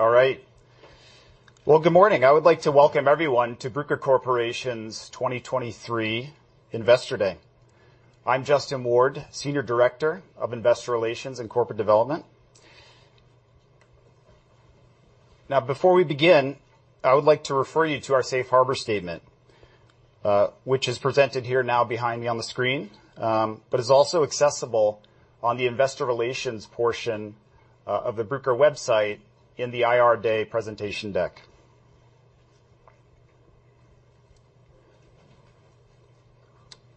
All right. Well, good morning. I would like to welcome everyone to Bruker Corporation's 2023 Investor Day. I'm Justin Ward, Senior Director of Investor Relations and Corporate Development. Before we begin, I would like to refer you to our safe harbor statement, which is presented here now behind me on the screen, but is also accessible on the investor relations portion of the Bruker website in the IR Day presentation deck.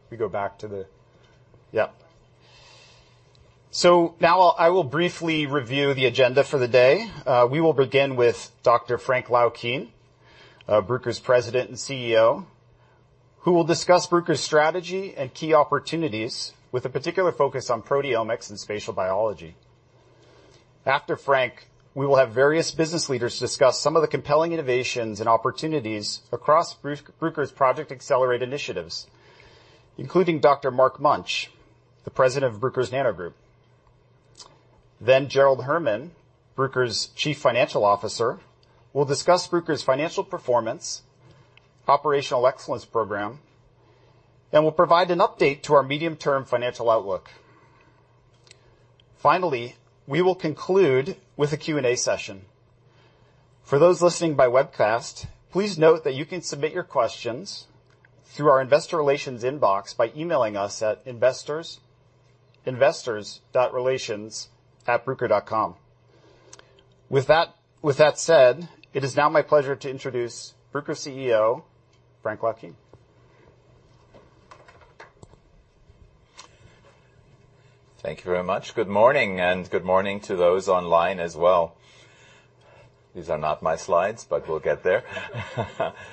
We go back to the Yep. Now I will briefly review the agenda for the day. We will begin with Dr. Frank Laukien, Bruker's President and CEO, who will discuss Bruker's strategy and key opportunities with a particular focus on proteomics and spatial biology. After Frank, we will have various business leaders discuss some of the compelling innovations and opportunities across Bruker's Project Accelerate initiatives, including Dr. Mark Munch, the President of Bruker Nano Group. Gerald Herman, Bruker's Chief Financial Officer, will discuss Bruker's financial performance, operational excellence program, and will provide an update to our medium-term financial outlook. Finally, we will conclude with a Q&A session. For those listening by webcast, please note that you can submit your questions through our investor relations inbox by emailing us at investors.relations@bruker.com. With that said, it is now my pleasure to introduce Bruker CEO, Frank Laukien. Thank you very much. Good morning. Good morning to those online as well. These are not my slides, but we'll get there.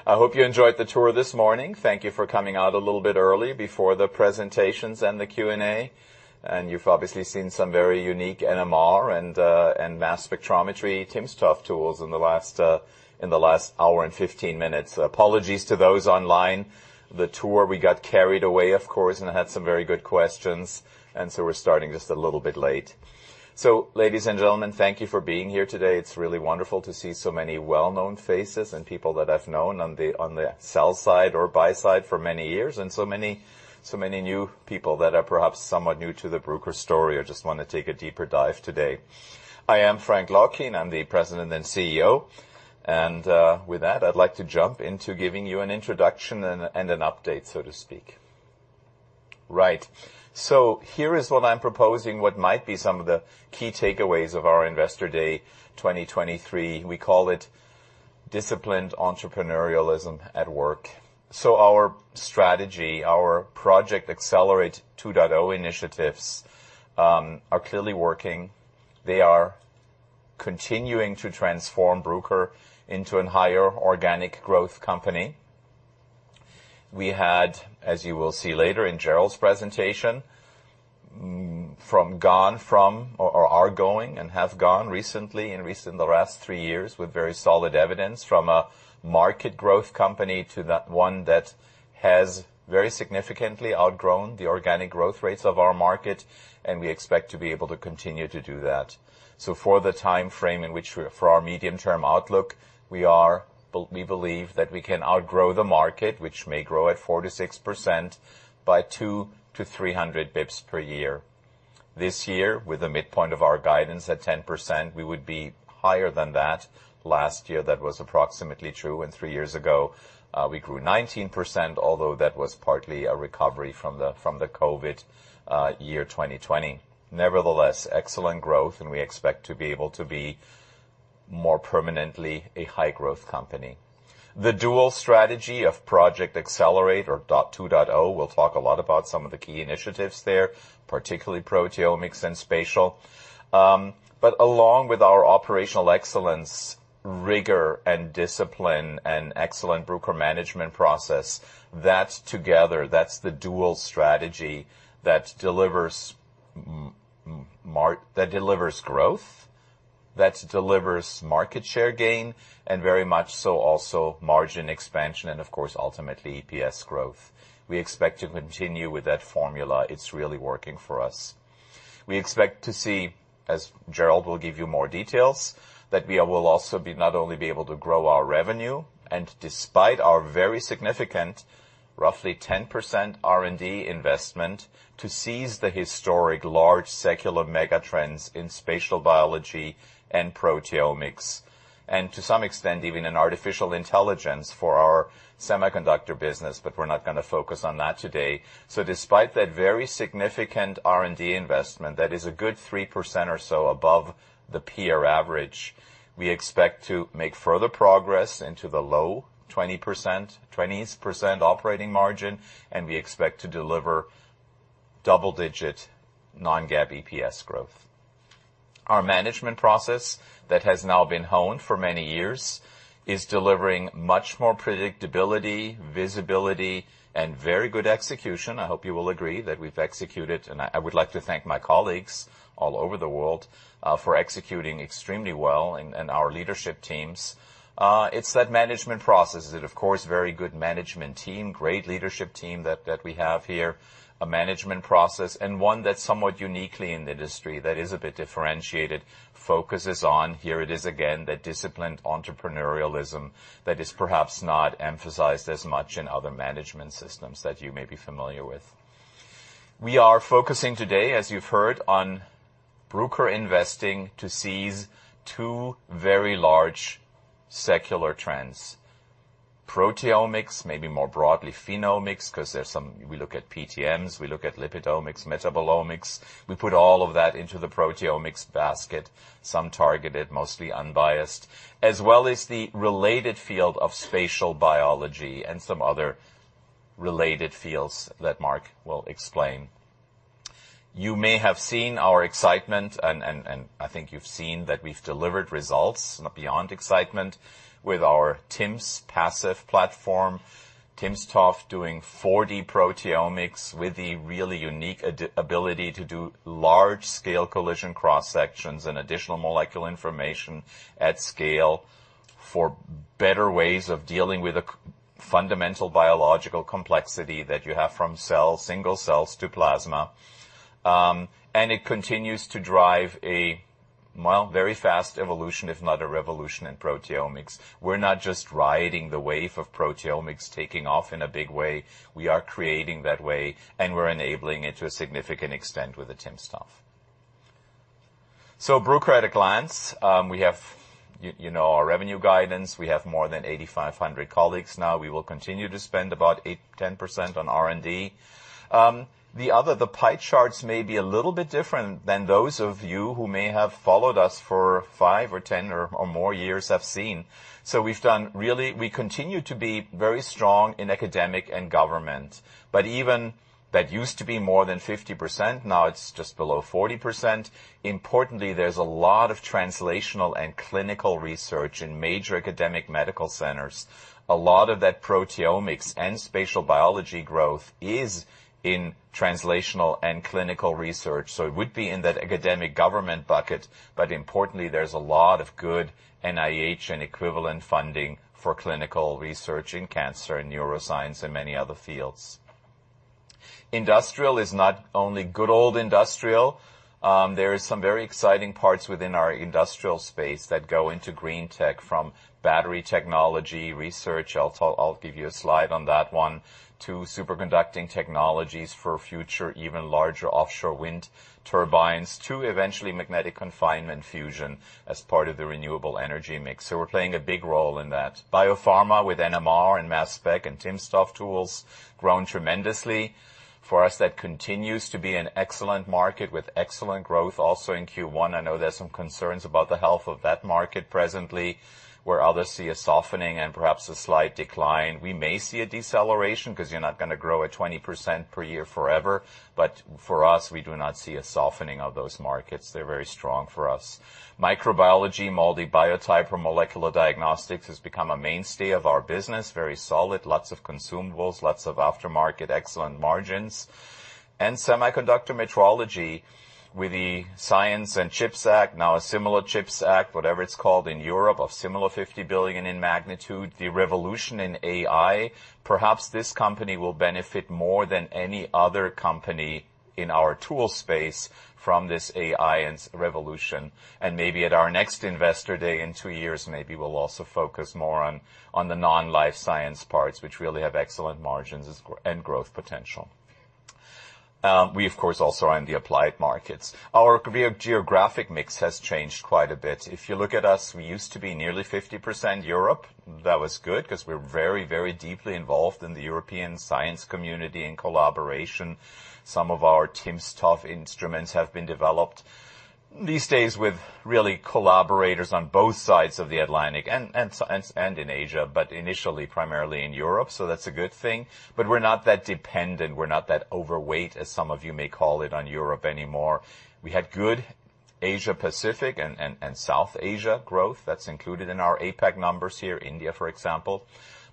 I hope you enjoyed the tour this morning. Thank you for coming out a little bit early before the presentations and the Q&A. You've obviously seen some very unique NMR and mass spectrometry timsTOF tools in the last one hour and 15 minutes. Apologies to those online. The tour, we got carried away, of course, and had some very good questions. We're starting just a little bit late. Ladies and gentlemen, thank you for being here today. It's really wonderful to see so many well-known faces and people that I've known on the, on the sell side or buy side for many years, and so many new people that are perhaps somewhat new to the Bruker story or just want to take a deeper dive today. I am Frank Laukien. I'm the president and CEO. With that, I'd like to jump into giving you an introduction and an update, so to speak. Right. Here is what I'm proposing, what might be some of the key takeaways of our Investor Day 2023. We call it disciplined entrepreneurialism at work. Our strategy, our Project Accelerate 2.0 initiatives, are clearly working. They are continuing to transform Bruker into a higher organic growth company. We had, as you will see later in Gerald's presentation, from gone from or are going and have gone recently, in recent... the last 3 years, with very solid evidence from a market growth company to the one that has very significantly outgrown the organic growth rates of our market, and we expect to be able to continue to do that. For the timeframe in which we're for our medium-term outlook, we believe that we can outgrow the market, which may grow at 4%-6%, by 200 to 300 basis points per year. This year, with a midpoint of our guidance at 10%, we would be higher than that. Last year, that was approximately true, and three years ago, we grew 19%, although that was partly a recovery from the COVID year 2020. Nevertheless, excellent growth, and we expect to be able to be more permanently a high growth company. The dual strategy of Project Accelerate or dot 2.0, we'll talk a lot about some of the key initiatives there, particularly proteomics and spatial. Along with our operational excellence, rigor and discipline and excellent Bruker management process, that together, that's the dual strategy that delivers growth, that delivers market share gain, and very much so also margin expansion, and of course, ultimately, EPS growth. We expect to continue with that formula. It's really working for us. We expect to see, as Gerald will give you more details, that we will also be not only be able to grow our revenue, and despite our very significant, roughly 10% R&D investment, to seize the historic large secular megatrends in spatial biology and proteomics, and to some extent, even in artificial intelligence for our semiconductor business, but we're not gonna focus on that today. Despite that very significant R&D investment, that is a good 3% or so above the peer average, we expect to make further progress into the low 20% operating margin, and we expect to deliver double-digit non-GAAP EPS growth. Our management process, that has now been honed for many years, is delivering much more predictability, visibility, and very good execution. I hope you will agree that we've executed, and I would like to thank my colleagues all over the world, for executing extremely well and our leadership teams. It's that management process, of course, very good management team, great leadership team that we have here, a management process and one that's somewhat uniquely in the industry, that is a bit differentiated, focuses on, here it is again, that disciplined entrepreneurialism that is perhaps not emphasized as much in other management systems that you may be familiar with. We are focusing today, as you've heard, on Bruker investing to seize two very large secular trends: proteomics, maybe more broadly phenomics, because there's some we look at PTMs, we look at lipidomics, metabolomics. We put all of that into the proteomics basket, some targeted, mostly unbiased, as well as the related field of spatial biology and some other related fields that Mark will explain. You may have seen our excitement, and I think you've seen that we've delivered results beyond excitement with our timsTOF PASEF platform, timsTOF doing 4D-Proteomics with the really unique ability to do large-scale collision cross-sections and additional molecular information at scale for better ways of dealing with a fundamental biological complexity that you have from cells, single cells to plasma. It continues to drive a, well, very fast evolution, if not a revolution in proteomics. We're not just riding the wave of proteomics, taking off in a big way. We are creating that way, and we're enabling it to a significant extent with the timsTOF. Bruker at a glance. We have, you know, our revenue guidance. We have more than 8,500 colleagues now. We will continue to spend about 8%-10% on R&D. The other, the pie charts may be a little bit different than those of you who may have followed us for five or 10 or more years have seen. We continue to be very strong in academic and government, but even that used to be more than 50%, now it's just below 40%. Importantly, there's a lot of translational and clinical research in major academic medical centers. A lot of that proteomics and spatial biology growth is in translational and clinical research, so it would be in that academic government bucket. Importantly, there's a lot of good NIH and equivalent funding for clinical research in cancer and neuroscience and many other fields. Industrial is not only good old industrial. There is some very exciting parts within our industrial space that go into green tech, from battery technology research, I'll give you a slide on that one, to superconducting technologies for future, even larger offshore wind turbines, to eventually magnetic confinement fusion as part of the renewable energy mix. We're playing a big role in that. Biopharma, with NMR and MassSpec and timsTOF tools, grown tremendously. For us, that continues to be an excellent market with excellent growth. Also in Q1, I know there's some concerns about the health of that market presently, where others see a softening and perhaps a slight decline. We may see a deceleration because you're not going to grow at 20% per year forever, but for us, we do not see a softening of those markets. They're very strong for us. Microbiology, MALDI Biotyper molecular diagnostics, has become a mainstay of our business. Very solid, lots of consumables, lots of aftermarket, excellent margins. semiconductor metrology with the Science and Chips Act, now a similar Chips Act, whatever it's called, in Europe, of similar $50 billion in magnitude, the revolution in AI. Perhaps this company will benefit more than any other company in our tool space from this AI and revolution. maybe at our next investor day, in two years, maybe we'll also focus more on the non-life science parts, which really have excellent margins and growth potential. We, of course, also own the applied markets. Our geographic mix has changed quite a bit. If you look at us, we used to be nearly 50% Europe. That was good because we're very deeply involved in the European science community in collaboration. Some of our timsTOF instruments have been developed these days with really collaborators on both sides of the Atlantic and in Asia, initially, primarily in Europe. That's a good thing. We're not that dependent. We're not that overweight, as some of you may call it, on Europe anymore. We had good Asia Pacific and South Asia growth. That's included in our APAC numbers here, India, for example.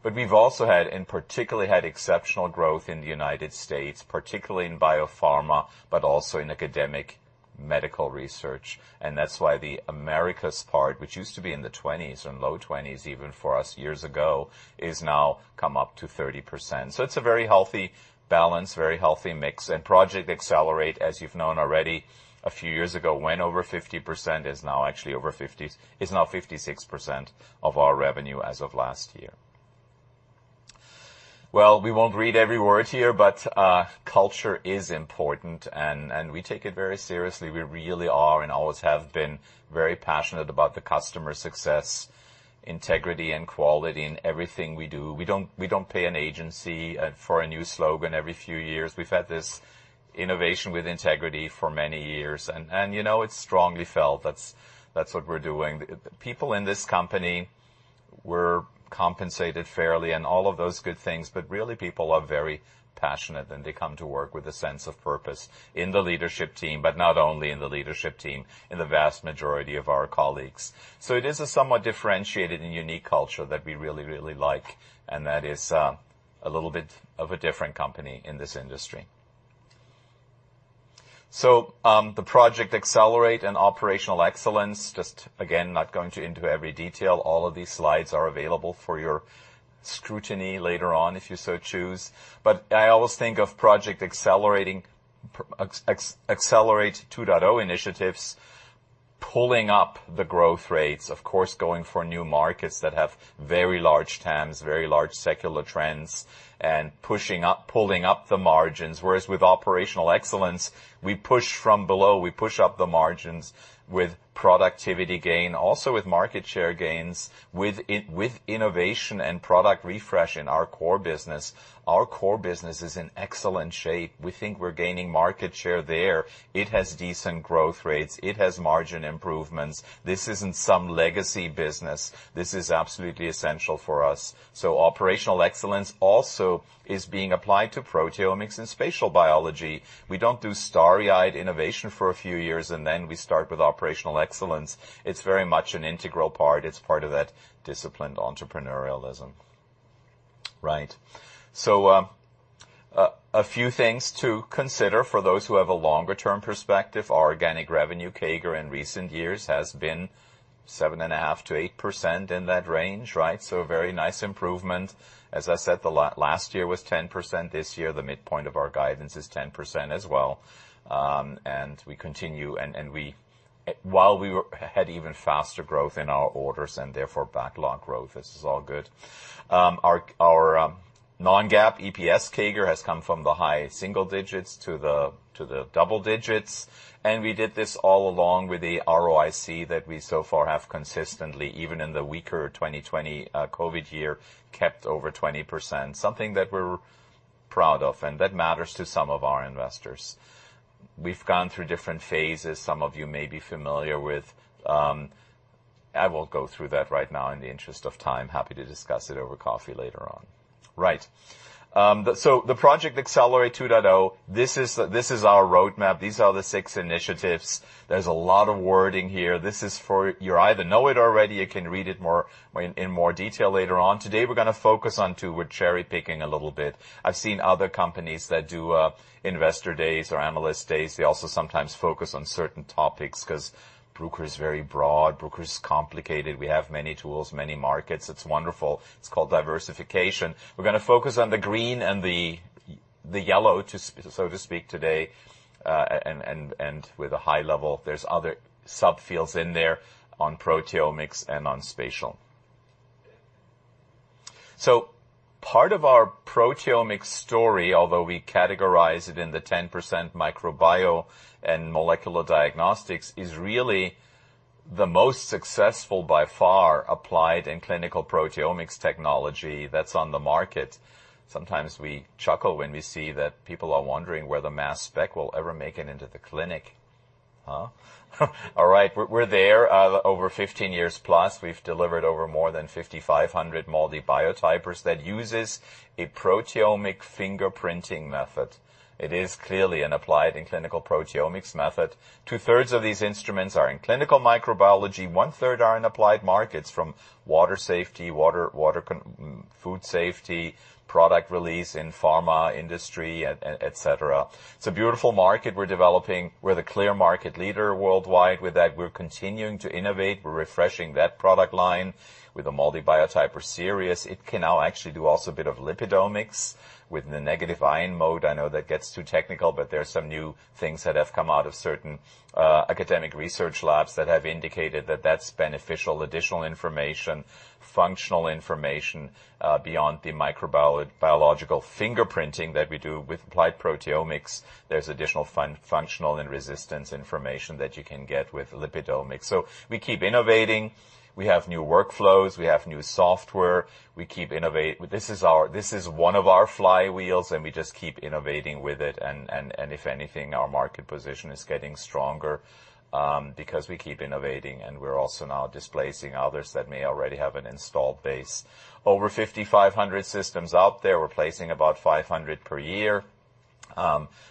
We've also had, and particularly had exceptional growth in the United States, particularly in biopharma, but also in academic medical research. That's why the Americas part, which used to be in the 20s and low 20s even for us years ago, is now come up to 30%. It's a very healthy balance, very healthy mix. Project Accelerate, as you've known already, a few years ago, went over 50%, is now actually over 50, is now 56% of our revenue as of last year. Well, we won't read every word here, but culture is important, and we take it very seriously. We really are, and always have been, very passionate about the customer success, integrity, and quality in everything we do. We don't pay an agency for a new slogan every few years. We've had this innovation with integrity for many years, and, you know, it's strongly felt. That's what we're doing. People in this company were compensated fairly and all of those good things, but really, people are very passionate, and they come to work with a sense of purpose in the leadership team, but not only in the leadership team, in the vast majority of our colleagues. It is a somewhat differentiated and unique culture that we really, really like, and that is a little bit of a different company in this industry. The Project Accelerate and Operational Excellence, just again, not going into every detail. All of these slides are available for your scrutiny later on, if you so choose. I always think of Project Accelerate 2.0 initiatives pulling up the growth rates, of course, going for new markets that have very large TAMs, very large secular trends, and pushing up, pulling up the margins. Whereas with operational excellence, we push from below, we push up the margins with productivity gain, also with innovation and product refresh in our core business. Our core business is in excellent shape. We think we're gaining market share there. It has decent growth rates. It has margin improvements. This isn't some legacy business. This is absolutely essential for us. Operational excellence also is being applied to proteomics and spatial biology. We don't do starry-eyed innovation for a few years, and then we start with operational excellence. It's very much an integral part. It's part of that disciplined entrepreneurialism. Right. A few things to consider for those who have a longer term perspective. Our organic revenue CAGR in recent years has been 7.5%-8% in that range, right? A very nice improvement. As I said, the last year was 10%. This year, the midpoint of our guidance is 10% as well. And we continue, and we, while we had even faster growth in our orders and therefore backlog growth, this is all good. Our non-GAAP, EPS, CAGR has come from the high single digits to the double digits, and we did this all along with a ROIC that we so far have consistently, even in the weaker 2020 COVID year, kept over 20%, something that we're proud of, and that matters to some of our investors. We've gone through different phases. Some of you may be familiar with... I won't go through that right now in the interest of time. Happy to discuss it over coffee later on. Right. The Project Accelerate 2.0, this is our roadmap. These are the six initiatives. There's a lot of wording here. This is for... You either know it already, you can read it more, in more detail later on. Today, we're gonna focus on two. We're cherry-picking a little bit. I've seen other companies that do investor days or analyst days. They also sometimes focus on certain topics 'cause Bruker is very broad, Bruker is complicated. We have many tools, many markets. It's wonderful. It's called diversification. We're gonna focus on the green and the yellow, so to speak, today, with a high level, there's other subfields in there on proteomics and on spatial. Part of our proteomics story, although we categorize it in the 10% microbio and molecular diagnostics, is really the most successful, by far, applied in clinical proteomics technology that's on the market. Sometimes we chuckle when we see that people are wondering where the mass spec will ever make it into the clinic. Huh? All right, we're there. Over 15 years+, we've delivered over more than 5,500 MALDI Biotypers that uses a proteomic fingerprinting method. It is clearly an applied and clinical proteomics method. Two-thirds of these instruments are in clinical microbiology. One-third are in applied markets, from water safety, water, food safety, product release in pharma industry, et cetera. It's a beautiful market we're developing. We're the clear market leader worldwide. With that, we're continuing to innovate. We're refreshing that product line with a MALDI Biotyper Sirius. It can now actually do also a bit of lipidomics with the negative ion mode. I know that gets too technical, but there are some new things that have come out of certain academic research labs that have indicated that that's beneficial, additional information, functional information beyond the biological fingerprinting that we do with applied proteomics. There's additional functional and resistance information that you can get with lipidomics. We keep innovating. We have new workflows. We have new software. We keep innovating. This is one of our flywheels, and we just keep innovating with it, and if anything, our market position is getting stronger because we keep innovating, and we're also now displacing others that may already have an installed base. Over 5,500 systems out there. We're placing about 500 per year,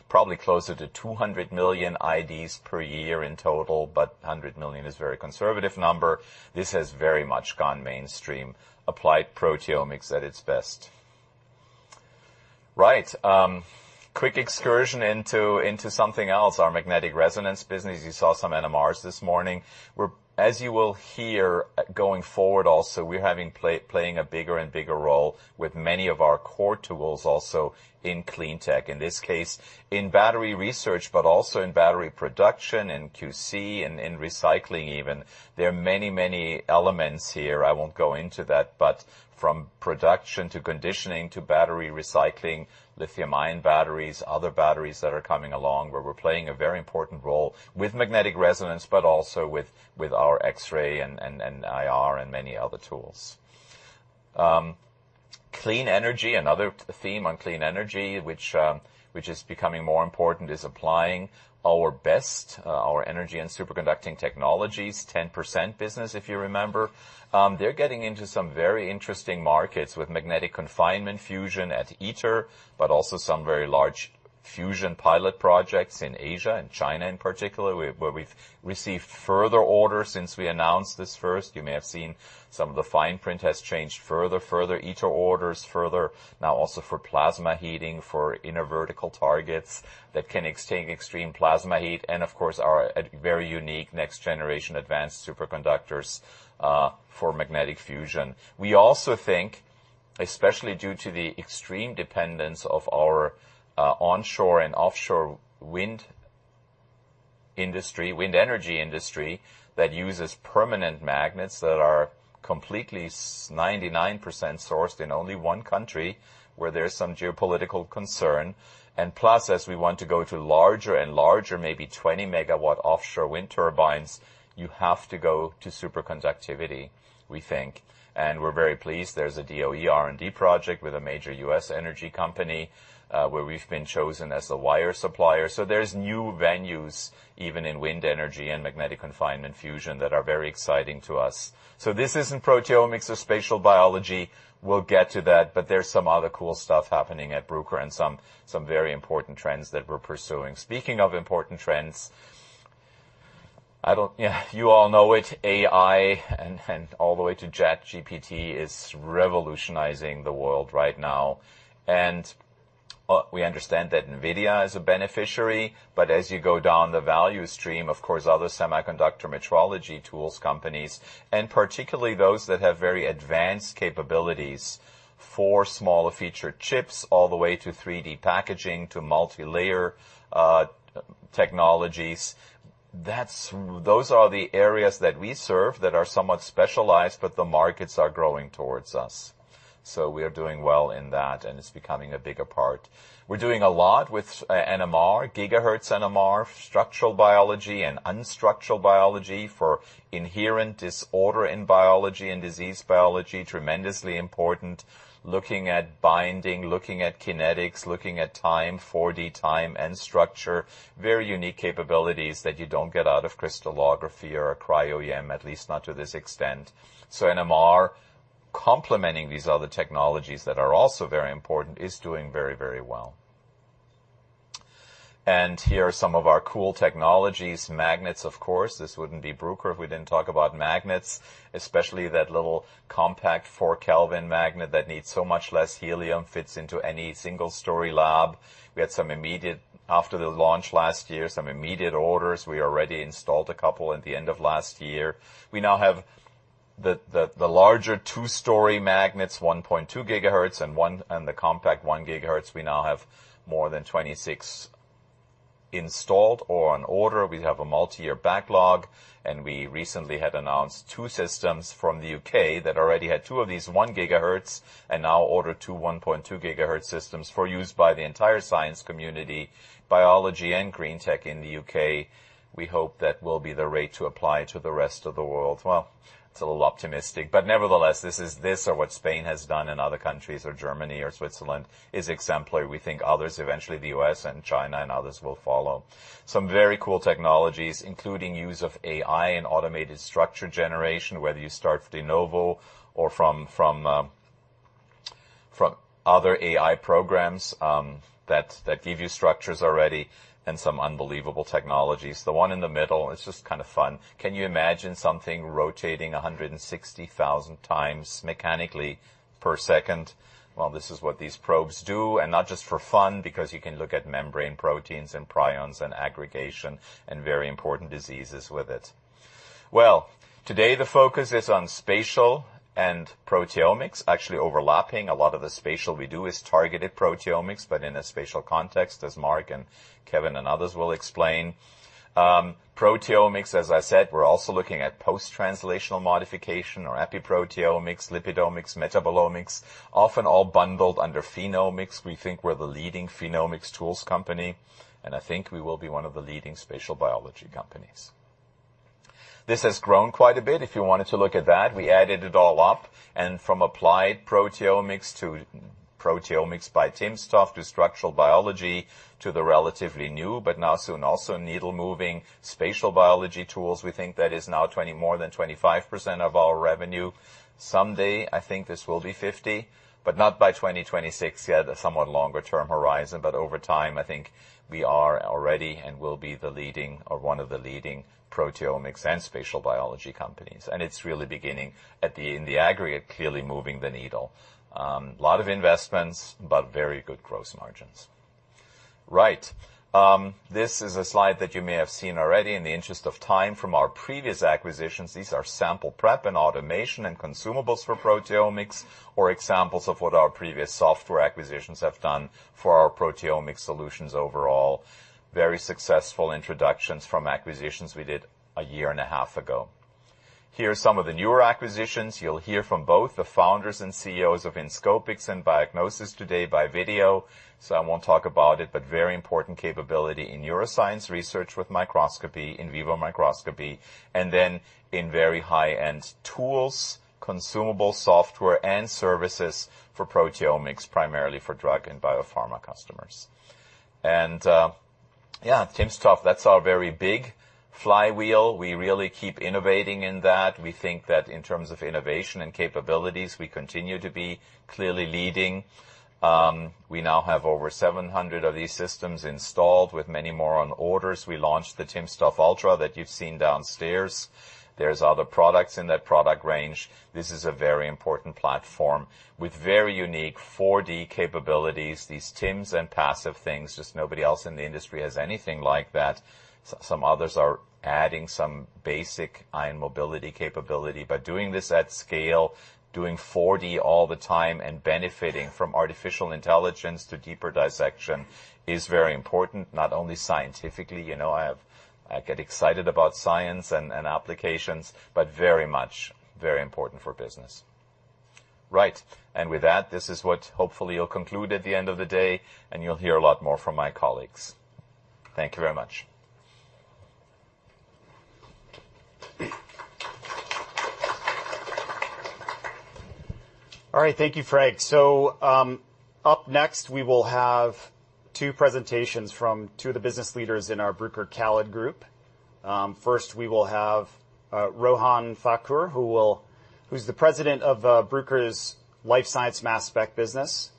probably closer to 200 million IDs per year in total, but 100 million is a very conservative number. This has very much gone mainstream. Applied proteomics at its best. Right, quick excursion into something else, our magnetic resonance business. You saw some NMRs this morning. We're, as you will hear, going forward also, we're playing a bigger and bigger role with many of our core tools, also in clean tech, in this case, in battery research, but also in battery production, in QC, and in recycling even. There are many, many elements here. I won't go into that. From production to conditioning to battery recycling, lithium-ion batteries, other batteries that are coming along, where we're playing a very important role with magnetic resonance, but also with our X-ray and IR and many other tools. Clean energy, another theme on clean energy, which is becoming more important, is applying our best our energy and superconducting technologies, 10% business, if you remember. They're getting into some very interesting markets with magnetic confinement fusion at ITER, but also some very large fusion pilot projects in Asia and China in particular, where we've received further orders since we announced this first. You may have seen some of the fine print has changed further ITER orders, further, now also for plasma heating, for inner vertical targets that can extend extreme plasma heat, and of course, our very unique next-generation advanced superconductors for magnetic fusion. We also think, especially due to the extreme dependence of our onshore and offshore wind energy industry, that uses permanent magnets that are completely 99% sourced in only one country, where there's some geopolitical concern. Plus, as we want to go to larger and larger, maybe 20 MW offshore wind turbines, you have to go to superconductivity, we think. We're very pleased there's a DOE R&D project with a major U.S. energy company, where we've been chosen as the wire supplier. There's new venues, even in wind energy and magnetic confinement fusion, that are very exciting to us. This isn't proteomics or spatial biology. We'll get to that, but there's some other cool stuff happening at Bruker and some very important trends that we're pursuing. Speaking of important trends, Yeah, you all know it, AI, and all the way to ChatGPT, is revolutionizing the world right now. We understand that NVIDIA is a beneficiary, but as you go down the value stream, of course, other semiconductor metrology tools companies, and particularly those that have very advanced capabilities for smaller featured chips, all the way to 3D packaging, to multilayer technologies. Those are the areas that we serve that are somewhat specialized, but the markets are growing towards us. We are doing well in that, and it's becoming a bigger part. We're doing a lot with NMR, gigahertz NMR, structural biology, and unstructured biology for inherent disorder in biology and disease biology. Tremendously important, looking at binding, looking at kinetics, looking at time, 4D time and structure. Very unique capabilities that you don't get out of crystallography or cryo-EM, at least not to this extent. NMR, complementing these other technologies that are also very important, is doing very, very well. Here are some of our cool technologies. Magnets, of course. This wouldn't be Bruker if we didn't talk about magnets, especially that little compact 4 Kelvin magnet that needs so much less helium, fits into any single-story lab. We had some immediate orders after the launch last year. We already installed a couple at the end of last year. We now have the larger two-story magnets, 1.2 GHz and the compact 1 GHz. We now have more than 26 installed or on order. We have a multi-year backlog, and we recently had announced two systems from the U.K. that already had wo of these 1 GHz, and now order two, 1.2 GHz systems for use by the entire science community, biology and green tech in the U.K. We hope that will be the rate to apply to the rest of the world. It's a little optimistic, nevertheless, this or what Spain has done and other countries, or Germany or Switzerland, is exemplary. We think others, eventually the U.S. and China and others, will follow. Some very cool technologies, including use of AI and automated structure generation, whether you start de novo or from other AI programs that give you structures already, and some unbelievable technologies. The one in the middle, it's just kind of fun. Can you imagine something rotating 160,000 times mechanically per second? Well, this is what these probes do, and not just for fun, because you can look at membrane proteins and prions and aggregation and very important diseases with it. Well, today the focus is on spatial and proteomics. Actually, overlapping, a lot of the spatial we do is targeted proteomics, but in a spatial context, as Mark and Kevin and others will explain. Proteomics, as I said, we're also looking at post-translational modification or epiproteomics, lipidomics, metabolomics, often all bundled under phenomics. We think we're the leading phenomics tools company, I think we will be one of the leading spatial biology companies. This has grown quite a bit. If you wanted to look at that, we added it all up, from applied proteomics to proteomics by timsTOF, to structural biology, to the relatively new but now soon also needle-moving spatial biology tools, we think that is now more than 25% of our revenue. Someday, I think this will be 50, but not by 2026, yeah, the somewhat longer-term horizon. Over time, I think we are already and will be the leading or one of the leading proteomics and spatial biology companies. It's really beginning in the aggregate, clearly moving the needle. A lot of investments, but very good gross margins. Right, this is a slide that you may have seen already in the interest of time from our previous acquisitions. These are sample prep and automation and consumables for proteomics, or examples of what our previous software acquisitions have done for our proteomic solutions overall. Very successful introductions from acquisitions we did a year and a half ago. Here are some of the newer acquisitions. You'll hear from both the founders and CEOs of Inscopix and Biognosys today by video, so I won't talk about it, but very important capability in neuroscience research with microscopy, in vivo microscopy, and then in very high-end tools, consumable software and services for proteomics, primarily for drug and biopharma customers. Yeah, timsTOF, that's our very big flywheel. We really keep innovating in that. We think that in terms of innovation and capabilities, we continue to be clearly leading. We now have over 700 of these systems installed, with many more on orders. We launched the timsTOF Ultra that you've seen downstairs. There's other products in that product range. This is a very important platform with very unique 4D capabilities, these TIMS and PASEF, just nobody else in the industry has anything like that. Some others are adding some basic ion mobility capability, but doing this at scale, doing 4D all the time and benefiting from artificial intelligence to deeper dissection is very important, not only scientifically, you know, I get excited about science and applications, but very much, very important for business. With that, this is what hopefully you'll conclude at the end of the day, and you'll hear a lot more from my colleagues. Thank you very much. All right, thank you, Frank. Up next, we will have two presentations from two of the business leaders in our Bruker CALID Group. First, we will have Rohan Thakur, who's the President of Bruker's Life Science Mass Spec business.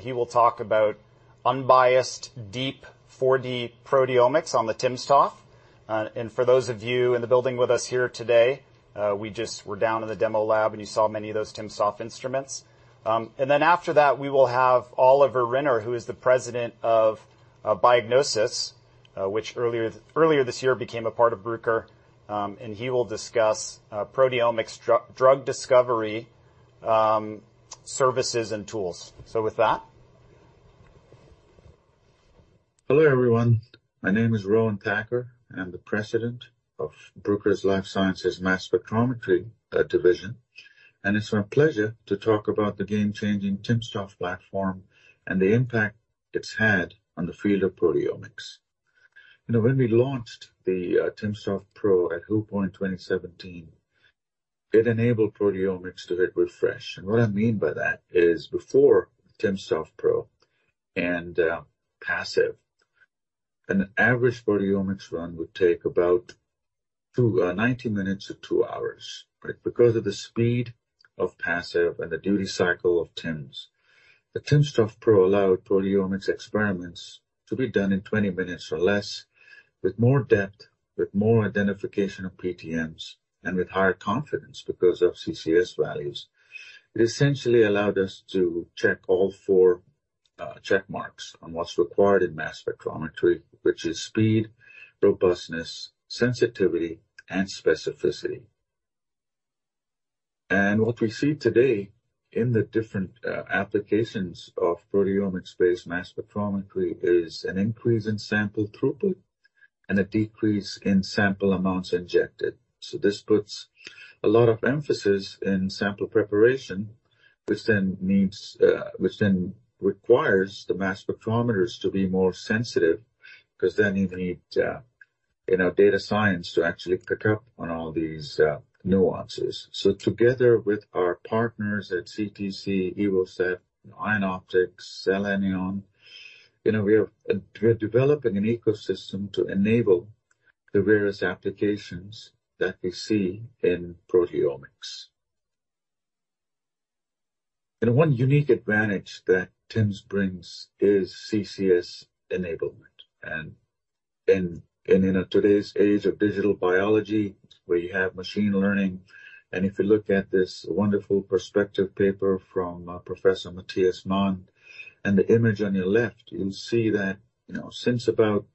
He will talk about unbiased deep 4D-Proteomics on the timsTOF. For those of you in the building with us here today, we just were down in the demo lab, and you saw many of those timsTOF instruments. After that, we will have Oliver Rinner, who is the President of Biognosys, which earlier this year became a part of Bruker. He will discuss proteomics drug discovery services and tools. With that... Hello, everyone. My name is Rohan Thakur. I'm the President of Bruker's Life Sciences Mass Spectrometry Division, it's my pleasure to talk about the game-changing timsTOF platform and the impact it's had on the field of proteomics. You know, when we launched the timsTOF Pro at HUPO in 2017, it enabled proteomics to hit refresh. What I mean by that is, before timsTOF Pro and PASEF, an average proteomics run would take about 90 minutes to two hours, right? Because of the speed of PASEF and the duty cycle of TIMS. The timsTOF Pro allowed proteomics experiments to be done in 20 minutes or less, with more depth, with more identification of PTMs, and with higher confidence because of CCS values. It essentially allowed us to check all four check marks on what's required in mass spectrometry, which is speed, robustness, sensitivity, and specificity. What we see today in the different applications of proteomics-based mass spectrometry is an increase in sample throughput and a decrease in sample amounts injected. This puts a lot of emphasis in sample preparation, which then requires the mass spectrometers to be more sensitive, because then you need, you know, data science to actually pick up on all these nuances. Together with our partners at CTC, Evosep, IonOpticks, Cellenion, you know, we are developing an ecosystem to enable the various applications that we see in proteomics. One unique advantage that TIMS brings is CCS enablement. In, you know, today's age of digital biology, where you have machine learning, and if you look at this wonderful perspective paper from Professor Matthias Mann, and the image on your left, you'll see that, you know, since about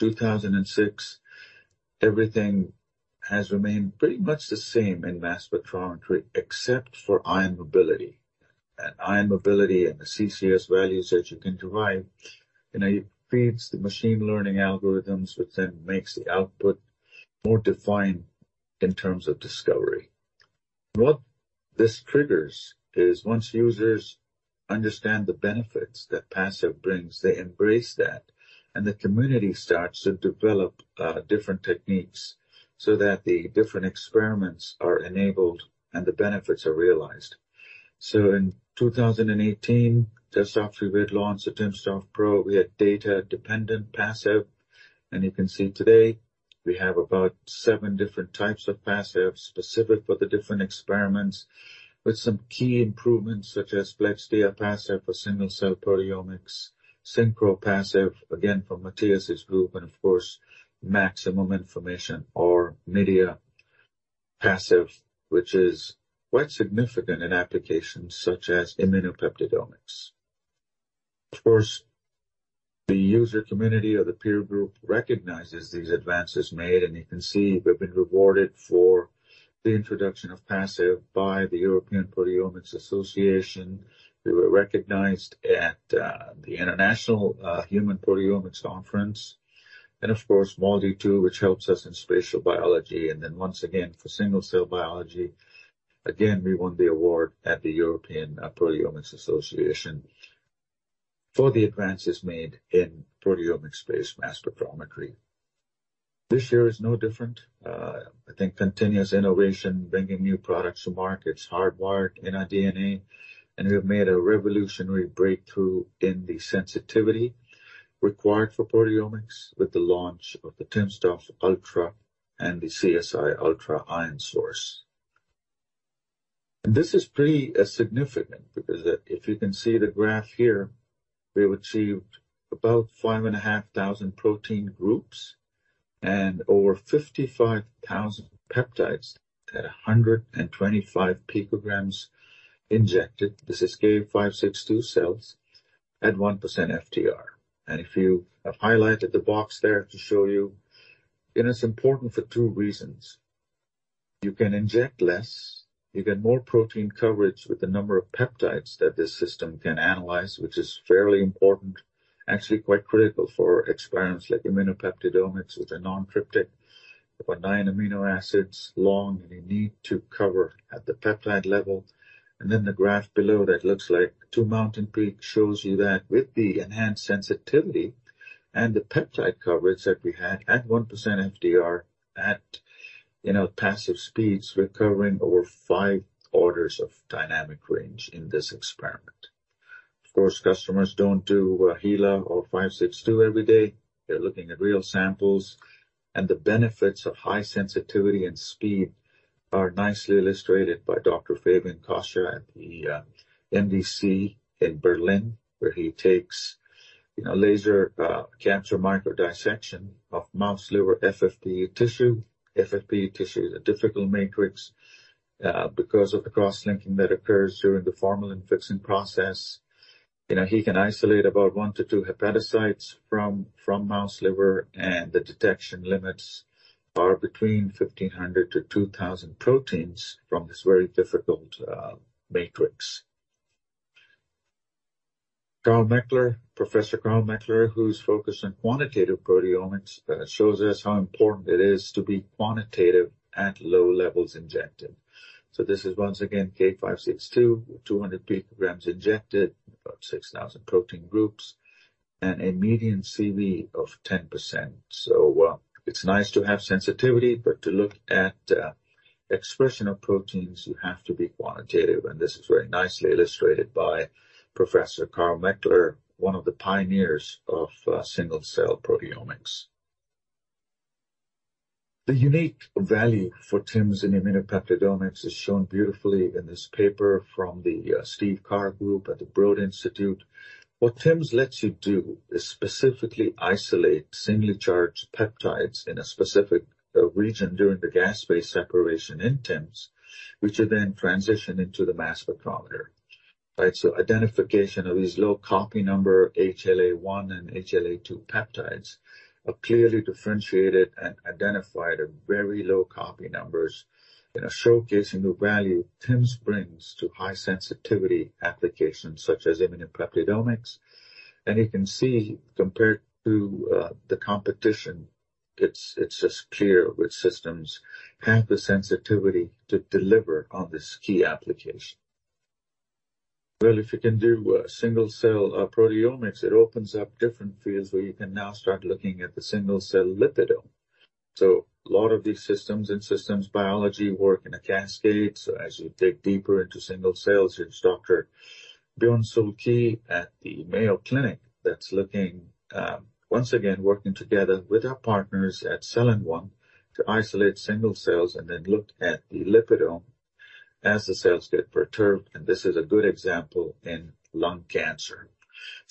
2006, everything has remained pretty much the same in mass spectrometry, except for ion mobility. Ion mobility and the CCS values that you can derive, you know, it feeds the machine learning algorithms, which then makes the output more defined in terms of discovery. What this triggers is once users understand the benefits that PASEF brings, they embrace that, and the community starts to develop different techniques so that the different experiments are enabled, and the benefits are realized. In 2018, just after we had launched the timsTOF Pro, we had data-dependent PASEF, and you can see today we have about seven different types of PASEF, specific for the different experiments, with some key improvements such as dia-PASEF for single-cell proteomics, Synchro PASEF, again, from Matthias' group, and of course, maximum information or midia-PASEF, which is quite significant in applications such as immunopeptidomics. The user community or the peer group recognizes these advances made, and you can see we've been rewarded for the introduction of PASEF by the European Proteomics Association. We were recognized at the International Human Proteomics Conference, and MALDI-2, which helps us in spatial biology, and once again for single-cell biology. We won the award at the European Proteomics Association for the advances made in proteomics-based mass spectrometry. This year is no different. I think continuous innovation, bringing new products to market, it's hardwired in our DNA. We have made a revolutionary breakthrough in the sensitivity required for proteomics with the launch of the timsTOF Ultra and the CSI Ultra Ion Source. This is pretty significant because if you can see the graph here, we achieved about 5,500 protein groups and over 55,000 peptides at 125 picograms injected. This is K562 cells at 1% FDR. If you have highlighted the box there to show you, it's important for two reasons. You can inject less, you get more protein coverage with the number of peptides that this system can analyze, which is fairly important, actually quite critical for experiments like immunopeptidomics, which are non-cryptic, but nine amino acids long, and you need to cover at the peptide level. The graph below that looks like two mountain peaks, shows you that with the enhanced sensitivity and the peptide coverage that we had at 1% FDR, you know, PASEF speeds, we're covering over five orders of dynamic range in this experiment. Of course, customers don't do HeLa or K562 every day. They're looking at real samples, and the benefits of high sensitivity and speed are nicely illustrated by Dr. Fabian Coscia at the MDC in Berlin, where he takes, you know, laser cancer microdissection of mouse liver FFPE tissue. FFPE tissue is a difficult matrix, because of the cross-linking that occurs during the formalin fixing process. You know, he can isolate about one to two hepatocytes from mouse liver, and the detection limits are between 1,500 to 2,000 proteins from this very difficult matrix. Karl Mechtler, Professor Karl Mechtler, who's focused on quantitative proteomics, shows us how important it is to be quantitative at low levels injected. This is once again, K562, 200 picograms injected, about 6,000 protein groups, and a median CV of 10%. It's nice to have sensitivity, but to look at expression of proteins, you have to be quantitative, and this is very nicely illustrated by Professor Karl Mechtler, one of the pioneers of single-cell proteomics. The unique value for TIMS in immunopeptidomics is shown beautifully in this paper from the Steve Carr Group at the Broad Institute. What TIMS lets you do is specifically isolate singly charged peptides in a specific region during the gas space separation in TIMS, which are then transitioned into the mass spectrometer, right? Identification of these low copy number HLA-1 and HLA-2 peptides are clearly differentiated and identified at very low copy numbers in a showcasing the value TIMS brings to high sensitivity applications such as immunopeptidomics. You can see compared to the competition, it's just clear which systems have the sensitivity to deliver on this key application. If you can do a single-cell proteomics, it opens up different fields where you can now start looking at the single-cell lipidome. A lot of these systems and systems biology work in a cascade. As you dig deeper into single cells, it's Dr. Byeon Seul Kee at the Mayo Clinic, that's looking, once again, working together with our partners at Cellenion, to isolate single cells and then look at the lipidome as the cells get perturbed, and this is a good example in lung cancer.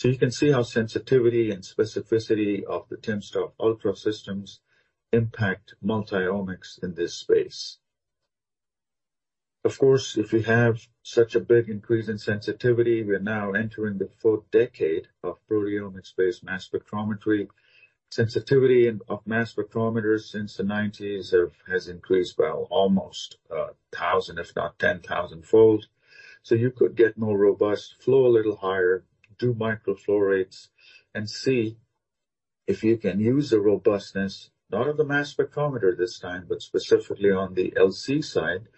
You can see how sensitivity and specificity of the timsTOF Ultra systems impact multi-omics in this space. Of course, if you have such a big increase in sensitivity, we're now entering the fourth decade of proteomics space mass spectrometry. Sensitivity of mass spectrometers since the 1990s has increased by almost, 1,000, if not 10,000-fold. You could get more robust, flow a little higher, do micro flow rates, and see if you can use the robustness, not of the mass spectrometer this time, but specifically on the LC side,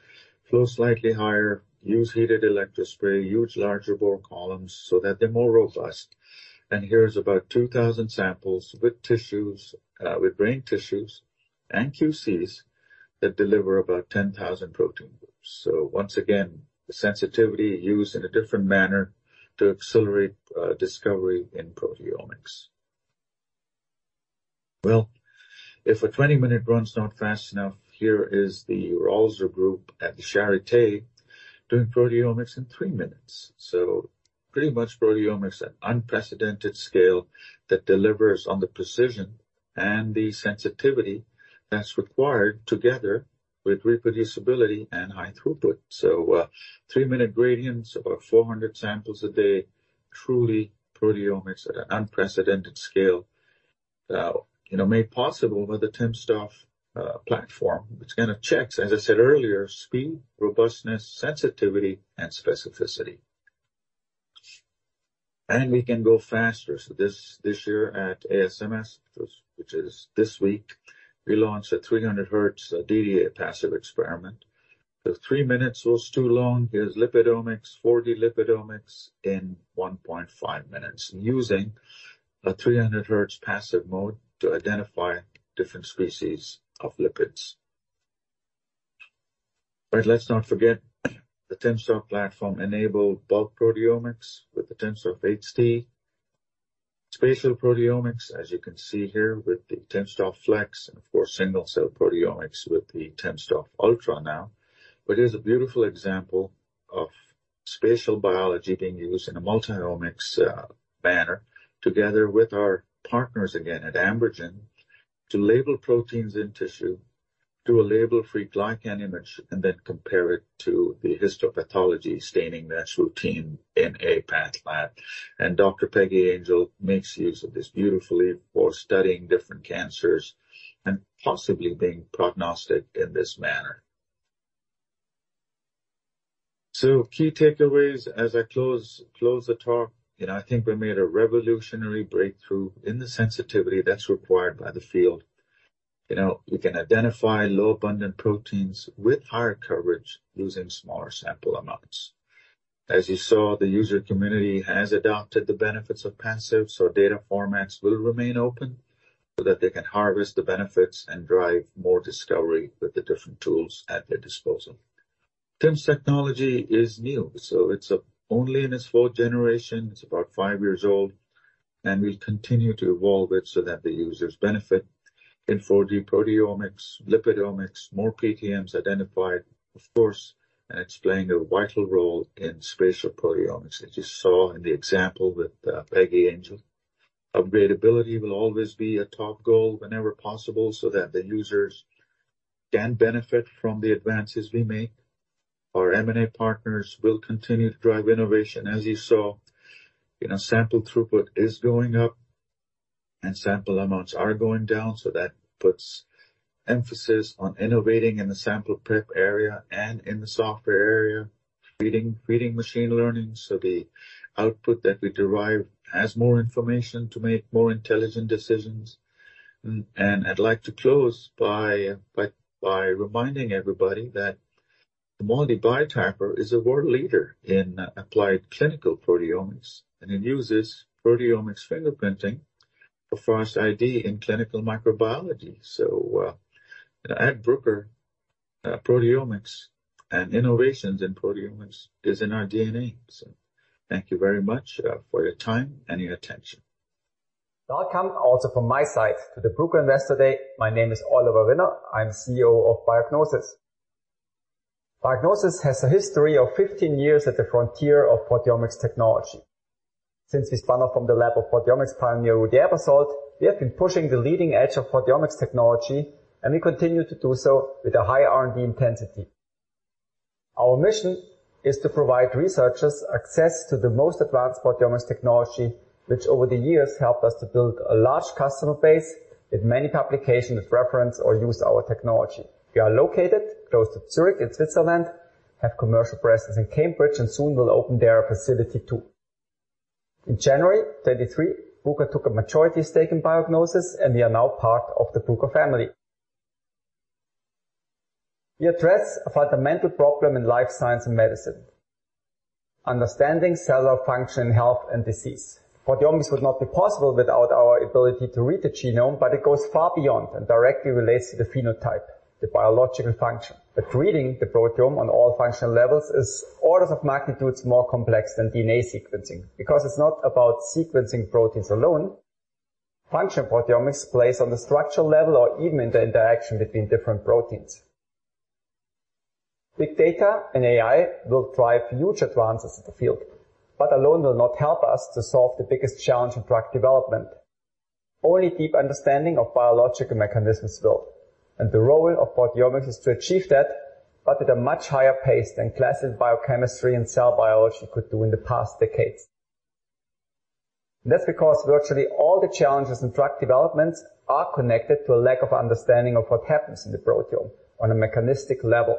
flow slightly higher, use heated electrospray, use larger bore columns so that they're more robust. Here's about 2,000 samples with tissues, with brain tissues and QCs that deliver about 10,000 protein groups. Once again, the sensitivity used in a different manner to accelerate discovery in proteomics. Well, if a 20-minute run's not fast enough, here is the Ralser Group at the Charité doing proteomics in three minutes. Pretty much proteomics at unprecedented scale that delivers on the precision and the sensitivity that's required together with reproducibility and high throughput. Three-minute gradients, about 400 samples a day, truly proteomics at an unprecedented scale, you know, made possible by the timsTOF platform, which kind of checks, as I said earlier, speed, robustness, sensitivity, and specificity. We can go faster. This year at ASMS, which is this week, we launched a 300 hertz dda-PASEF experiment. The three minutes was too long. Here's lipidomics, 4D lipidomics in 1.5 minutes, using a 300 hertz PASEF mode to identify different species of lipids. Let's not forget, the timsTOF platform enabled bulk proteomics with the timsTOF HT. Spatial proteomics, as you can see here, with the timsTOF fleX, and of course, single-cell proteomics with the timsTOF Ultra now. Here's a beautiful example of spatial biology being used in a multi-omics manner, together with our partners again at AmberGen, to label proteins in tissue, do a label-free glycan image, and then compare it to the histopathology staining that's routine in a path lab. Dr. Peggi Angel makes use of this beautifully for studying different cancers and possibly being prognostic in this manner. Key takeaways as I close the talk, you know, I think we made a revolutionary breakthrough in the sensitivity that's required by the field. You know, we can identify low abundant proteins with higher coverage using smaller sample amounts.... As you saw, the user community has adopted the benefits of PASEF, so data formats will remain open, so that they can harvest the benefits and drive more discovery with the different tools at their disposal. TIMS technology is new, so it's only in its 4th generation. It's about five years old, and we'll continue to evolve it so that the users benefit in 4D-Proteomics, lipidomics, more PTMs identified, of course, and it's playing a vital role in spatial proteomics, as you saw in the example with Peggy Angel. Upgradability will always be a top goal whenever possible, so that the users can benefit from the advances we make. Our M&A partners will continue to drive innovation, as you saw. You know, sample throughput is going up, and sample amounts are going down, so that puts emphasis on innovating in the sample prep area and in the software area, feeding machine learning, so the output that we derive has more information to make more intelligent decisions. And I'd like to close by reminding everybody that MALDI Biotyper is a world leader in applied clinical proteomics, and it uses proteomics fingerprinting for fast ID in clinical microbiology. At Bruker, proteomics and innovations in proteomics is in our DNA. Thank you very much for your time and your attention. Welcome, also from my side, to the Bruker Investor Day. My name is Oliver Rinner. I'm CEO of Biognosys. Biognosys has a history of 15 years at the frontier of proteomics technology. Since we spun off from the lab of proteomics pioneer, Ruedi Aebersold, we have been pushing the leading edge of proteomics technology, and we continue to do so with a high R&D intensity. Our mission is to provide researchers access to the most advanced proteomics technology, which over the years has helped us to build a large customer base, with many publications that reference or use our technology. We are located close to Zurich in Switzerland, have commercial presence in Cambridge, and soon will open their facility, too. In January 2023, Bruker took a majority stake in Biognosys, and we are now part of the Bruker family. We address a fundamental problem in life science and medicine: understanding cellular function, health, and disease. Proteomics would not be possible without our ability to read the genome, but it goes far beyond and directly relates to the phenotype, the biological function. Reading the proteome on all functional levels is orders of magnitudes more complex than DNA sequencing, because it's not about sequencing proteins alone. Function proteomics plays on the structural level or even in the interaction between different proteins. Big data and AI will drive huge advances in the field, but alone will not help us to solve the biggest challenge in drug development. Only deep understanding of biological mechanisms will, and the role of proteomics is to achieve that, but at a much higher pace than classic biochemistry and cell biology could do in the past decades. That's because virtually all the challenges in drug developments are connected to a lack of understanding of what happens in the proteome on a mechanistic level.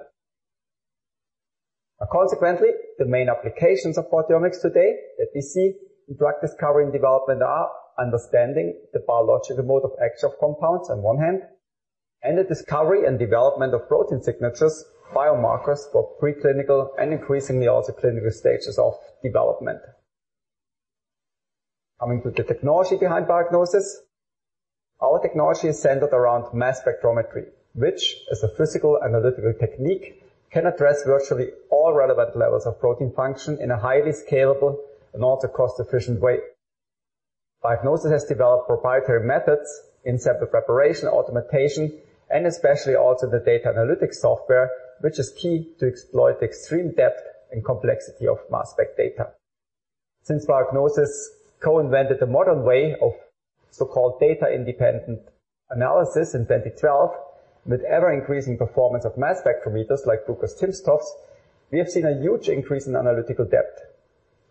Consequently, the main applications of proteomics today that we see in drug discovery and development are understanding the biological mode of action of compounds on one hand, and the discovery and development of protein signatures, biomarkers for preclinical and increasingly also clinical stages of development. Coming to the technology behind Biognosys. Our technology is centered around mass spectrometry, which, as a physical analytical technique, can address virtually all relevant levels of protein function in a highly scalable and also cost-efficient way. Biognosys has developed proprietary methods in sample preparation, automation, and especially also the data analytics software, which is key to exploit the extreme depth and complexity of mass spec data. Since Biognosys co-invented the modern way of so-called data independent acquisition in 2012, with ever-increasing performance of mass spectrometers like Bruker's timsTOFs, we have seen a huge increase in analytical depth,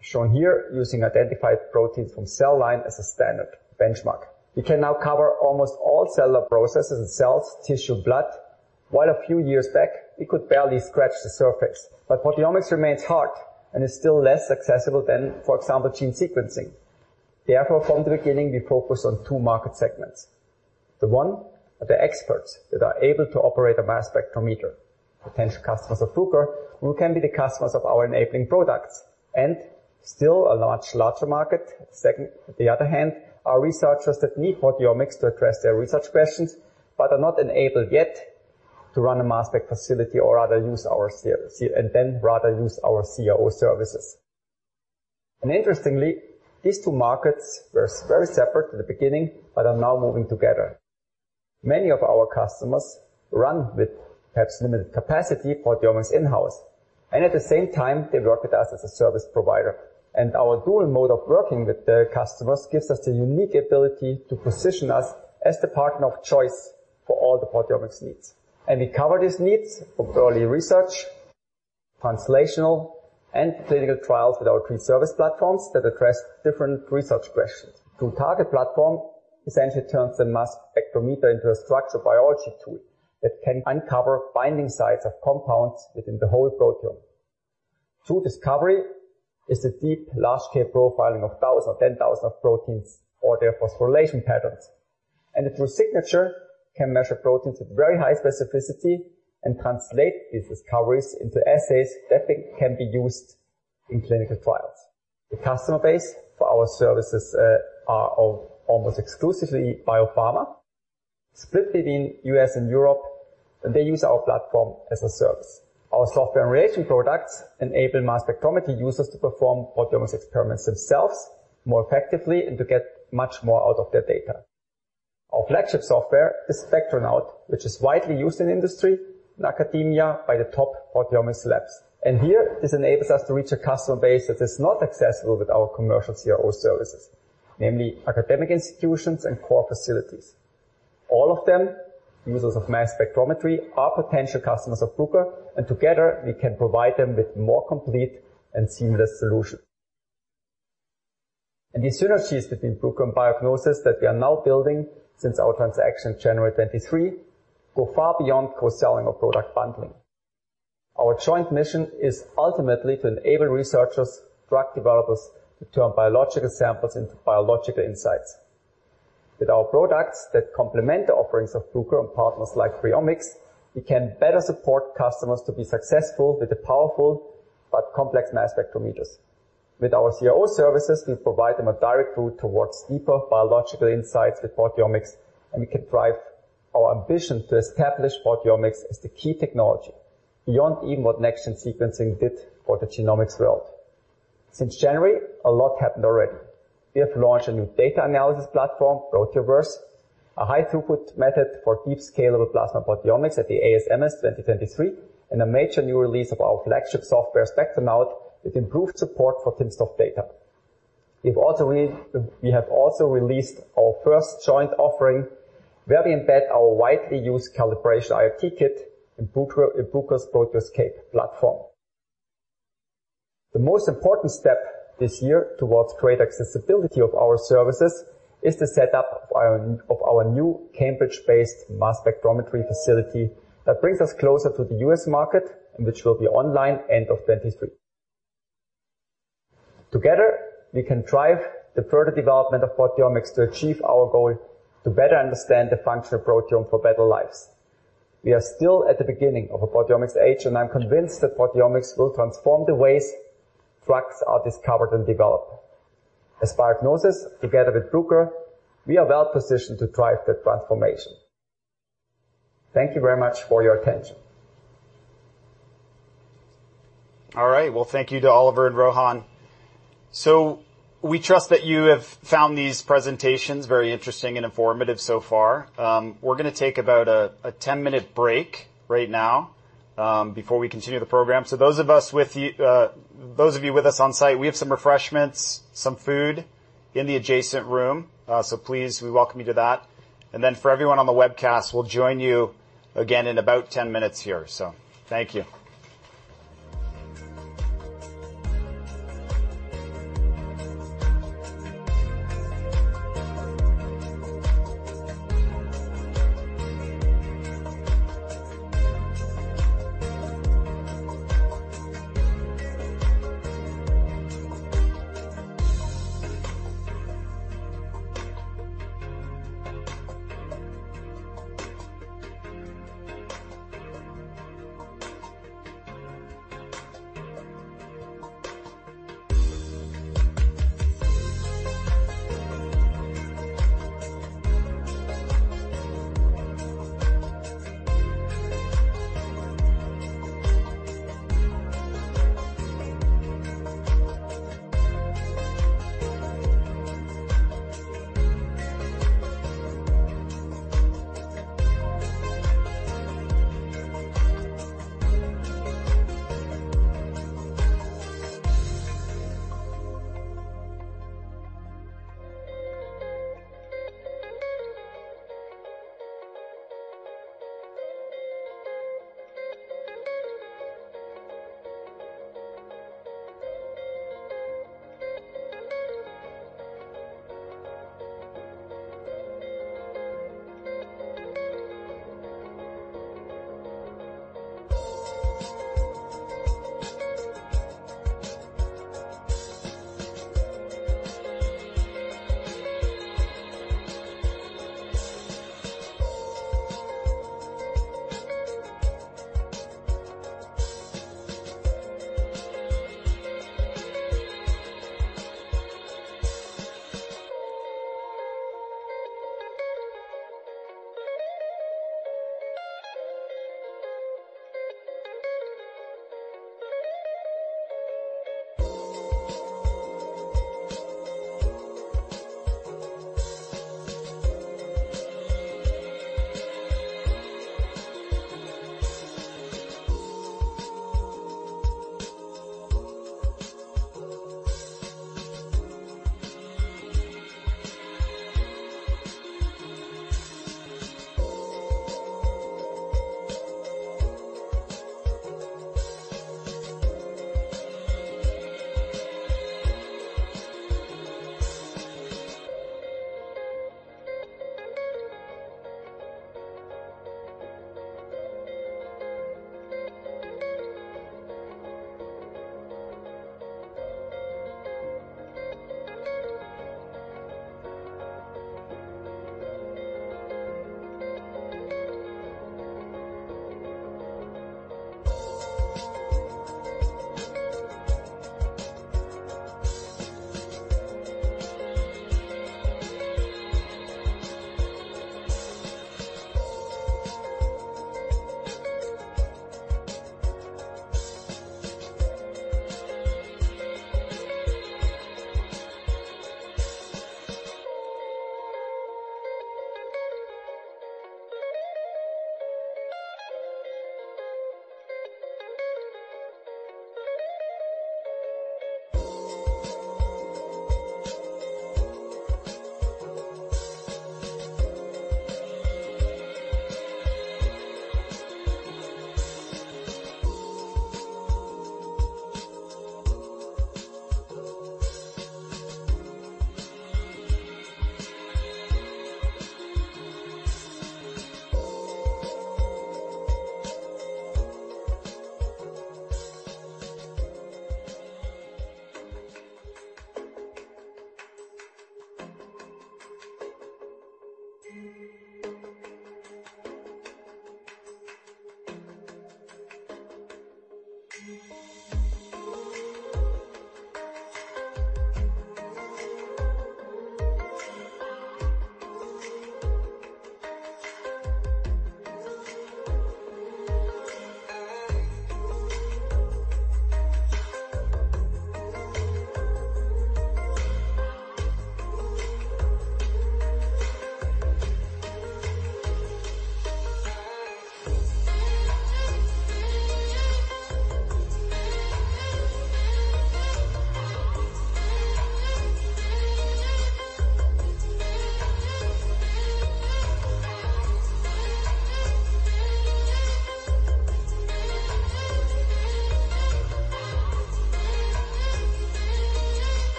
shown here using identified proteins from cell line as a standard benchmark. Proteomics remains hard and is still less accessible than, for example, gene sequencing. Therefore, from the beginning, we focused on 2 market segments. The one are the experts that are able to operate a mass spectrometer, potential customers of Bruker, who can be the customers of our enabling products, and still a large, larger market. Second, the other hand, are researchers that need proteomics to address their research questions, but are not enabled yet to run a mass spec facility or rather use our CRO services. Interestingly, these two markets were very separate in the beginning, but are now moving together. Many of our customers run with perhaps limited capacity proteomics in-house, at the same time, they work with us as a service provider. Our dual mode of working with the customers gives us the unique ability to position us as the partner of choice for all the proteomics needs. We cover these needs of early research, translational, and clinical trials with our three service platforms that address different research questions. TrueTarget platform essentially turns the mass spectrometer into a structural biology tool that can uncover binding sites of compounds within the whole proteome. TrueDiscovery is the deep, large-scale profiling of thousands or 10,000 of proteins or their phosphorylation patterns. The TrueSignature can measure proteins with very high specificity and translate these discoveries into assays that can be used in clinical trials. The customer base for our services, almost exclusively biopharma, split between U.S. and Europe, and they use our platform as a service. Our software and reagent products enable mass spectrometry users to perform proteomics experiments themselves more effectively and to get much more out of their data. Our flagship software is Spectronaut, which is widely used in industry and academia by the top proteomics labs. Here, this enables us to reach a customer base that is not accessible with our commercial CRO services, namely academic institutions and core facilities. All of them, users of mass spectrometry, are potential customers of Bruker, and together we can provide them with more complete and seamless solution. These synergies between Bruker and Biognosys that we are now building since our transaction in January 2023, go far beyond cross-selling or product bundling. Our joint mission is ultimately to enable researchers, drug developers, to turn biological samples into biological insights. With our products that complement the offerings of Bruker and partners like PreOmics, we can better support customers to be successful with the powerful but complex mass spectrometers. With our CRO services, we provide them a direct route towards deeper biological insights with proteomics, and we can drive our ambition to establish proteomics as the key technology, beyond even what next-gen sequencing did for the genomics world. Since January, a lot happened already. We have launched a new data analysis platform, ProteoVerse, a high-throughput method for deep scalable plasma proteomics at the ASMS 2023, and a major new release of our flagship software, Spectronaut, with improved support for timsTOF data. We have also released our first joint offering, where we embed our widely used calibration iRT Kit in Bruker, in Bruker's ProteoScape platform. The most important step this year towards greater accessibility of our services is the setup of our new Cambridge-based mass spectrometry facility that brings us closer to the U.S. market and which will be online end of 2023. Together, we can drive the further development of proteomics to achieve our goal to better understand the function of proteome for better lives. We are still at the beginning of a proteomics age, and I'm convinced that proteomics will transform the ways drugs are discovered and developed. As Biognosys, together with Bruker, we are well positioned to drive that transformation. Thank you very much for your attention. Well, thank you to Oliver and Rohan. We trust that you have found these presentations very interesting and informative so far. We're going to take about a 10-minute break right now before we continue the program. Those of us with you, those of you with us on site, we have some refreshments, some food in the adjacent room. Please, we welcome you to that. For everyone on the webcast, we'll join you again in about 10 minutes here. Thank you.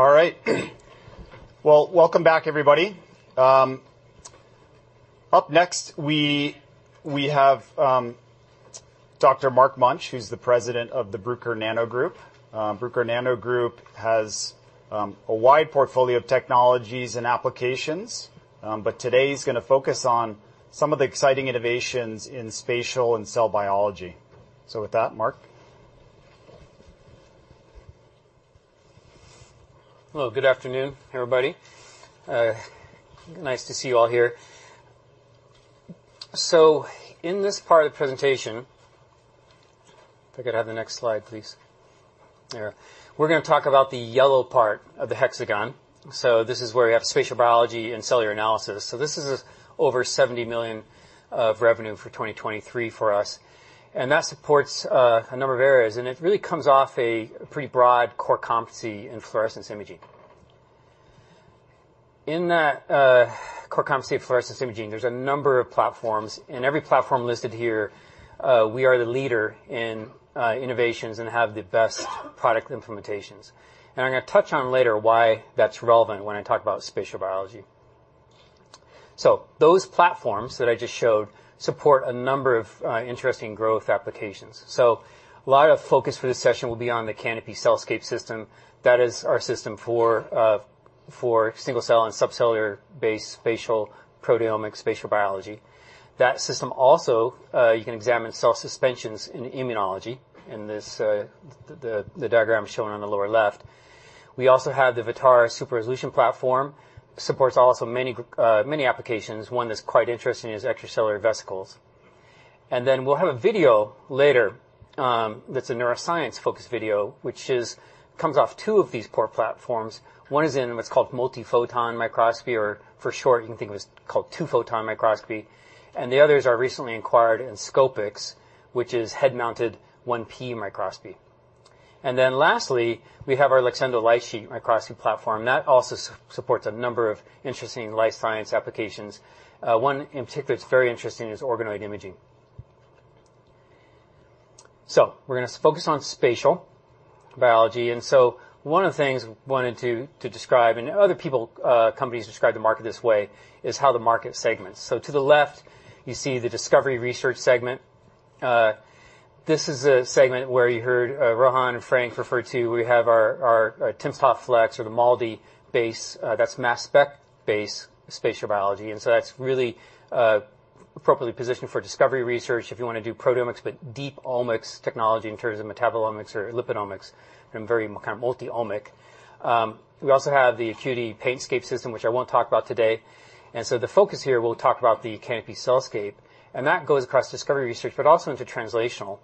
All right. Well, welcome back, everybody. Up next, we have Dr. Mark Munch, who's the President of the Bruker Nano Group. Bruker Nano Group has a wide portfolio of technologies and applications, but today he's going to focus on some of the exciting innovations in spatial and cell biology. With that, Mark? Hello, good afternoon, everybody. Nice to see you all here. In this part of the presentation... If I could have the next slide, please. There. We're gonna talk about the yellow part of the hexagon. This is where we have spatial biology and cellular analysis. This is over $70 million of revenue for 2023 for us, and that supports a number of areas, and it really comes off a pretty broad core competency in fluorescence imaging. In that core competency of fluorescence imaging, there's a number of platforms, and every platform listed here, we are the leader in innovations and have the best product implementations. I'm gonna touch on later why that's relevant when I talk about spatial biology. Those platforms that I just showed support a number of interesting growth applications. A lot of focus for this session will be on the Canopy CellScape system. That is our system for single-cell and subcellular-based spatial proteomic, spatial biology. That system also, you can examine cell suspensions in immunology, in this, the diagram shown on the lower left. We also have the Vutara super resolution platform, supports also many applications. One that's quite interesting is extracellular vesicles. We'll have a video later, that's a neuroscience-focused video, which comes off two of these core platforms. One is in what's called multiphoton microscopy, or for short, you can think of as called two-photon microscopy, and the others are recently acquired Inscopix, which is head-mounted 1P microscopy. Lastly, we have our Luxendo light-sheet microscopy platform. That also supports a number of interesting life science applications. One in particular that's very interesting is organoid imaging. We're gonna focus on spatial biology, and one of the things I wanted to describe, and other people, companies describe the market this way, is how the market segments. To the left, you see the discovery research segment. This is a segment where you heard Rohan and Frank refer to. We have our timsTOF fleX or the MALDI base, that's mass spec base spatial biology, and that's really appropriately positioned for discovery research if you wanna do proteomics, but deep omics technology in terms of metabolomics or lipidomics and very kind of multi-omic. We also have the Acuity PaintScape system, which I won't talk about today. The focus here, we'll talk about the Canopy CellScape, and that goes across discovery research, but also into translational.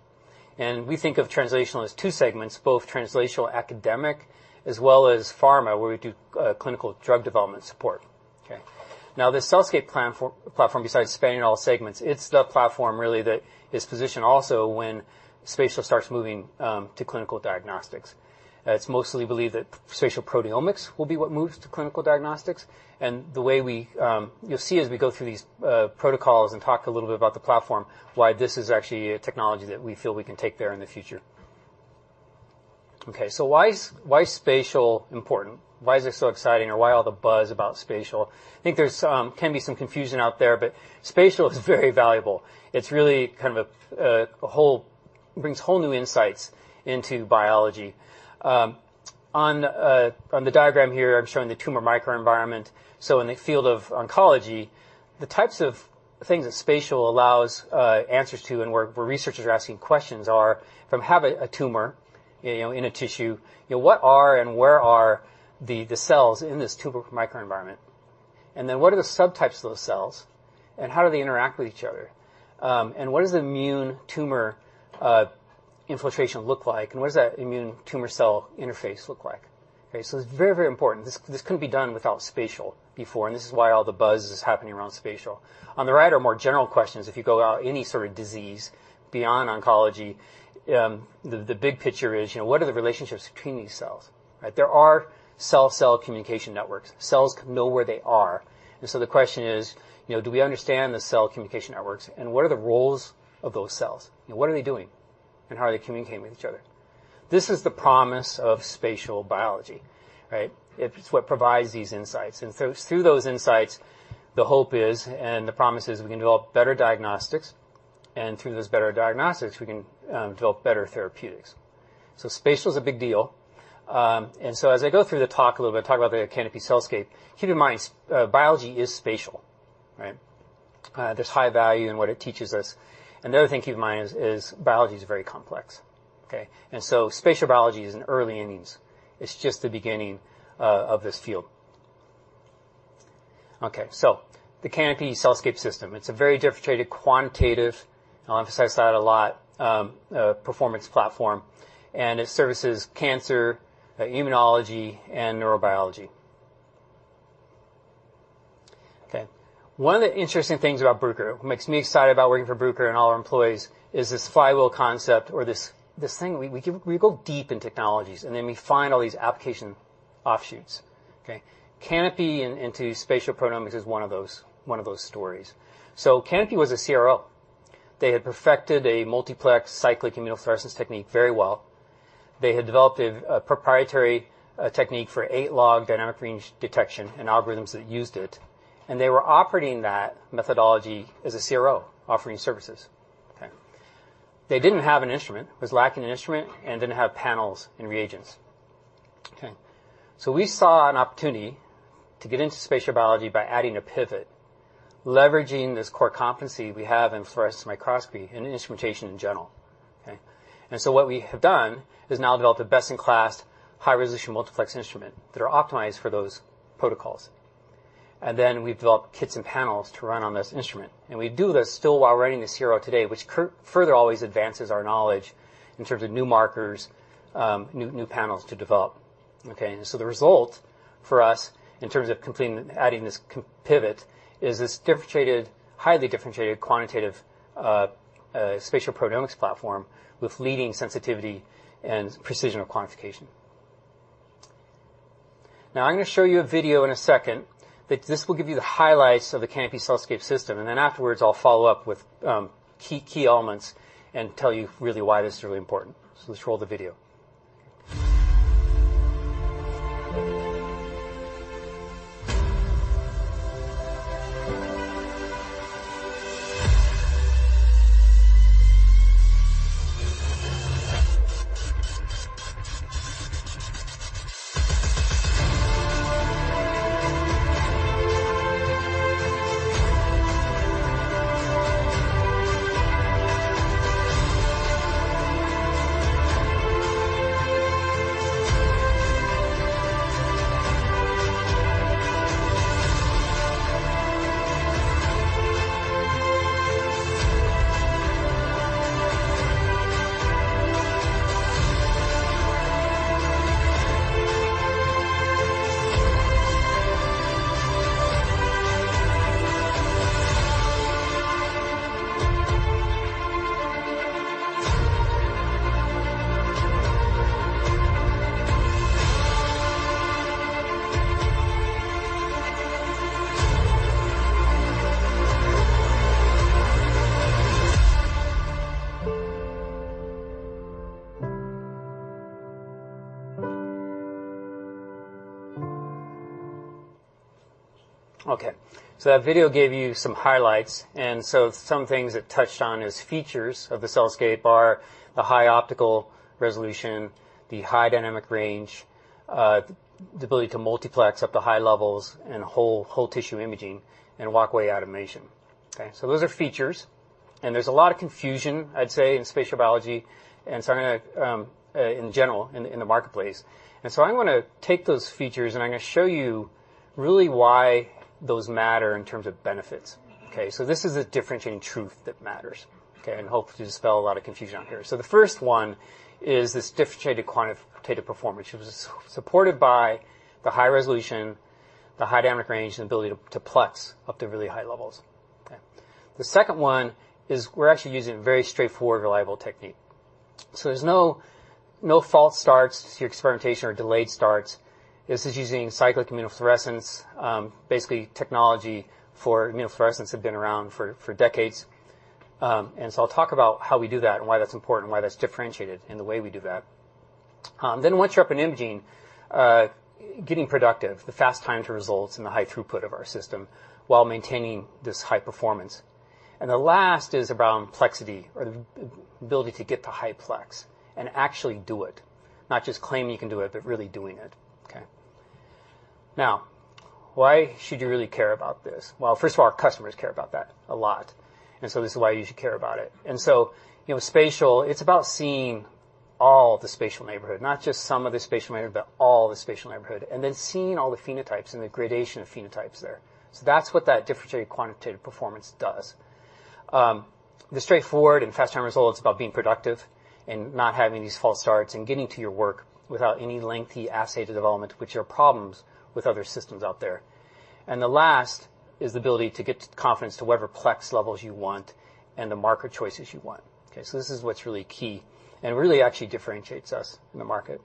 We think of translational as two segments, both translational academic as well as pharma, where we do clinical drug development support. Okay. Now, the CellScape platform, besides spanning all segments, it's the platform really that is positioned also when spatial starts moving to clinical diagnostics. It's mostly believed that spatial proteomics will be what moves to clinical diagnostics, the way we... You'll see as we go through these protocols and talk a little bit about the platform, why this is actually a technology that we feel we can take there in the future. Okay. Why is spatial important? Why is it so exciting, or why all the buzz about spatial? I think there's some, can be some confusion out there, but spatial is very valuable. It's really kind of brings whole new insights into biology. On the diagram here, I'm showing the tumor microenvironment. In the field of oncology, the types of things that spatial allows answers to and where researchers are asking questions are, from having a tumor, you know, in a tissue, you know, what are and where are the cells in this tumor microenvironment? What are the subtypes of those cells, and how do they interact with each other? What does immune tumor infiltration look like, and what does that immune tumor cell interface look like? It's very, very important. This couldn't be done without spatial before, and this is why all the buzz is happening around spatial. On the right are more general questions. If you go out any sort of disease beyond oncology, the big picture is, you know, what are the relationships between these cells, right? There are cell-cell communication networks. Cells know where they are. The question is, you know, do we understand the cell communication networks, and what are the roles of those cells? You know, what are they doing, and how are they communicating with each other? This is the promise of spatial biology, right? It's what provides these insights. Through those insights, the hope is and the promise is we can develop better diagnostics, and through those better diagnostics, we can develop better therapeutics. Spatial is a big deal. As I go through the talk a little bit, talk about the Canopy CellScape, keep in mind, biology is spatial, right? There's high value in what it teaches us. Another thing to keep in mind is, biology is very complex, okay? Spatial biology is in early innings. It's just the beginning of this field. Okay, so the Canopy CellScape system, it's a very differentiated, quantitative, I'll emphasize that a lot, performance platform, and it services cancer, immunology, and neurobiology. Okay. One of the interesting things about Bruker, what makes me excited about working for Bruker and all our employees, is this flywheel concept or this thing. We go deep in technologies, and then we find all these application offshoots, okay? Canopy into spatial proteomics is one of those stories. Canopy was a CRO. They had perfected a multiplexed cyclic immunofluorescence technique very well. They had developed a proprietary technique for eight log dynamic range detection and algorithms that used it, and they were operating that methodology as a CRO, offering services, okay. They didn't have an instrument, was lacking an instrument and didn't have panels and reagents. Okay. We saw an opportunity to get into spatial biology by adding a pivot, leveraging this core competency we have in fluorescence microscopy and instrumentation in general, okay? What we have done is now developed a best-in-class, high-resolution multiplex instrument that are optimized for those protocols. We've developed kits and panels to run on this instrument, and we do this still while running the CRO today, which further always advances our knowledge in terms of new markers, new panels to develop, okay? The result for us, in terms of completing, adding this. pivot, is this differentiated, highly differentiated, quantitative, spatial proteomics platform with leading sensitivity and precision of quantification. I'm gonna show you a video in a second, but this will give you the highlights of the Canopy CellScape system, and then afterwards, I'll follow up with key elements and tell you really why this is really important. Let's roll the video. That video gave you some highlights, and so some things it touched on as features of the CellScape are the high optical resolution, the high dynamic range, the ability to multiplex up to high levels and whole tissue imaging and walk-away automation. Those are features, and there's a lot of confusion, I'd say, in spatial biology and so I'm gonna in general, in the marketplace. I'm gonna take those features, and I'm gonna show you really why those matter in terms of benefits. This is the differentiating truth that matters, okay, and hopefully dispel a lot of confusion out here. The first one is this differentiated quantitative performance, which is supported by the high resolution, the high dynamic range, and the ability to plex up to really high levels. Okay. The second one is we're actually using a very straightforward, reliable technique. There's no false starts to your experimentation or delayed starts. This is using cyclic immunofluorescence, basically technology for immunofluorescence have been around for decades. I'll talk about how we do that and why that's important, and why that's differentiated in the way we do that. Once you're up and imaging, getting productive, the fast time to results and the high throughput of our system, while maintaining this high performance. The last is around plexity or the ability to get to high plex and actually do it, not just claim you can do it, but really doing it, okay. Now, why should you really care about this? First of all, our customers care about that a lot, this is why you should care about it. You know, spatial, it's about seeing all the spatial neighborhood, not just some of the spatial neighborhood, but all the spatial neighborhood, seeing all the phenotypes and the gradation of phenotypes there. That's what that differentiated quantitative performance does. The straightforward and fast time result, it's about being productive and not having these false starts and getting to your work without any lengthy assay to development, which are problems with other systems out there. The last is the ability to get confidence to whatever plex levels you want and the marker choices you want. This is what's really key and really actually differentiates us in the market.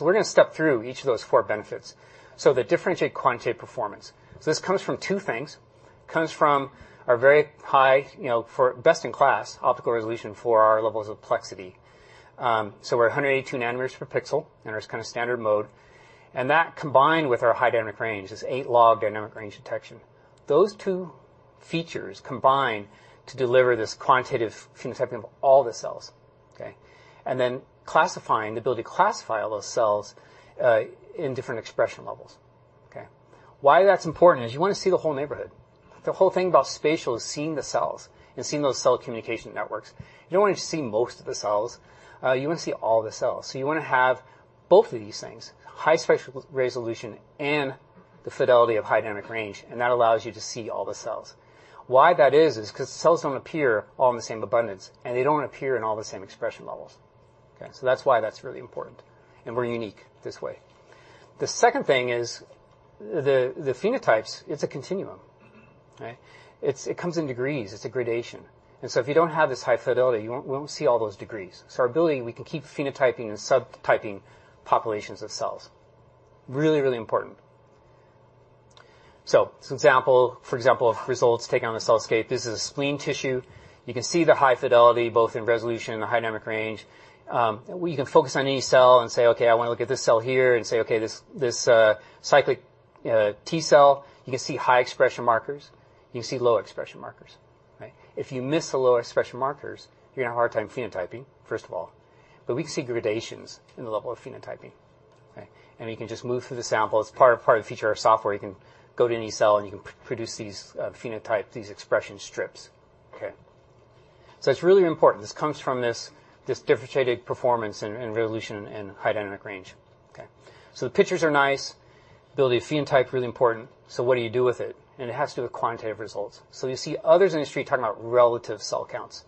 We're gonna step through each of those four benefits. The differentiated quantitative performance. This comes from two things. Comes from our very high, you know, for best-in-class optical resolution for our levels of plexity. We're at 182 nanometers per pixel, and there's kind of standard mode. That, combined with our high dynamic range, is 8 log dynamic range detection. Those two features combine to deliver this quantitative phenotyping of all the cells, okay? Classifying, the ability to classify all those cells, in different expression levels, okay? Why that's important is you wanna see the whole neighborhood. The whole thing about spatial is seeing the cells and seeing those cell communication networks. You don't wanna just see most of the cells, you wanna see all the cells. You wanna have both of these things, high spatial resolution and the fidelity of high dynamic range, and that allows you to see all the cells. Why that is 'cause cells don't appear all in the same abundance, and they don't appear in all the same expression levels. That's why that's really important, and we're unique this way. The second thing is the phenotypes, it's a continuum, okay? It comes in degrees. It's a gradation. If you don't have this high fidelity, you won't see all those degrees. Our ability, we can keep phenotyping and subtyping populations of cells. Really, really important. Some example, for example, of results taken on the CellScape, this is a spleen tissue. You can see the high fidelity, both in resolution and the high dynamic range. We can focus on any cell and say, "Okay, I wanna look at this cell here," and say, "Okay, this cyclic T cell," you can see high expression markers, you can see low expression markers, right? If you miss the low expression markers, you're gonna have a hard time phenotyping, first of all, but we can see gradations in the level of phenotyping, okay? We can just move through the sample. It's part of the feature of our software. You can go to any cell, and you can produce these, phenotype, these expression strips. Okay. It's really important. This comes from this differentiated performance and resolution and high dynamic range. Okay, the pictures are nice, ability to phenotype, really important, what do you do with it? It has to do with quantitative results. You see others in the industry talking about relative cell counts.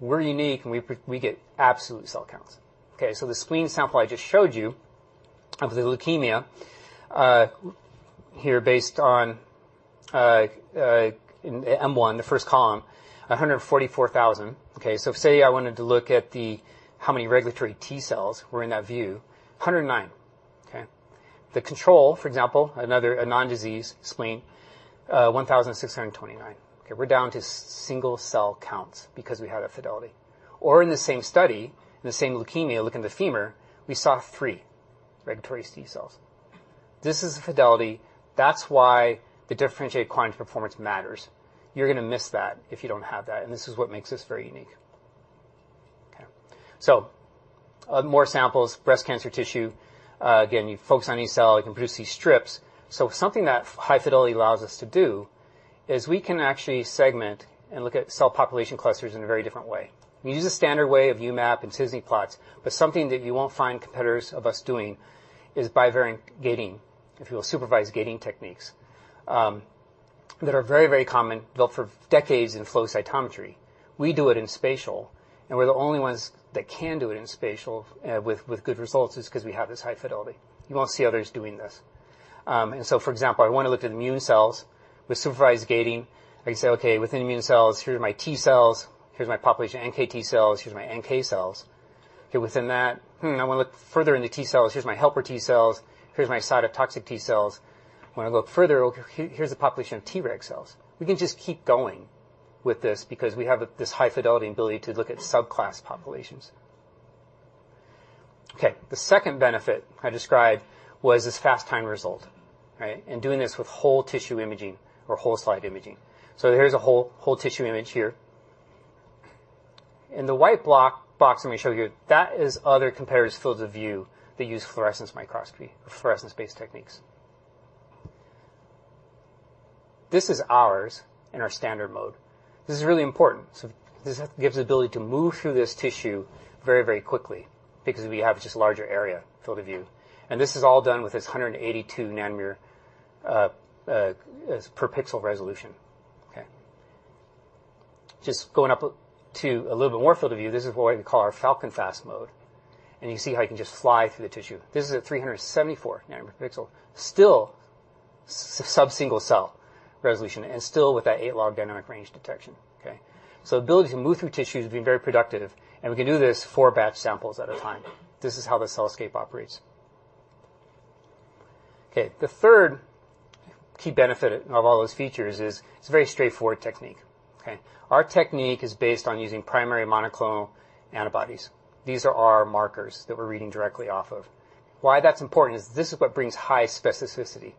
We're unique, and we get absolute cell counts. Okay, the spleen sample I just showed you of the leukemia, here based on in M1, the first column, 144,000. Okay, say I wanted to look at the how many regulatory T cells were in that view, 109. Okay? The control, for example, another non-disease spleen, 1,629. We're down to single cell counts because we have that fidelity. In the same study, in the same leukemia, looking at the femur, we saw three regulatory T cells. This is the fidelity. That's why the differentiated quant performance matters. You're gonna miss that if you don't have that. This is what makes us very unique. More samples, breast cancer tissue. Again, you focus on any cell, you can produce these strips. Something that high fidelity allows us to do is we can actually segment and look at cell population clusters in a very different way. We use a standard way of UMAP and t-SNE plots. Something that you won't find competitors of us doing is bivariate gating, if you will, supervised gating techniques that are very, very common, developed for decades in flow cytometry. We do it in spatial, we're the only ones that can do it in spatial, with good results is because we have this high fidelity. You won't see others doing this. For example, I want to look at immune cells. With supervised gating, I can say, "Okay, within immune cells, here are my T cells, here's my population, NKT cells, here's my NK cells." Okay, within that, I want to look further into T cells. Here's my helper T cells, here's my cytotoxic T cells. When I look further, here's the population of T reg cells. We can just keep going with this because we have this high-fidelity ability to look at subclass populations. Okay, the second benefit I described was this fast time result, right? Doing this with whole tissue imaging or whole slide imaging. Here's a whole tissue image here. In the white box, let me show you, that is other competitors' field of view that use fluorescence microscopy, fluorescence-based techniques. This is ours in our standard mode. This is really important. This gives the ability to move through this tissue very, very quickly because we have just larger area field of view, and this is all done with this 182 nanometer per pixel resolution. Okay. Just going up to a little bit more field of view, this is what we call our Falcon Fast mode, and you see how you can just fly through the tissue. This is a 374 nanometer pixel, still sub-single-cell resolution, and still with that 8-log dynamic range detection, okay? The ability to move through tissue has been very productive, and we can do this four batch samples at a time. This is how the CellScape operates. The third key benefit of all those features is it's a very straightforward technique. Our technique is based on using primary monoclonal antibodies. These are our markers that we're reading directly off of. Why that's important is this is what brings high specificity.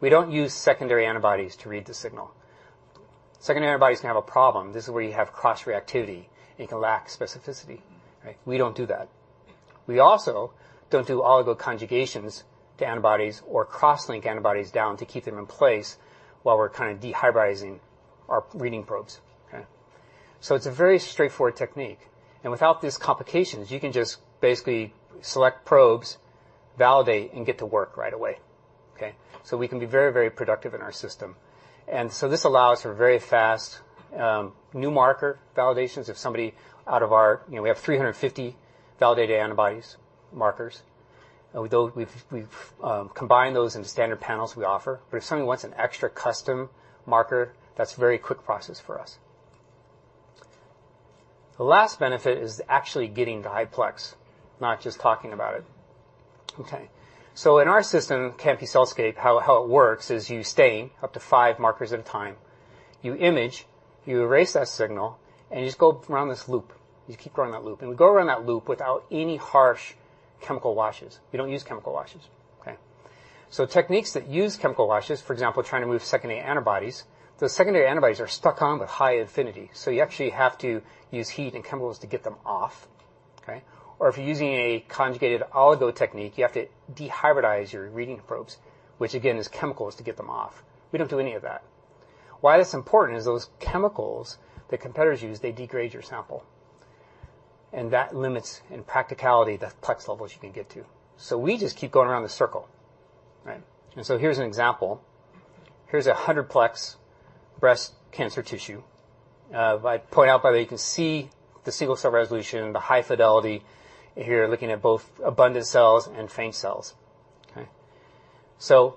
We don't use secondary antibodies to read the signal. Secondary antibodies can have a problem. This is where you have cross-reactivity, and it can lack specificity. We don't do that. We also don't do oligo conjugations to antibodies or cross-link antibodies down to keep them in place while we're kind of dehybridizing our reading probes. It's a very straightforward technique, and without these complications, you can just basically select probes, validate, and get to work right away. We can be very, very productive in our system, and this allows for very fast new marker validations. You know, we have 350 validated antibodies, markers, and with those, we've combined those into standard panels we offer. If somebody wants an extra custom marker, that's a very quick process for us. The last benefit is actually getting the high-plex, not just talking about it. In our system, Canopy CellScape, how it works is you stain up to five markers at a time, you image, you erase that signal, and you just go around this loop. You keep going that loop, we go around that loop without any harsh chemical washes. We don't use chemical washes, okay? Techniques that use chemical washes, for example, trying to move secondary antibodies, the secondary antibodies are stuck on with high affinity, you actually have to use heat and chemicals to get them off, okay? If you're using a conjugated oligo technique, you have to dehybridize your reading probes, which again, is chemicals to get them off. We don't do any of that. Why that's important is those chemicals that competitors use, they degrade your sample, and that limits, in practicality, the plex levels you can get to. We just keep going around the circle, right? Here's a 100 plex breast cancer tissue. I point out by the way, you can see the single cell resolution, the high fidelity here, looking at both abundant cells and faint cells. Okay?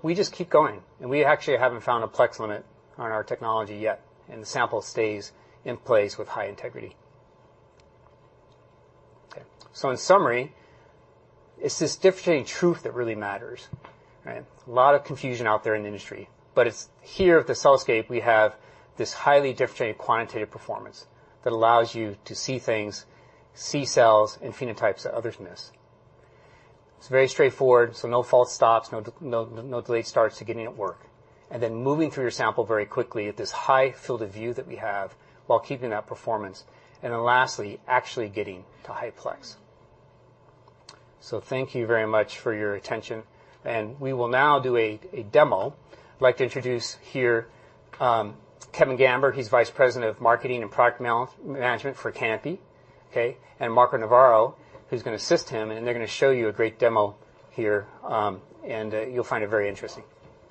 We just keep going, and we actually haven't found a plex limit on our technology yet, and the sample stays in place with high integrity. Okay, in summary, it's this differentiating truth that really matters, right? A lot of confusion out there in the industry, but it's here at the CellScape, we have this highly differentiated quantitative performance that allows you to see things, see cells and phenotypes that others miss. It's very straightforward, no false stops, no delayed starts to getting it work, and then moving through your sample very quickly at this high field of view that we have, while keeping that performance, and then lastly, actually getting to high plex. Thank you very much for your attention, and we will now do a demo. I'd like to introduce here, Kevin Gamber. He's Vice President of Marketing and Product Management for Canopy, okay? Marco Navarro, who's gonna assist him, and they're gonna show you a great demo here, and you'll find it very interesting.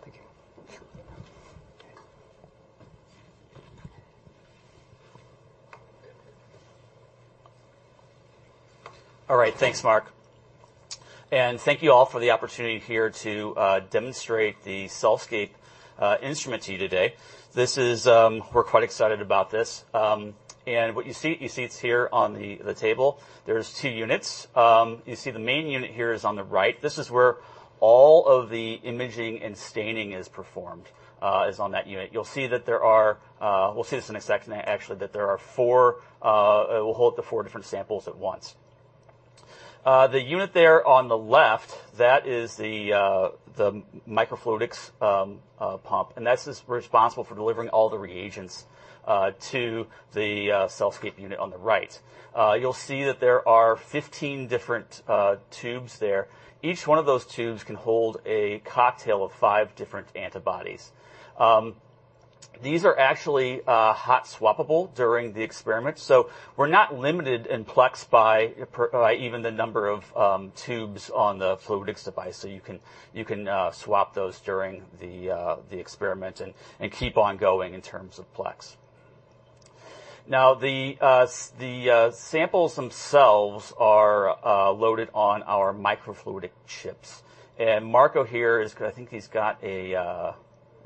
Thank you. Right, thanks, Mark. Thank you all for the opportunity here to demonstrate the CellScape instrument to you today. This is. We're quite excited about this. What you see, it's here on the table. There's two units. The main unit here is on the right. This is where all of the imaging and staining is performed, is on that unit. You'll see that there are, we'll see this in a second actually, that there are four, it will hold the four different samples at once. The unit there on the left, that is the microfluidics pump, and that's just responsible for delivering all the reagents to the CellScape unit on the right. You'll see that there are 15 different tubes there. Each one of those tubes can hold a cocktail of five different antibodies. These are actually hot swappable during the experiment, so we're not limited in plex by even the number of tubes on the fluidics device. You can swap those during the experiment and keep on going in terms of plex. The samples themselves are loaded on our microfluidic chips, and Marco here is, I think he's got a, as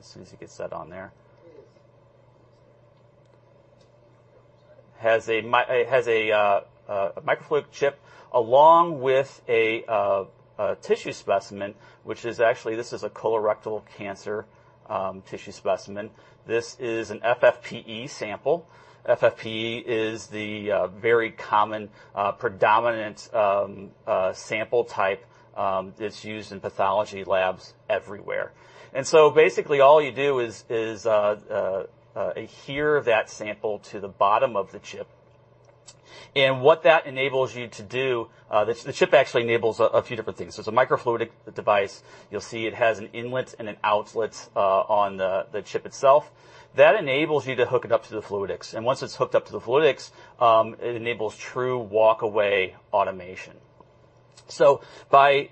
soon as he gets that on there. It is. Has a microfluidic chip along with a tissue specimen, which is actually, this is a colorectal cancer tissue specimen. This is an FFPE sample. FFPE is the very common predominant sample type that's used in pathology labs everywhere. Basically, all you do is adhere that sample to the bottom of the chip, and what that enables you to do, the chip actually enables a few different things. There's a microfluidic device. You'll see it has an inlet and an outlet on the chip itself. That enables you to hook it up to the fluidics, once it's hooked up to the fluidics, it enables true walk-away automation. By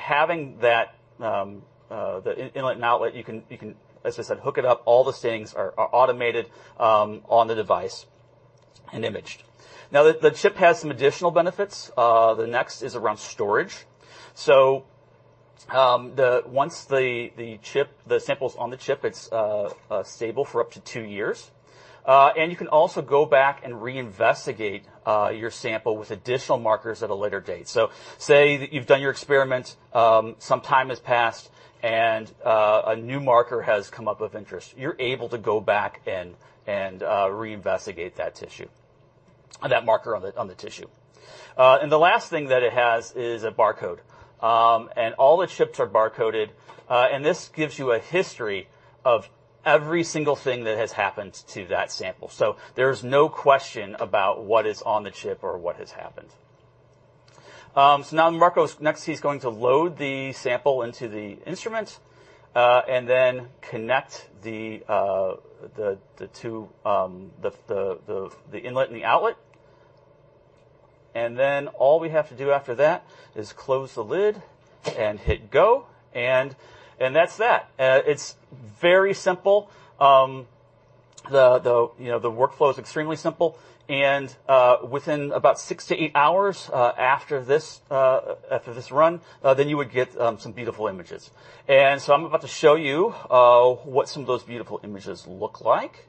having that inlet and outlet, you can, as I said, hook it up. All the settings are automated on the device and imaged. The chip has some additional benefits. The next is around storage. Once the chip, the sample's on the chip, it's stable for up to two years, and you can also go back and reinvestigate your sample with additional markers at a later date. Say that you've done your experiment, some time has passed, and a new marker has come up of interest. You're able to go back and reinvestigate that tissue, that marker on the tissue. The last thing that it has is a barcode. All the chips are barcoded, and this gives you a history of every single thing that has happened to that sample. There's no question about what is on the chip or what has happened. Now Marco, next, he's going to load the sample into the instrument, and then connect the two, the inlet and the outlet, then all we have to do after that is close the lid and hit go, and that's that. It's very simple. The, you know, the workflow is extremely simple, within about six to eight hours, after this, after this run, then you would get some beautiful images. I'm about to show you what some of those beautiful images look like.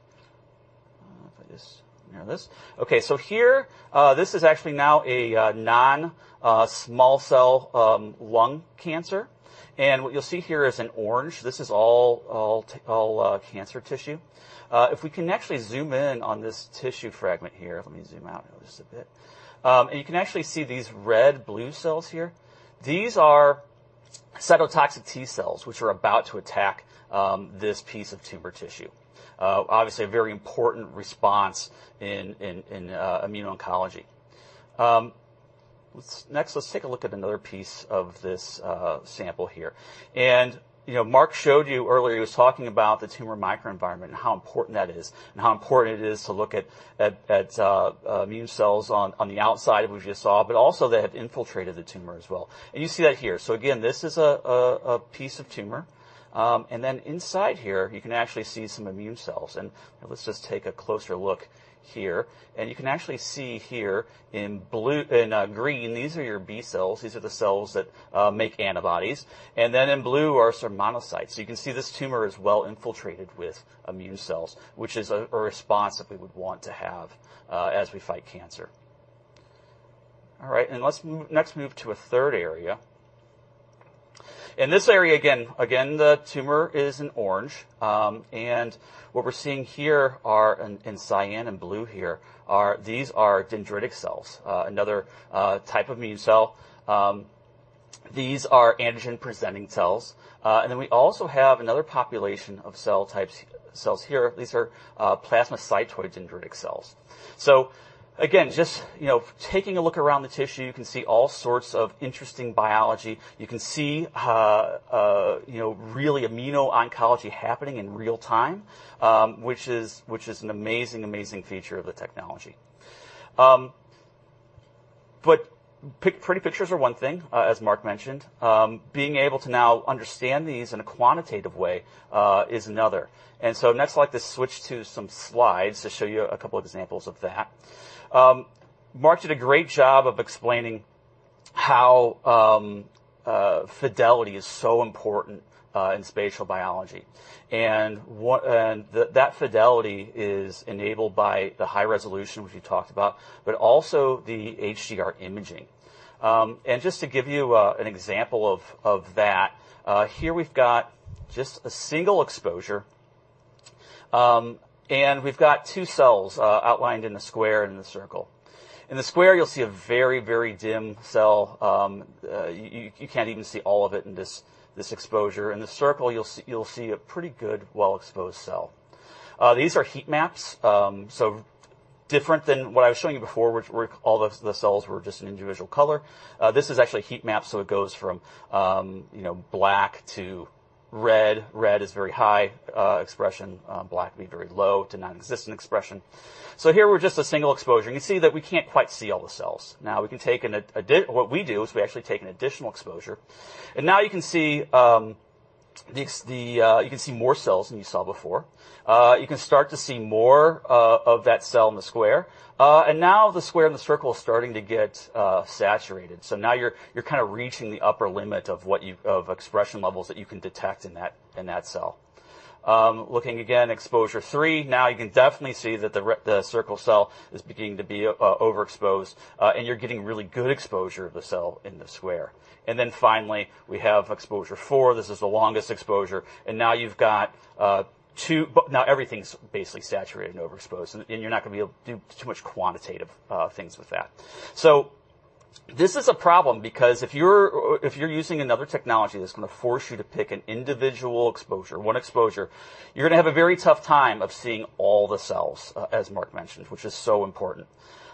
If I just narrow this. Here, this is actually now a non-small cell lung cancer, and what you'll see here is an orange. This is all cancer tissue. If we can actually zoom in on this tissue fragment here, let me zoom out just a bit. You can actually see these red-blue cells here. These are cytotoxic T cells, which are about to attack this piece of tumor tissue. Obviously, a very important response in immuno-oncology. Next, let's take a look at another piece of this sample here. You know, Mark showed you earlier, he was talking about the tumor microenvironment and how important that is, and how important it is to look at immune cells on the outside, which we just saw, but also that have infiltrated the tumor as well. You see that here. Again, this is a piece of tumor. Then inside here, you can actually see some immune cells. Let's just take a closer look here. You can actually see here in blue, in green, these are your B cells. These are the cells that make antibodies, and then in blue are some monocytes. You can see this tumor is well infiltrated with immune cells, which is a response that we would want to have as we fight cancer. All right, let's move to a third area. In this area again, the tumor is in orange, what we're seeing here are in cyan and blue here are, these are dendritic cells, another type of immune cell. These are antigen-presenting cells. Then we also have another population of cell types, cells here. These are plasmacytoid dendritic cells. Again, just, you know, taking a look around the tissue, you can see all sorts of interesting biology. You can see, you know, really immuno-oncology happening in real time, which is an amazing feature of the technology. Pretty pictures are one thing, as Mark mentioned, being able to now understand these in a quantitative way, is another. Next, I'd like to switch to some slides to show you a couple of examples of that. Mark did a great job of explaining how fidelity is so important in spatial biology. That fidelity is enabled by the high resolution, which we talked about, but also the HDR imaging. Just to give you an example of that, here we've got just a single exposure, we've got two cells outlined in the square and in the circle. In the square, you'll see a very, very dim cell, you can't even see all of it in this exposure. In the circle, you'll see a pretty good, well exposed cell. These are heat maps, different than what I was showing you before, which were all the cells were just an individual color. This is actually a heat map, you know, black to red. Red is very high expression, black being very low to nonexistent expression. Here, we're just a single exposure. You can see that we can't quite see all the cells. What we do, is we actually take an additional exposure, now you can see more cells than you saw before. You can start to see more of that cell in the square. Now the square and the circle is starting to get saturated. Now you're kinda reaching the upper limit of what you, of expression levels that you can detect in that, in that cell. Looking again, exposure three. Now, you can definitely see that the circle cell is beginning to be overexposed, and you're getting really good exposure of the cell in the square. Then finally, we have exposure four. This is the longest exposure, and now you've got two... Now everything's basically saturated and overexposed, and you're not gonna be able to do too much quantitative things with that. This is a problem because if you're if you're using another technology that's gonna force you to pick an individual exposure, one exposure, you're gonna have a very tough time of seeing all the cells, as Mark mentioned, which is so important.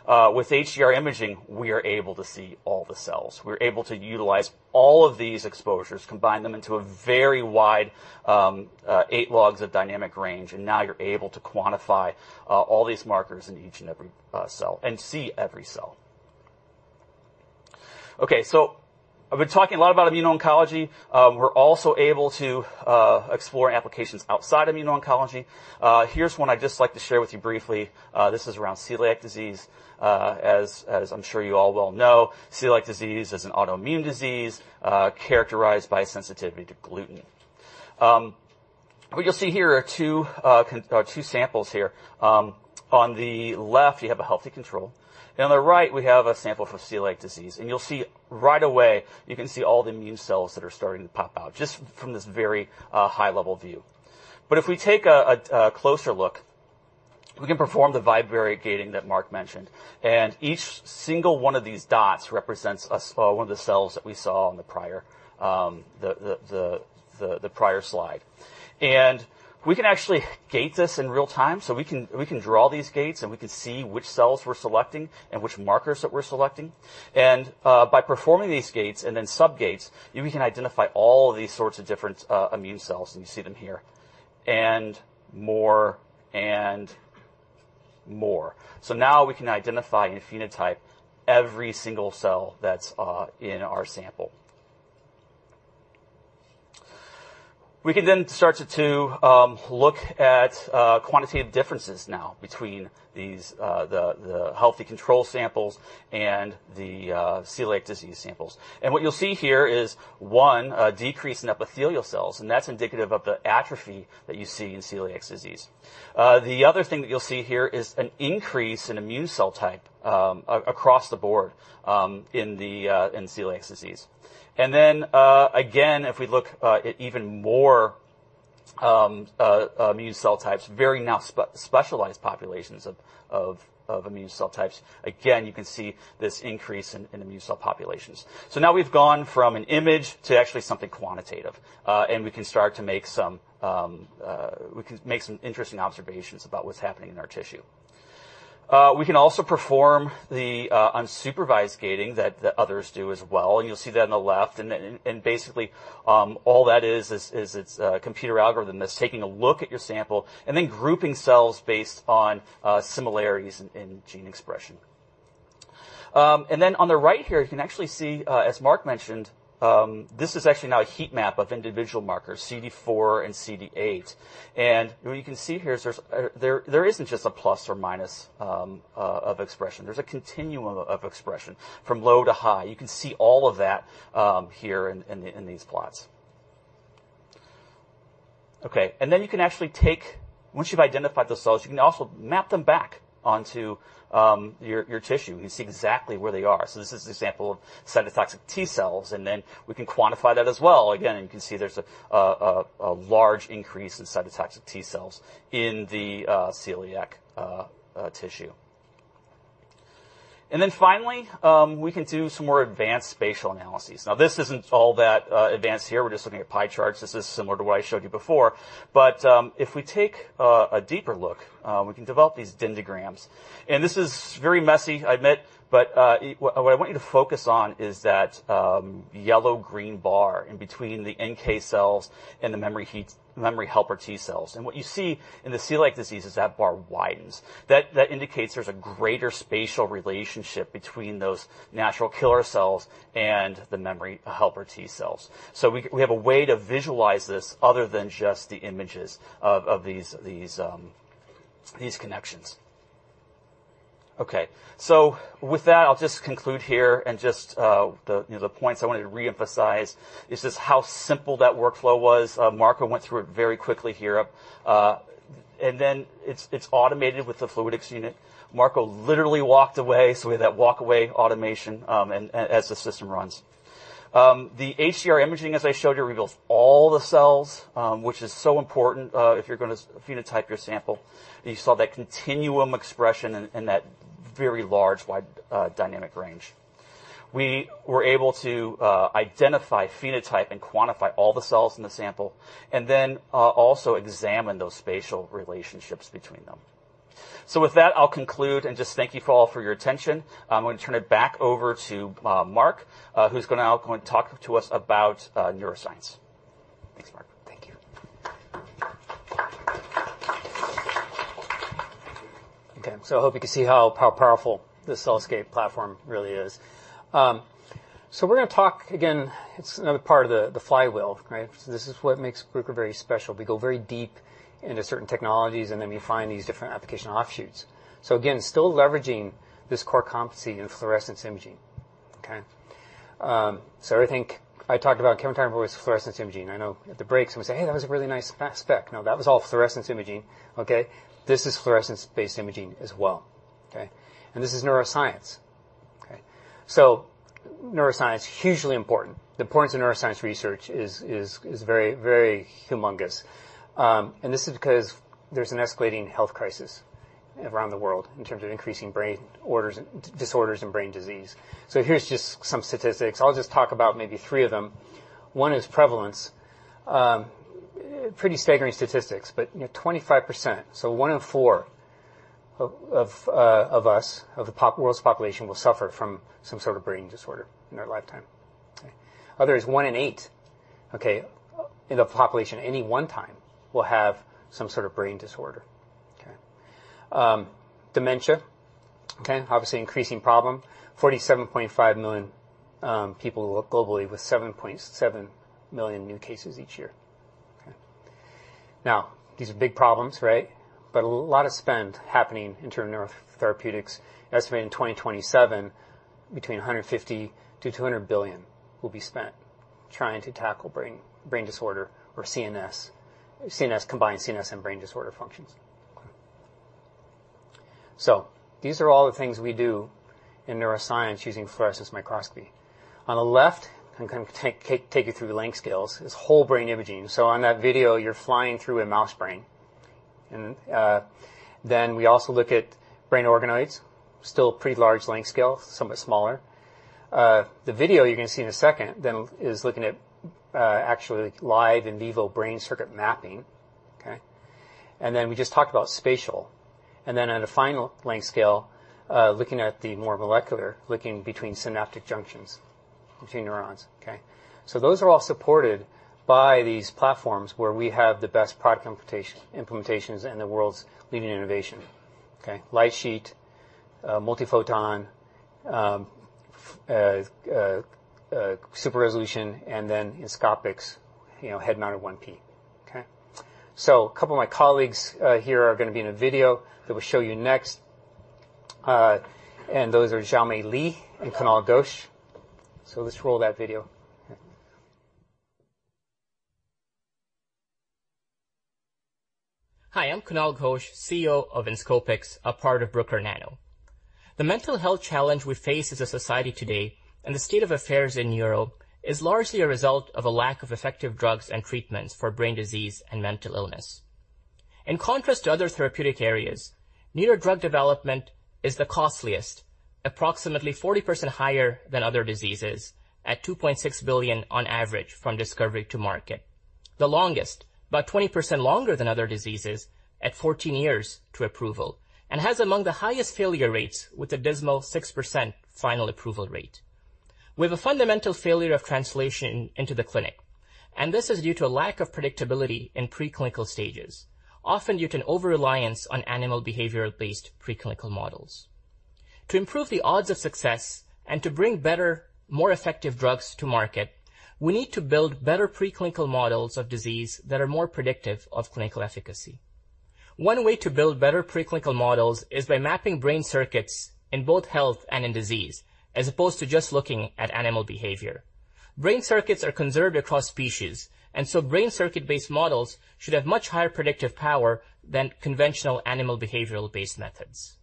With HDR imaging, we are able to see all the cells. We're able to utilize all of these exposures, combine them into a very wide, eight logs of dynamic range, and now you're able to quantify all these markers in each and every cell, and see every cell. I've been talking a lot about immuno-oncology. We're also able to explore applications outside immuno-oncology. Here's one I'd just like to share with you briefly. This is around celiac disease. As I'm sure you all well know, celiac disease is an autoimmune disease, characterized by sensitivity to gluten. What you'll see here are two samples here. On the left, you have a healthy control, and on the right, we have a sample of celiac disease, and you'll see right away, you can see all the immune cells that are starting to pop out, just from this very high-level view. If we take a closer look, we can perform the bivariate gating that Mark mentioned, and each single one of these dots represents one of the cells that we saw on the prior slide. We can actually gate this in real time, so we can draw these gates, and we can see which cells we're selecting and which markers that we're selecting. By performing these gates and then sub-gates, we can identify all these sorts of different immune cells, and you see them here, and more. Now we can identify and phenotype every single cell that's in our sample. We can then start to look at quantitative differences now between these the healthy control samples and the celiac disease samples. What you'll see here is, one, a decrease in epithelial cells, and that's indicative of the atrophy that you see in celiac disease. The other thing that you'll see here is an increase in immune cell type across the board in the in celiac disease. Then again, if we look at even more immune cell types, very now specialized populations of immune cell types, again, you can see this increase in immune cell populations. Now we've gone from an image to actually something quantitative, and we can start to make some interesting observations about what's happening in our tissue. We can also perform the unsupervised gating that others do as well, and you'll see that on the left. Basically, all that is it's a computer algorithm that's taking a look at your sample and then grouping cells based on similarities in gene expression. On the right here, you can actually see, as Mark mentioned, this is actually now a heat map of individual markers, CD4 and CD8. What you can see here is there's there isn't just a plus or minus of expression. There's a continuum of expression from low to high. You can see all of that here in these plots. You can actually take. Once you've identified those cells, you can also map them back onto your tissue. You can see exactly where they are. This is an example of cytotoxic T cells. We can quantify that as well. Again, you can see there's a large increase in cytotoxic T cells in the celiac tissue. Finally, we can do some more advanced spatial analyses. This isn't all that advanced here. We're just looking at pie charts. This is similar to what I showed you before. If we take a deeper look, we can develop these dendrograms. This is very messy, I admit, but what I want you to focus on is that yellow-green bar in between the NK cells and the memory helper T cells. What you see in the celiac disease is that bar widens. That indicates there's a greater spatial relationship between those natural killer cells and the memory helper T cells. We have a way to visualize this other than just the images of these connections. With that, I'll just conclude here, the points I wanted to re-emphasize is just how simple that workflow was. Marco went through it very quickly here, it's automated with the fluidics unit. Marco literally walked away, we had that walk-away automation, as the system runs. The HCR imaging, as I showed you, reveals all the cells, which is so important, if you're gonna phenotype your sample. You saw that continuum expression and that very large, wide, dynamic range. We were able to identify, phenotype, and quantify all the cells in the sample, and then also examine those spatial relationships between them. With that, I'll conclude, and just thank you all for your attention. I'm going to turn it back over to Mark, who's gonna now go and talk to us about neuroscience. Thanks, Mark. Thank you. Okay, I hope you can see how powerful this CellScape platform really is. We're gonna talk again, it's another part of the flywheel, right? This is what makes Bruker very special. We go very deep into certain technologies, and then we find these different application offshoots. Again, still leveraging this core competency in fluorescence imaging, okay? I think I talked about chemical with fluorescence imaging. I know at the breaks, someone said, "Hey, that was a really nice spec." No, that was all fluorescence imaging, okay? This is fluorescence-based imaging as well, okay? This is neuroscience, okay? Neuroscience, hugely important. The importance of neuroscience research is very humongous. This is because there's an escalating health crisis around the world in terms of increasing brain orders, disorders and brain disease. Here's just some statistics. I'll just talk about maybe three of them. One is prevalence. Pretty staggering statistics, you know, 25%, so one in four of us, of the world's population, will suffer from some sort of brain disorder in their lifetime, okay? Other is one in eight, okay, in the population, at any one time, will have some sort of brain disorder, okay? Dementia, okay, obviously increasing problem. 47.5 million people globally with 7.7 million new cases each year. Okay. These are big problems, right? A lot of spend happening in term of neurotherapeutics. Estimated in 2027, between $150 billion-$200 billion will be spent trying to tackle brain disorder or CNS. CNS, combined CNS and brain disorder functions. These are all the things we do in neuroscience using fluorescence microscopy. On the left, I'm gonna take you through the length scales, is whole brain imaging. Then we also look at brain organoids, still pretty large length scale, somewhat smaller. The video you're gonna see in a second, then, is looking at actually live in vivo brain circuit mapping, okay? Then we just talked about spatial. Then at a final length scale, looking at the more molecular, looking between synaptic junctions between neurons, okay? Those are all supported by these platforms, where we have the best product implementations and the world's leading innovation, okay? Light-sheet, multiphoton, super-resolution, Inscopix, you know, head-mounted 1P, okay? A couple of my colleagues here are gonna be in a video that we'll show you next, and those are Xiaomei Li and Kunal Ghosh. Let's roll that video. Hi, I'm Kunal Ghosh, CEO of Inscopix, a part of Bruker Nano. The mental health challenge we face as a society today, and the state of affairs in neuro, is largely a result of a lack of effective drugs and treatments for brain disease and mental illness. In contrast to other therapeutic areas, neuro drug development is the costliest, approximately 40% higher than other diseases, at $2.6 billion on average from discovery to market.... the longest, about 20% longer than other diseases, at 14 years to approval, and has among the highest failure rates, with a dismal 6% final approval rate. We have a fundamental failure of translation into the clinic, this is due to a lack of predictability in preclinical stages, often due to an overreliance on animal behavior-based preclinical models. To improve the odds of success and to bring better, more effective drugs to market, we need to build better preclinical models of disease that are more predictive of clinical efficacy. One way to build better preclinical models is by mapping brain circuits in both health and in disease, as opposed to just looking at animal behavior. Brain circuits are conserved across species, brain circuit-based models should have much higher predictive power than conventional animal behavioral-based methods.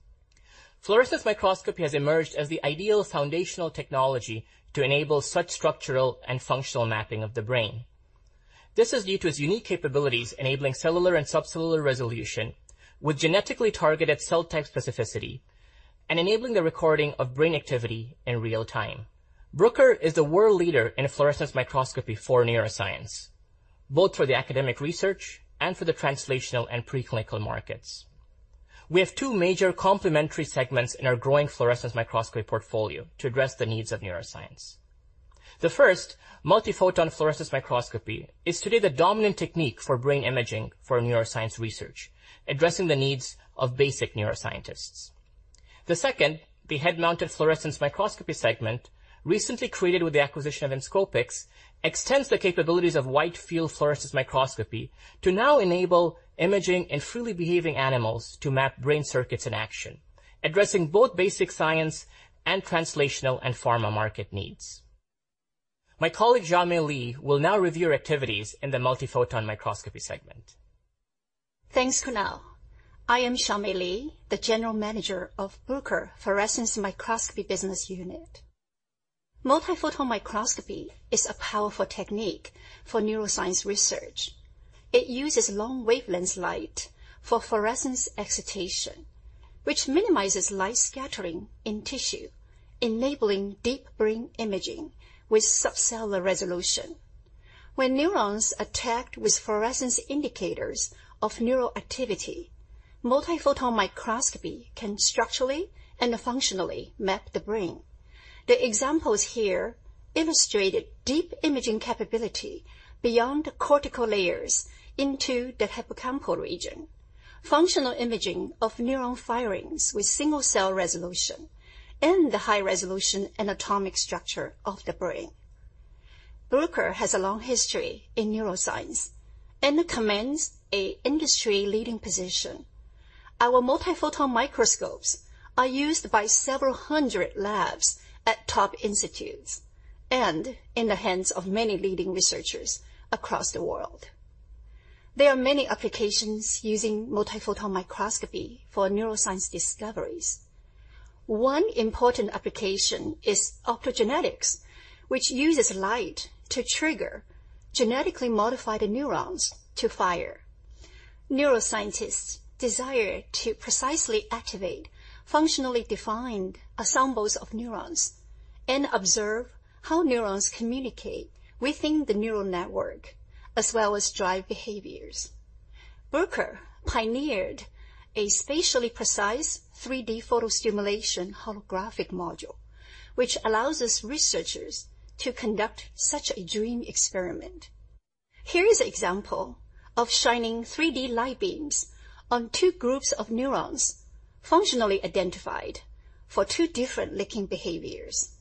Fluorescence microscopy has emerged as the ideal foundational technology to enable such structural and functional mapping of the brain. This is due to its unique capabilities enabling cellular and subcellular resolution with genetically targeted cell type specificity and enabling the recording of brain activity in real time. Bruker is the world leader in fluorescence microscopy for neuroscience, both for the academic research and for the translational and preclinical markets. We have two major complementary segments in our growing fluorescence microscopy portfolio to address the needs of neuroscience. The first, multiphoton fluorescence microscopy, is today the dominant technique for brain imaging for neuroscience research, addressing the needs of basic neuroscientists. The second, the head-mounted fluorescence microscopy segment, recently created with the acquisition of Inscopix, extends the capabilities of wide-field fluorescence microscopy to now enable imaging in freely behaving animals to map brain circuits in action, addressing both basic science and translational and pharma market needs. My colleague, Xiaomei Li, will now review our activities in the multiphoton microscopy segment. Thanks, Kunal. I am Xiaomei Li, the General Manager of Bruker Fluorescence Microscopy Business Unit. Multiphoton microscopy is a powerful technique for neuroscience research. It uses long-wavelength light for fluorescence excitation, which minimizes light scattering in tissue, enabling deep brain imaging with subcellular resolution. When neurons are tagged with fluorescence indicators of neural activity, multiphoton microscopy can structurally and functionally map the brain. The examples here illustrated deep imaging capability beyond the cortical layers into the hippocampal region, functional imaging of neuron firings with single-cell resolution, and the high resolution and atomic structure of the brain. Bruker has a long history in neuroscience and commands an industry-leading position. Our multiphoton microscopes are used by several hundred labs at top institutes and in the hands of many leading researchers across the world. There are many applications using multiphoton microscopy for neuroscience discoveries. One important application is optogenetics, which uses light to trigger genetically modified neurons to fire. Neuroscientists desire to precisely activate functionally defined ensembles of neurons and observe how neurons communicate within the neural network, as well as drive behaviors. Bruker pioneered a spatially precise 3D photostimulation holographic module, which allows us researchers to conduct such a dream experiment. Here is an example of shining 3D light beams on two groups of neurons, functionally identified for two different licking behaviors.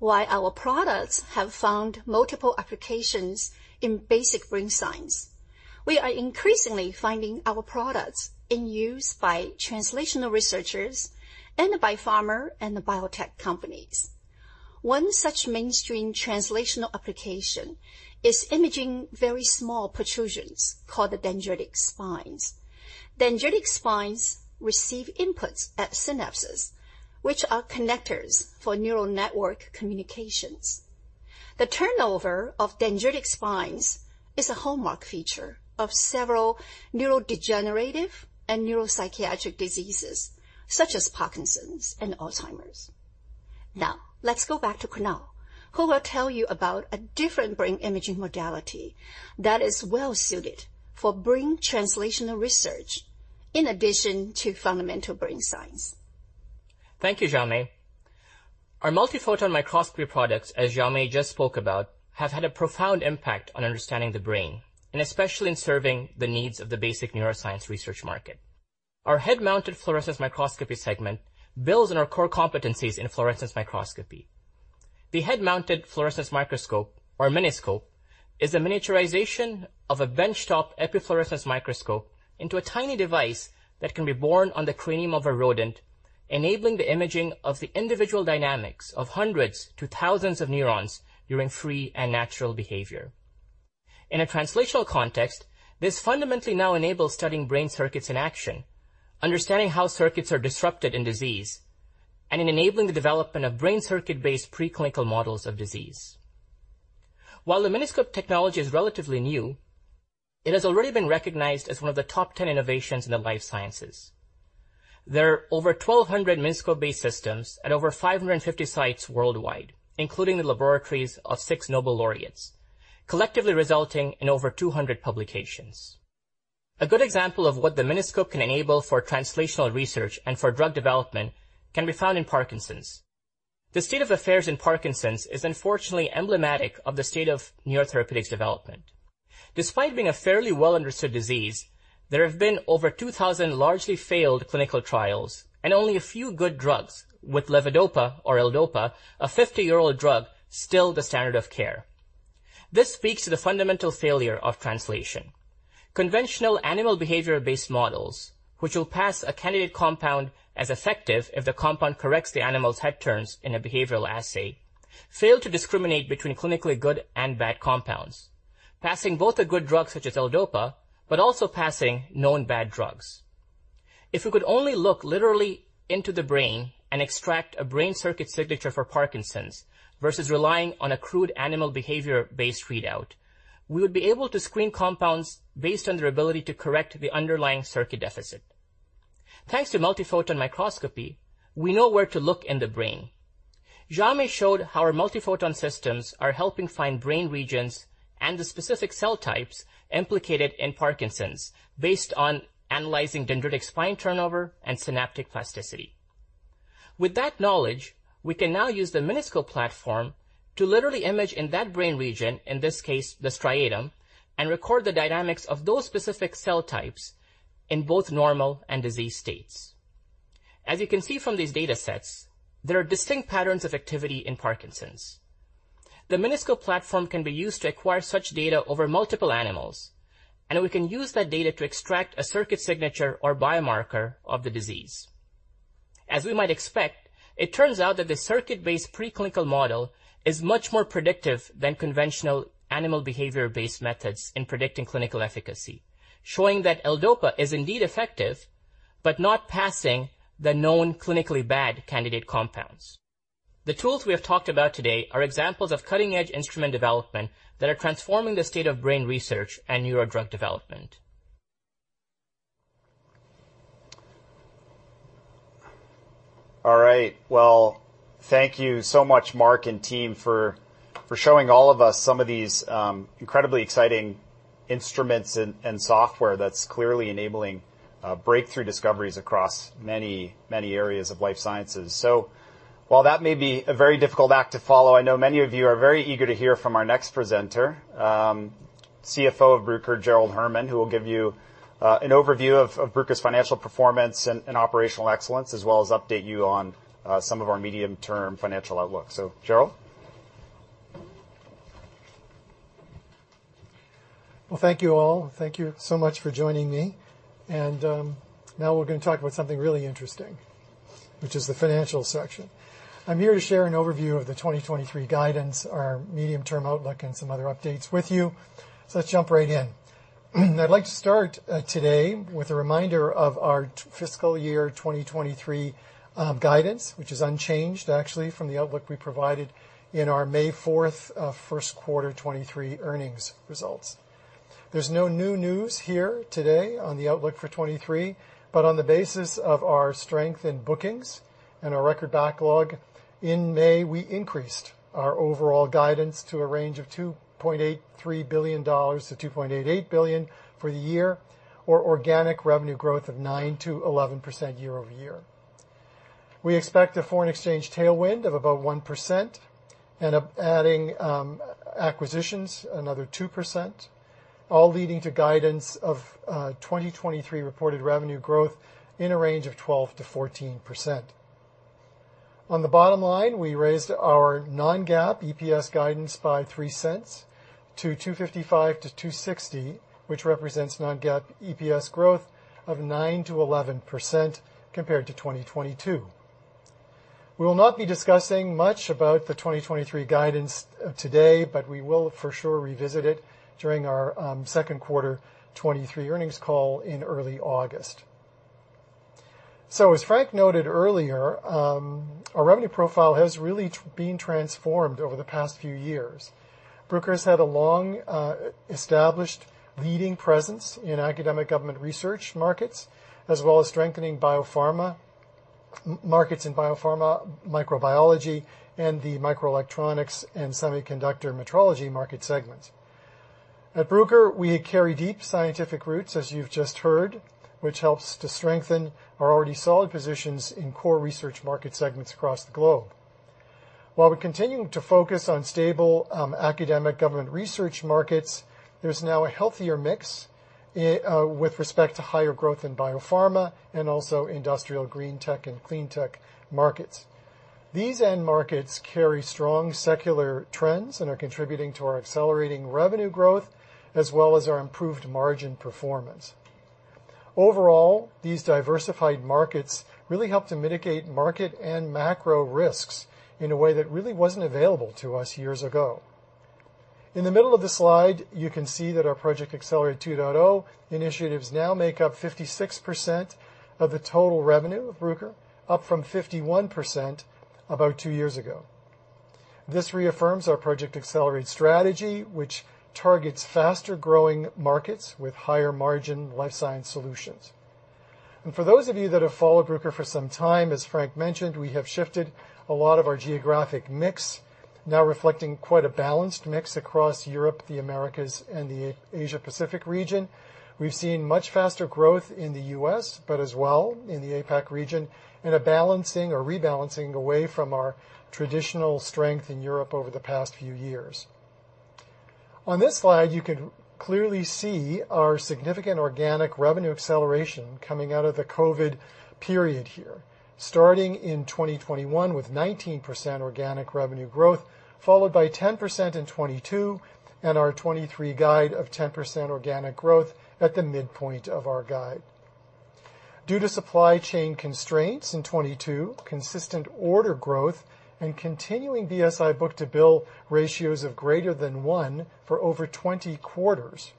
While our products have found multiple applications in basic brain science, we are increasingly finding our products in use by translational researchers and by pharma and the biotech companies. One such mainstream translational application is imaging very small protrusions called the dendritic spines. Dendritic spines receive inputs at synapses, which are connectors for neural network communications. The turnover of dendritic spines is a hallmark feature of several neurodegenerative and neuropsychiatric diseases, such as Parkinson's and Alzheimer's. Let's go back to Kunal, who will tell you about a different brain imaging modality that is well-suited for brain translational research in addition to fundamental brain science. Thank you, Xiaomei. Our multiphoton microscopy products, as Xiaomei just spoke about, have had a profound impact on understanding the brain and especially in serving the needs of the basic neuroscience research market. Our head-mounted fluorescence microscopy segment builds on our core competencies in fluorescence microscopy. The head-mounted fluorescence microscope, or miniscope, is a miniaturization of a benchtop epifluorescence microscope into a tiny device that can be worn on the cranium of a rodent, enabling the imaging of the individual dynamics of hundreds to thousands of neurons during free and natural behavior. In a translational context, this fundamentally now enables studying brain circuits in action, understanding how circuits are disrupted in disease, and in enabling the development of brain circuit-based preclinical models of disease. While the miniscope technology is relatively new-... It has already been recognized as one of the top 10 innovations in the life sciences. There are over 1,200 Miniscope-based systems at over 550 sites worldwide, including the laboratories of six Nobel laureates, collectively resulting in over 200 publications. A good example of what the Miniscope can enable for translational research and for drug development can be found in Parkinson's. The state of affairs in Parkinson's is unfortunately emblematic of the state of neurotherapeutics development. Despite being a fairly well-understood disease, there have been over 2,000 largely failed clinical trials and only a few good drugs, with levodopa or L-Dopa, a 50-year-old drug, still the standard of care. This speaks to the fundamental failure of translation. Conventional animal behavior-based models, which will pass a candidate compound as effective if the compound corrects the animal's head turns in a behavioral assay, fail to discriminate between clinically good and bad compounds, passing both a good drug such as L-Dopa, but also passing known bad drugs. If we could only look literally into the brain and extract a brain circuit signature for Parkinson's versus relying on a crude animal behavior-based readout, we would be able to screen compounds based on their ability to correct the underlying circuit deficit. Thanks to multiphoton microscopy, we know where to look in the brain. Xiaomei showed how our multiphoton systems are helping find brain regions and the specific cell types implicated in Parkinson's based on analyzing dendritic spine turnover and synaptic plasticity. With that knowledge, we can now use the Miniscope platform to literally image in that brain region, in this case, the striatum, and record the dynamics of those specific cell types in both normal and disease states. As you can see from these data sets, there are distinct patterns of activity in Parkinson's. The Miniscope platform can be used to acquire such data over multiple animals, and we can use that data to extract a circuit signature or biomarker of the disease. As we might expect, it turns out that the circuit-based preclinical model is much more predictive than conventional animal behavior-based methods in predicting clinical efficacy, showing that L-Dopa is indeed effective, but not passing the known clinically bad candidate compounds. The tools we have talked about today are examples of cutting-edge instrument development that are transforming the state of brain research and neurodrug development. All right. Well, thank you so much, Mark and team, for showing all of us some of these, incredibly exciting instruments and software that's clearly enabling, breakthrough discoveries across many, many areas of life sciences. While that may be a very difficult act to follow, I know many of you are very eager to hear from our next presenter, CFO of Bruker, Gerald Herman, who will give you, an overview of Bruker's financial performance and operational excellence, as well as update you on, some of our medium-term financial outlook. Gerald? Well, thank you, all. Thank you so much for joining me. Now we're gonna talk about something really interesting, which is the financial section. I'm here to share an overview of the 2023 guidance, our medium-term outlook, and some other updates with you, let's jump right in. I'd like to start today with a reminder of our fiscal year 2023 guidance, which is unchanged, actually, from the outlook we provided in our May 4th, first quarter 2023 earnings results. There's no new news here today on the outlook for 2023 on the basis of our strength in bookings and our record backlog, in May, we increased our overall guidance to a range of $2.83 billion-$2.88 billion for the year, or organic revenue growth of 9%-11% year-over-year. We expect a foreign exchange tailwind of about 1%, acquisitions, another 2%, all leading to guidance of 2023 reported revenue growth in a range of 12%-14%. On the bottom line, we raised our non-GAAP EPS guidance by $0.03 to $2.55-$2.60, which represents non-GAAP EPS growth of 9%-11% compared to 2022. We will not be discussing much about the 2023 guidance today, we will for sure revisit it during our second quarter 2023 earnings call in early August. As Frank noted earlier, our revenue profile has really been transformed over the past few years. Bruker has had a long established leading presence in academic government research markets, as well as strengthening biopharma markets in biopharma, microbiology, and the microelectronics and semiconductor metrology market segments. At Bruker, we carry deep scientific roots, as you've just heard, which helps to strengthen our already solid positions in core research market segments across the globe. While we're continuing to focus on stable, academic government research markets, there's now a healthier mix with respect to higher growth in biopharma and also industrial green tech and clean tech markets. These end markets carry strong secular trends and are contributing to our accelerating revenue growth, as well as our improved margin performance. Overall, these diversified markets really help to mitigate market and macro risks in a way that really wasn't available to us years ago. In the middle of the slide, you can see that our Project Accelerate 2.0 initiatives now make up 56% of the total revenue of Bruker, up from 51% about two years ago. This reaffirms our Project Accelerate strategy, which targets faster-growing markets with higher-margin life science solutions. For those of you that have followed Bruker for some time, as Frank mentioned, we have shifted a lot of our geographic mix, now reflecting quite a balanced mix across Europe, the Americas, and the Asia Pacific region. We've seen much faster growth in the U.S., but as well in the APAC region, and a balancing or rebalancing away from our traditional strength in Europe over the past few years. On this slide, you can clearly see our significant organic revenue acceleration coming out of the COVID period here, starting in 2021, with 19% organic revenue growth, followed by 10% in 2022, and our 2023 guide of 10% organic growth at the midpoint of our guide. Due to supply chain constraints in 2022, consistent order growth, and continuing BSI book-to-bill ratios of greater than one for over 20 quarters,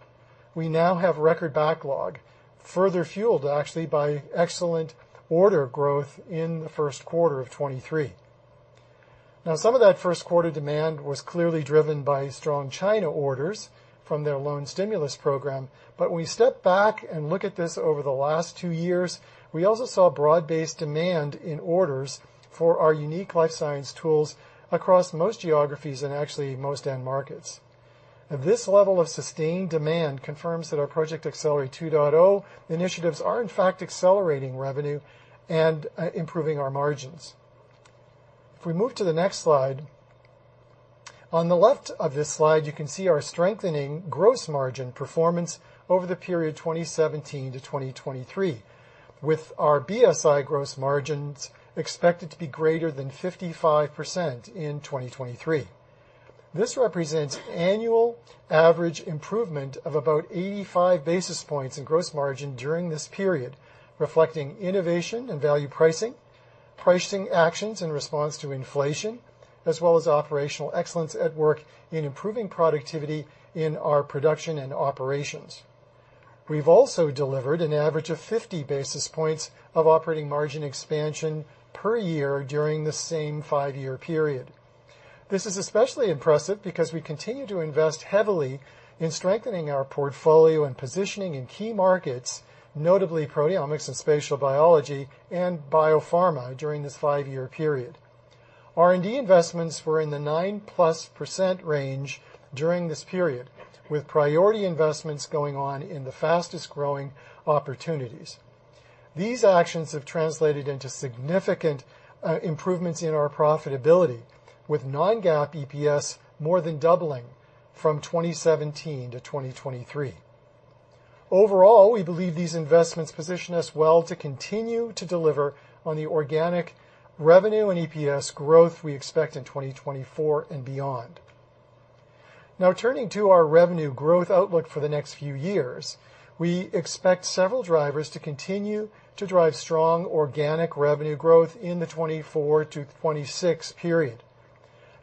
we now have record backlog, further fueled, actually, by excellent order growth in the first quarter of 2023. Some of that first quarter demand was clearly driven by strong China orders from their loan stimulus program. When we step back and look at this over the last 2 years, we also saw broad-based demand in orders for our unique life science tools across most geographies and actually most end markets. This level of sustained demand confirms that our Project Accelerate 2.0 initiatives are, in fact, accelerating revenue and improving our margins. If we move to the next slide, on the left of this slide, you can see our strengthening gross margin performance over the period 2017-2023, with our BSI gross margins expected to be greater than 55% in 2023. This represents annual average improvement of about 85 basis points in gross margin during this period, reflecting innovation and value pricing actions in response to inflation, as well as operational excellence at work in improving productivity in our production and operations. We've also delivered an average of 50 basis points of operating margin expansion per year during the same 5-year period. This is especially impressive because we continue to invest heavily in strengthening our portfolio and positioning in key markets, notably proteomics and spatial biology and biopharma, during this five-year period. R&D investments were in the 9+% range during this period, with priority investments going on in the fastest-growing opportunities. These actions have translated into significant improvements in our profitability, with non-GAAP EPS more than doubling from 2017 to 2023. Overall, we believe these investments position us well to continue to deliver on the organic revenue and EPS growth we expect in 2024 and beyond. Turning to our revenue growth outlook for the next few years, we expect several drivers to continue to drive strong organic revenue growth in the 2024-2026 period.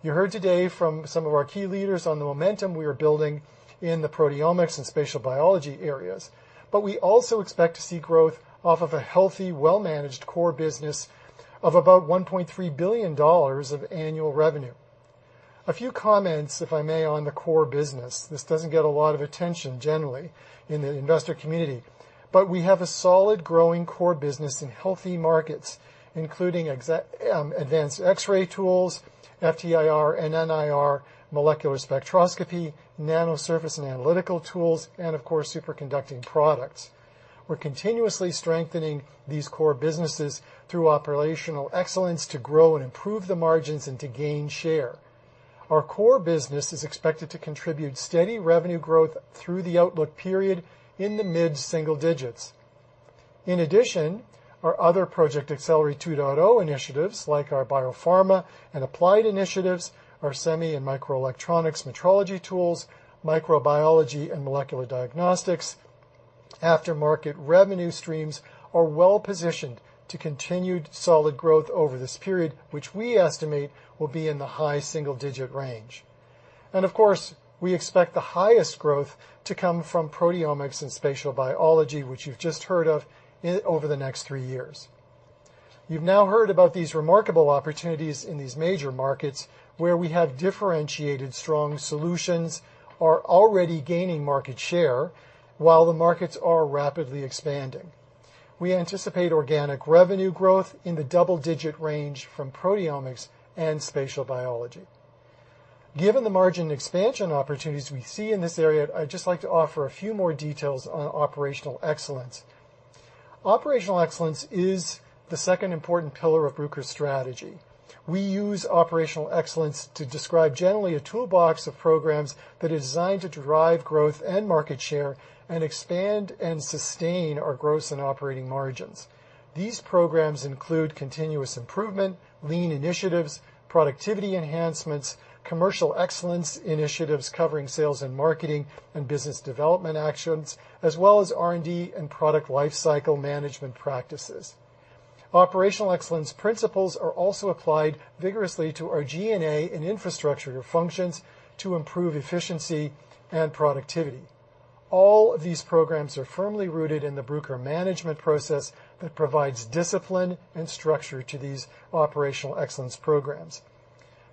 You heard today from some of our key leaders on the momentum we are building in the proteomics and spatial biology areas, we also expect to see growth off of a healthy, well-managed core business of about $1.3 billion of annual revenue. A few comments, if I may, on the core business. This doesn't get a lot of attention generally in the investor community, but we have a solid, growing core business in healthy markets, including advanced X-ray tools, FTIR and NIR molecular spectroscopy, nanoservice and analytical tools, and, of course, superconducting products. We're continuously strengthening these core businesses through operational excellence to grow and improve the margins and to gain share. Our core business is expected to contribute steady revenue growth through the outlook period in the mid-single digits. In addition, our other Project Accelerate 2.0 initiatives, like our biopharma and applied initiatives, our semi and microelectronics metrology tools, microbiology and molecular diagnostics, after-market revenue streams, are well positioned to continued solid growth over this period, which we estimate will be in the high single-digit range. Of course, we expect the highest growth to come from proteomics and spatial biology, which you've just heard of, over the next three years. You've now heard about these remarkable opportunities in these major markets, where we have differentiated strong solutions, are already gaining market share, while the markets are rapidly expanding. We anticipate organic revenue growth in the double-digit range from proteomics and spatial biology. Given the margin expansion opportunities we see in this area, I'd just like to offer a few more details on operational excellence. Operational excellence is the second important pillar of Bruker's strategy. We use operational excellence to describe generally a toolbox of programs that are designed to drive growth and market share and expand and sustain our gross and operating margins. These programs include continuous improvement, lean initiatives, productivity enhancements, commercial excellence initiatives covering sales and marketing and business development actions, as well as R&D and product lifecycle management practices. Operational excellence principles are also applied vigorously to our G&A and infrastructure functions to improve efficiency and productivity. All these programs are firmly rooted in the Bruker management process that provides discipline and structure to these operational excellence programs.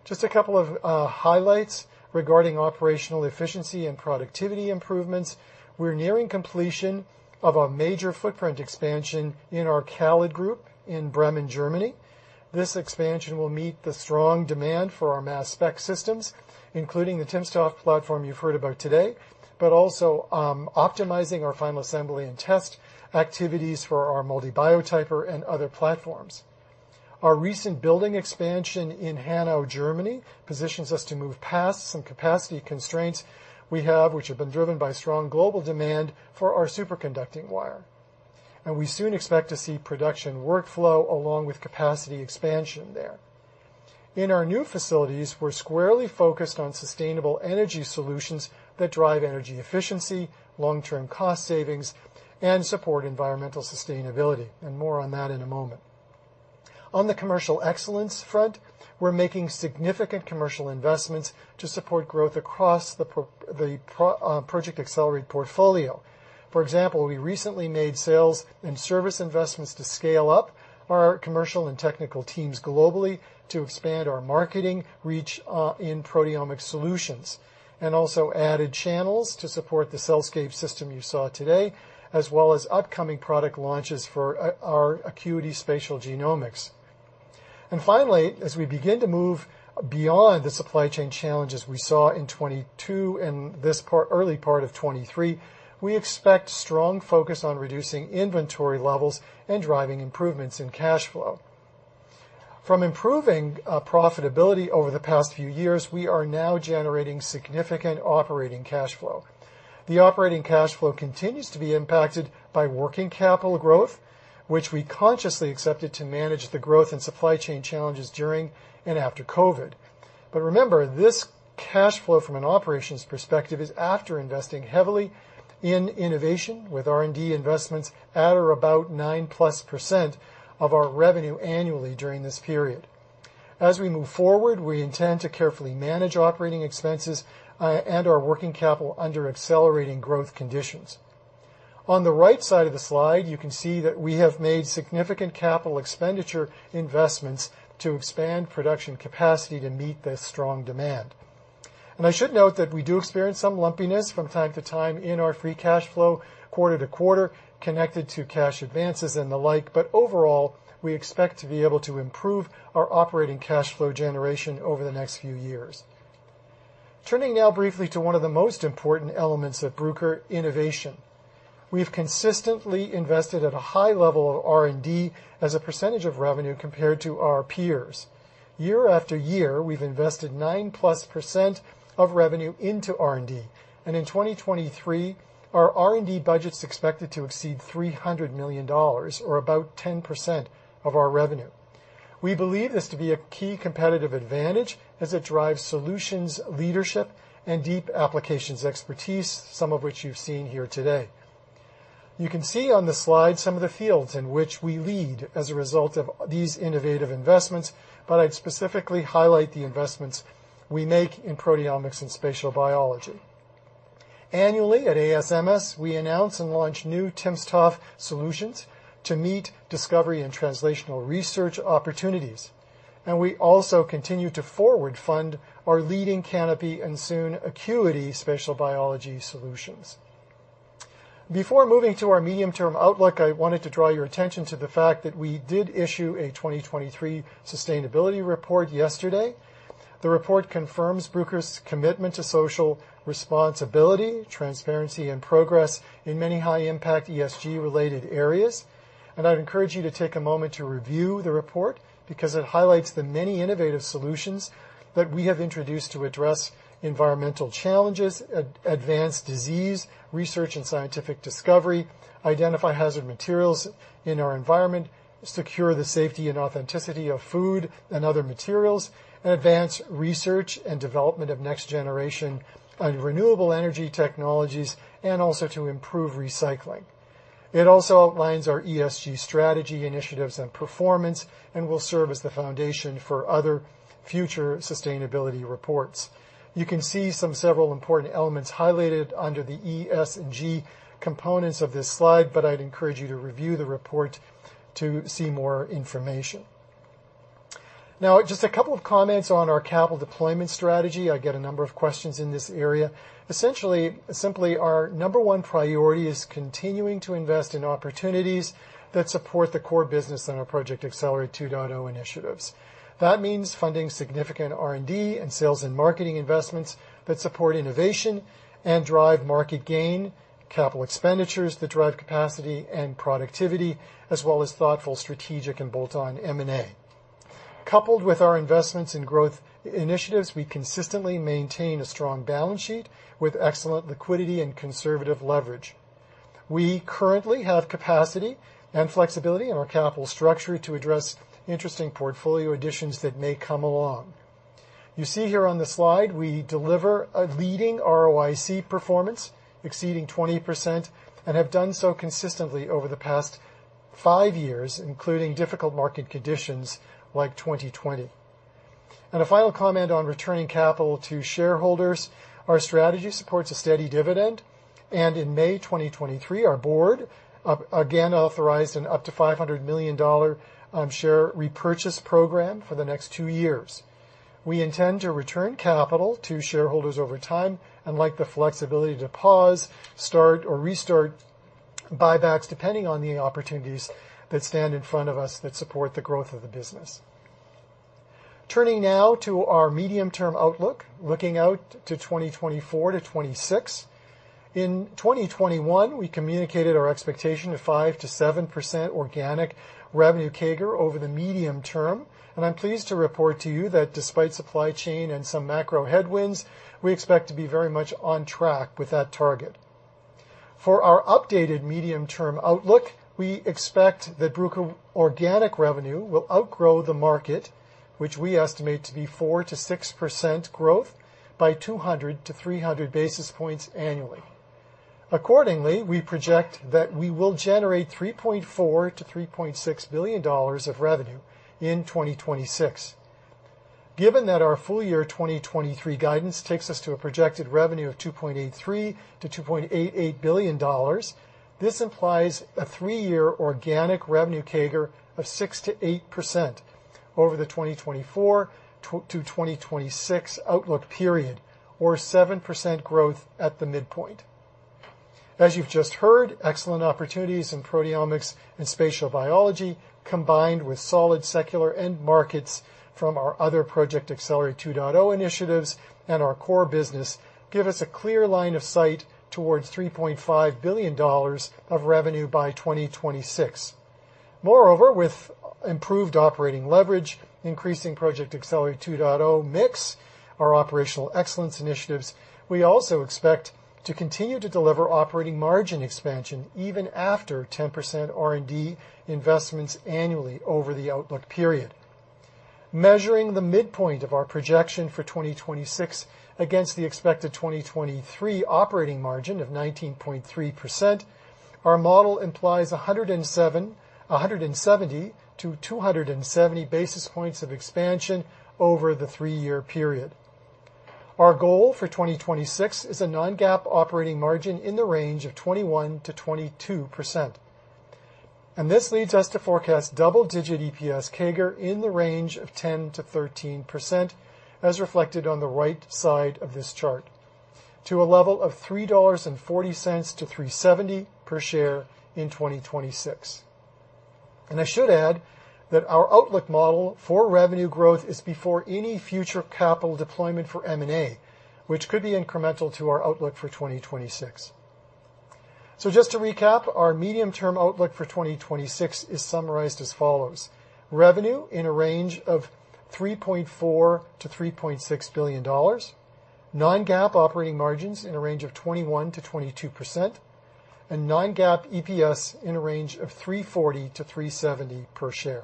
Just a couple of highlights regarding operational efficiency and productivity improvements. We're nearing completion of a major footprint expansion in our CALID group in Bremen, Germany. This expansion will meet the strong demand for our mass spec systems, including the timsTOF platform you've heard about today, but also optimizing our final assembly and test activities for our MALDI Biotyper and other platforms. Our recent building expansion in Hanau, Germany, positions us to move past some capacity constraints we have, which have been driven by strong global demand for our superconducting wire. We soon expect to see production workflow along with capacity expansion there. In our new facilities, we're squarely focused on sustainable energy solutions that drive energy efficiency, long-term cost savings, and support environmental sustainability. More on that in a moment. On the commercial excellence front, we're making significant commercial investments to support growth across the Project Accelerate portfolio. For example, we recently made sales and service investments to scale up our commercial and technical teams globally to expand our marketing reach in proteomic solutions. Also added channels to support the CellScape system you saw today, as well as upcoming product launches for our Acuity Spatial Genomics. Finally, as we begin to move beyond the supply chain challenges we saw in 2022 and early part of 2023, we expect strong focus on reducing inventory levels and driving improvements in cash flow. From improving profitability over the past few years, we are now generating significant operating cash flow. The operating cash flow continues to be impacted by working capital growth, which we consciously accepted to manage the growth and supply chain challenges during and after COVID. Remember, this cash flow from an operations perspective is after investing heavily in innovation with R&D investments at or about 9%+ of our revenue annually during this period. As we move forward, we intend to carefully manage operating expenses and our working capital under accelerating growth conditions. On the right side of the slide, you can see that we have made significant capital expenditure investments to expand production capacity to meet the strong demand. I should note that we do experience some lumpiness from time to time in our free cash flow, quarter to quarter, connected to cash advances and the like, but overall, we expect to be able to improve our operating cash flow generation over the next few years. Turning now briefly to one of the most important elements of Bruker: innovation. We've consistently invested at a high level of R&D as a percentage of revenue compared to our peers. Year after year, we've invested 9+% of revenue into R&D, and in 2023, our R&D budget's expected to exceed $300 million, or about 10% of our revenue. We believe this to be a key competitive advantage as it drives solutions, leadership, and deep applications expertise, some of which you've seen here today. You can see on the slide some of the fields in which we lead as a result of these innovative investments, but I'd specifically highlight the investments we make in proteomics and spatial biology. Annually, at ASMS, we announce and launch new timsTOF solutions to meet discovery and translational research opportunities, and we also continue to forward-fund our leading Canopy and soon Acuity spatial biology solutions. Before moving to our medium-term outlook, I wanted to draw your attention to the fact that we did issue a 2023 sustainability report yesterday. The report confirms Bruker's commitment to social responsibility, transparency, and progress in many high-impact ESG-related areas. I'd encourage you to take a moment to review the report, because it highlights the many innovative solutions that we have introduced to address environmental challenges, advanced disease, research and scientific discovery, identify hazard materials in our environment, secure the safety and authenticity of food and other materials, and advance research and development of next-generation and renewable energy technologies, and also to improve recycling. It also outlines our ESG strategy, initiatives, and performance and will serve as the foundation for other future sustainability reports. You can see some several important elements highlighted under the E, S, and G components of this slide, but I'd encourage you to review the report to see more information. Just a couple of comments on our capital deployment strategy. I get a number of questions in this area. Essentially, simply, our number one priority is continuing to invest in opportunities that support the core business in our Project Accelerate 2.0 initiatives. That means funding significant R&D and sales and marketing investments that support innovation and drive market gain, capital expenditures that drive capacity and productivity, as well as thoughtful, strategic, and bolt-on M&A. Coupled with our investments in growth initiatives, we consistently maintain a strong balance sheet with excellent liquidity and conservative leverage. We currently have capacity and flexibility in our capital structure to address interesting portfolio additions that may come along. You see here on the slide, we deliver a leading ROIC performance exceeding 20% and have done so consistently over the past five years, including difficult market conditions like 2020. A final comment on returning capital to shareholders. Our strategy supports a steady dividend, and in May 2023, our board again authorized an up to $500 million share repurchase program for the next two years. We intend to return capital to shareholders over time and like the flexibility to pause, start, or restart buybacks, depending on the opportunities that stand in front of us that support the growth of the business. Turning now to our medium-term outlook, looking out to 2024 to 2026. In 2021, we communicated our expectation of 5%-7% organic revenue CAGR over the medium term, and I'm pleased to report to you that despite supply chain and some macro headwinds, we expect to be very much on track with that target. For our updated medium-term outlook, we expect that Bruker organic revenue will outgrow the market, which we estimate to be 4%-6% growth by 200-300 basis points annually. We project that we will generate $3.4 billion-$3.6 billion of revenue in 2026. Given that our full year 2023 guidance takes us to a projected revenue of $2.83 billion-$2.88 billion, this implies a three-year organic revenue CAGR of 6%-8% over the 2024-2026 outlook period, or 7% growth at the midpoint. As you've just heard, excellent opportunities in proteomics and spatial biology, combined with solid secular end markets from our other Project Accelerate 2.0 initiatives and our core business, give us a clear line of sight towards $3.5 billion of revenue by 2026. Moreover, with improved operating leverage, increasing Project Accelerate 2.0 mix, our operational excellence initiatives, we also expect to continue to deliver operating margin expansion even after 10% R&D investments annually over the outlook period. Measuring the midpoint of our projection for 2026 against the expected 2023 operating margin of 19.3%, our model implies 170 to 270 basis points of expansion over the three-year period. Our goal for 2026 is a non-GAAP operating margin in the range of 21%-22%. This leads us to forecast double-digit EPS CAGR in the range of 10%-13%, as reflected on the right side of this chart, to a level of $3.40-$3.70 per share in 2026. I should add that our outlook model for revenue growth is before any future capital deployment for M&A, which could be incremental to our outlook for 2026. Just to recap, our medium-term outlook for 2026 is summarized as follows: revenue in a range of $3.4 billion-$3.6 billion, non-GAAP operating margins in a range of 21%-22%, and non-GAAP EPS in a range of $3.40-$3.70 per share.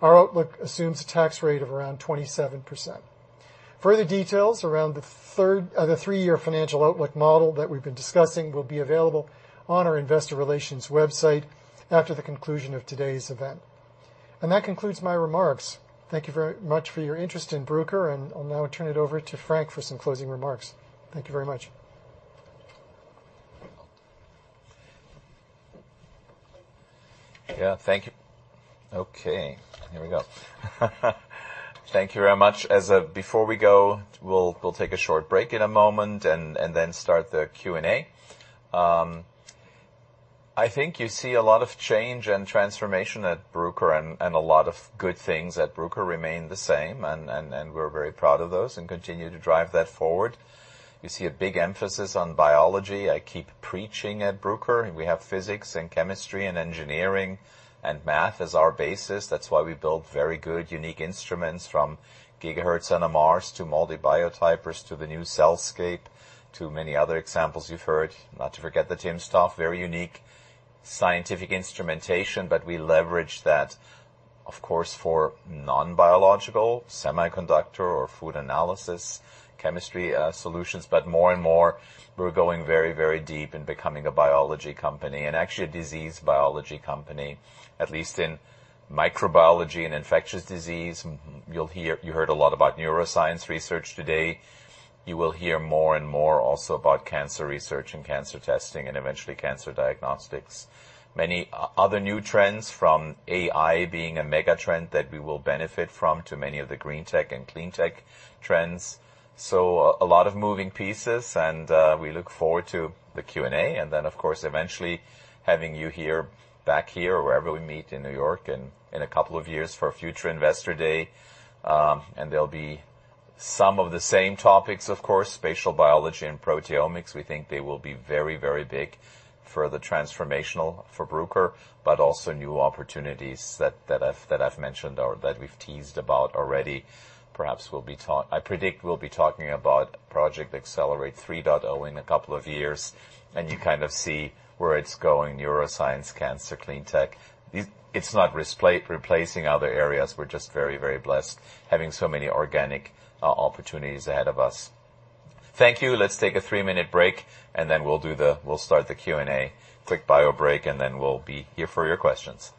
Our outlook assumes a tax rate of around 27%. Further details around the third, the three-year financial outlook model that we've been discussing will be available on our investor relations website after the conclusion of today's event. That concludes my remarks. Thank you very much for your interest in Bruker, and I'll now turn it over to Frank for some closing remarks. Thank you very much. Thank you. Okay, here we go. Thank you very much. Before we go, we'll take a short break in a moment and then start the Q&A. I think you see a lot of change and transformation at Bruker, and a lot of good things at Bruker remain the same, and we're very proud of those and continue to drive that forward. You see a big emphasis on biology. I keep preaching at Bruker, we have physics and chemistry and engineering and math as our basis. That's why we build very good, unique instruments from gigahertz NMRs to MALDI Biotypers to the new CellScape, to many other examples you've heard. Not to forget the timsTOF, very unique scientific instrumentation, but we leverage that, of course, for non-biological, semiconductor or food analysis, chemistry, solutions. More and more, we're going very, very deep in becoming a biology company and actually a disease biology company, at least in microbiology and infectious disease. You heard a lot about neuroscience research today. You will hear more and more also about cancer research and cancer testing, and eventually cancer diagnostics. Many other new trends from AI being a mega trend that we will benefit from to many of the green tech and clean tech trends. A lot of moving pieces, and we look forward to the Q&A, and then, of course, eventually having you here, back here or wherever we meet in New York in a couple of years for a future investor day. There'll be some of the same topics, of course, spatial biology and proteomics. We think they will be very, very big for the transformational for Bruker, but also new opportunities that I've mentioned or that we've teased about already. I predict we'll be talking about Project Accelerate 3.0 in a couple of years, and you kind of see where it's going, neuroscience, cancer, clean tech. It's not replacing other areas. We're just very, very blessed, having so many organic opportunities ahead of us. Thank you. Let's take a three-minute break, then we'll start the Q&A. Quick bio break, then we'll be here for your questions.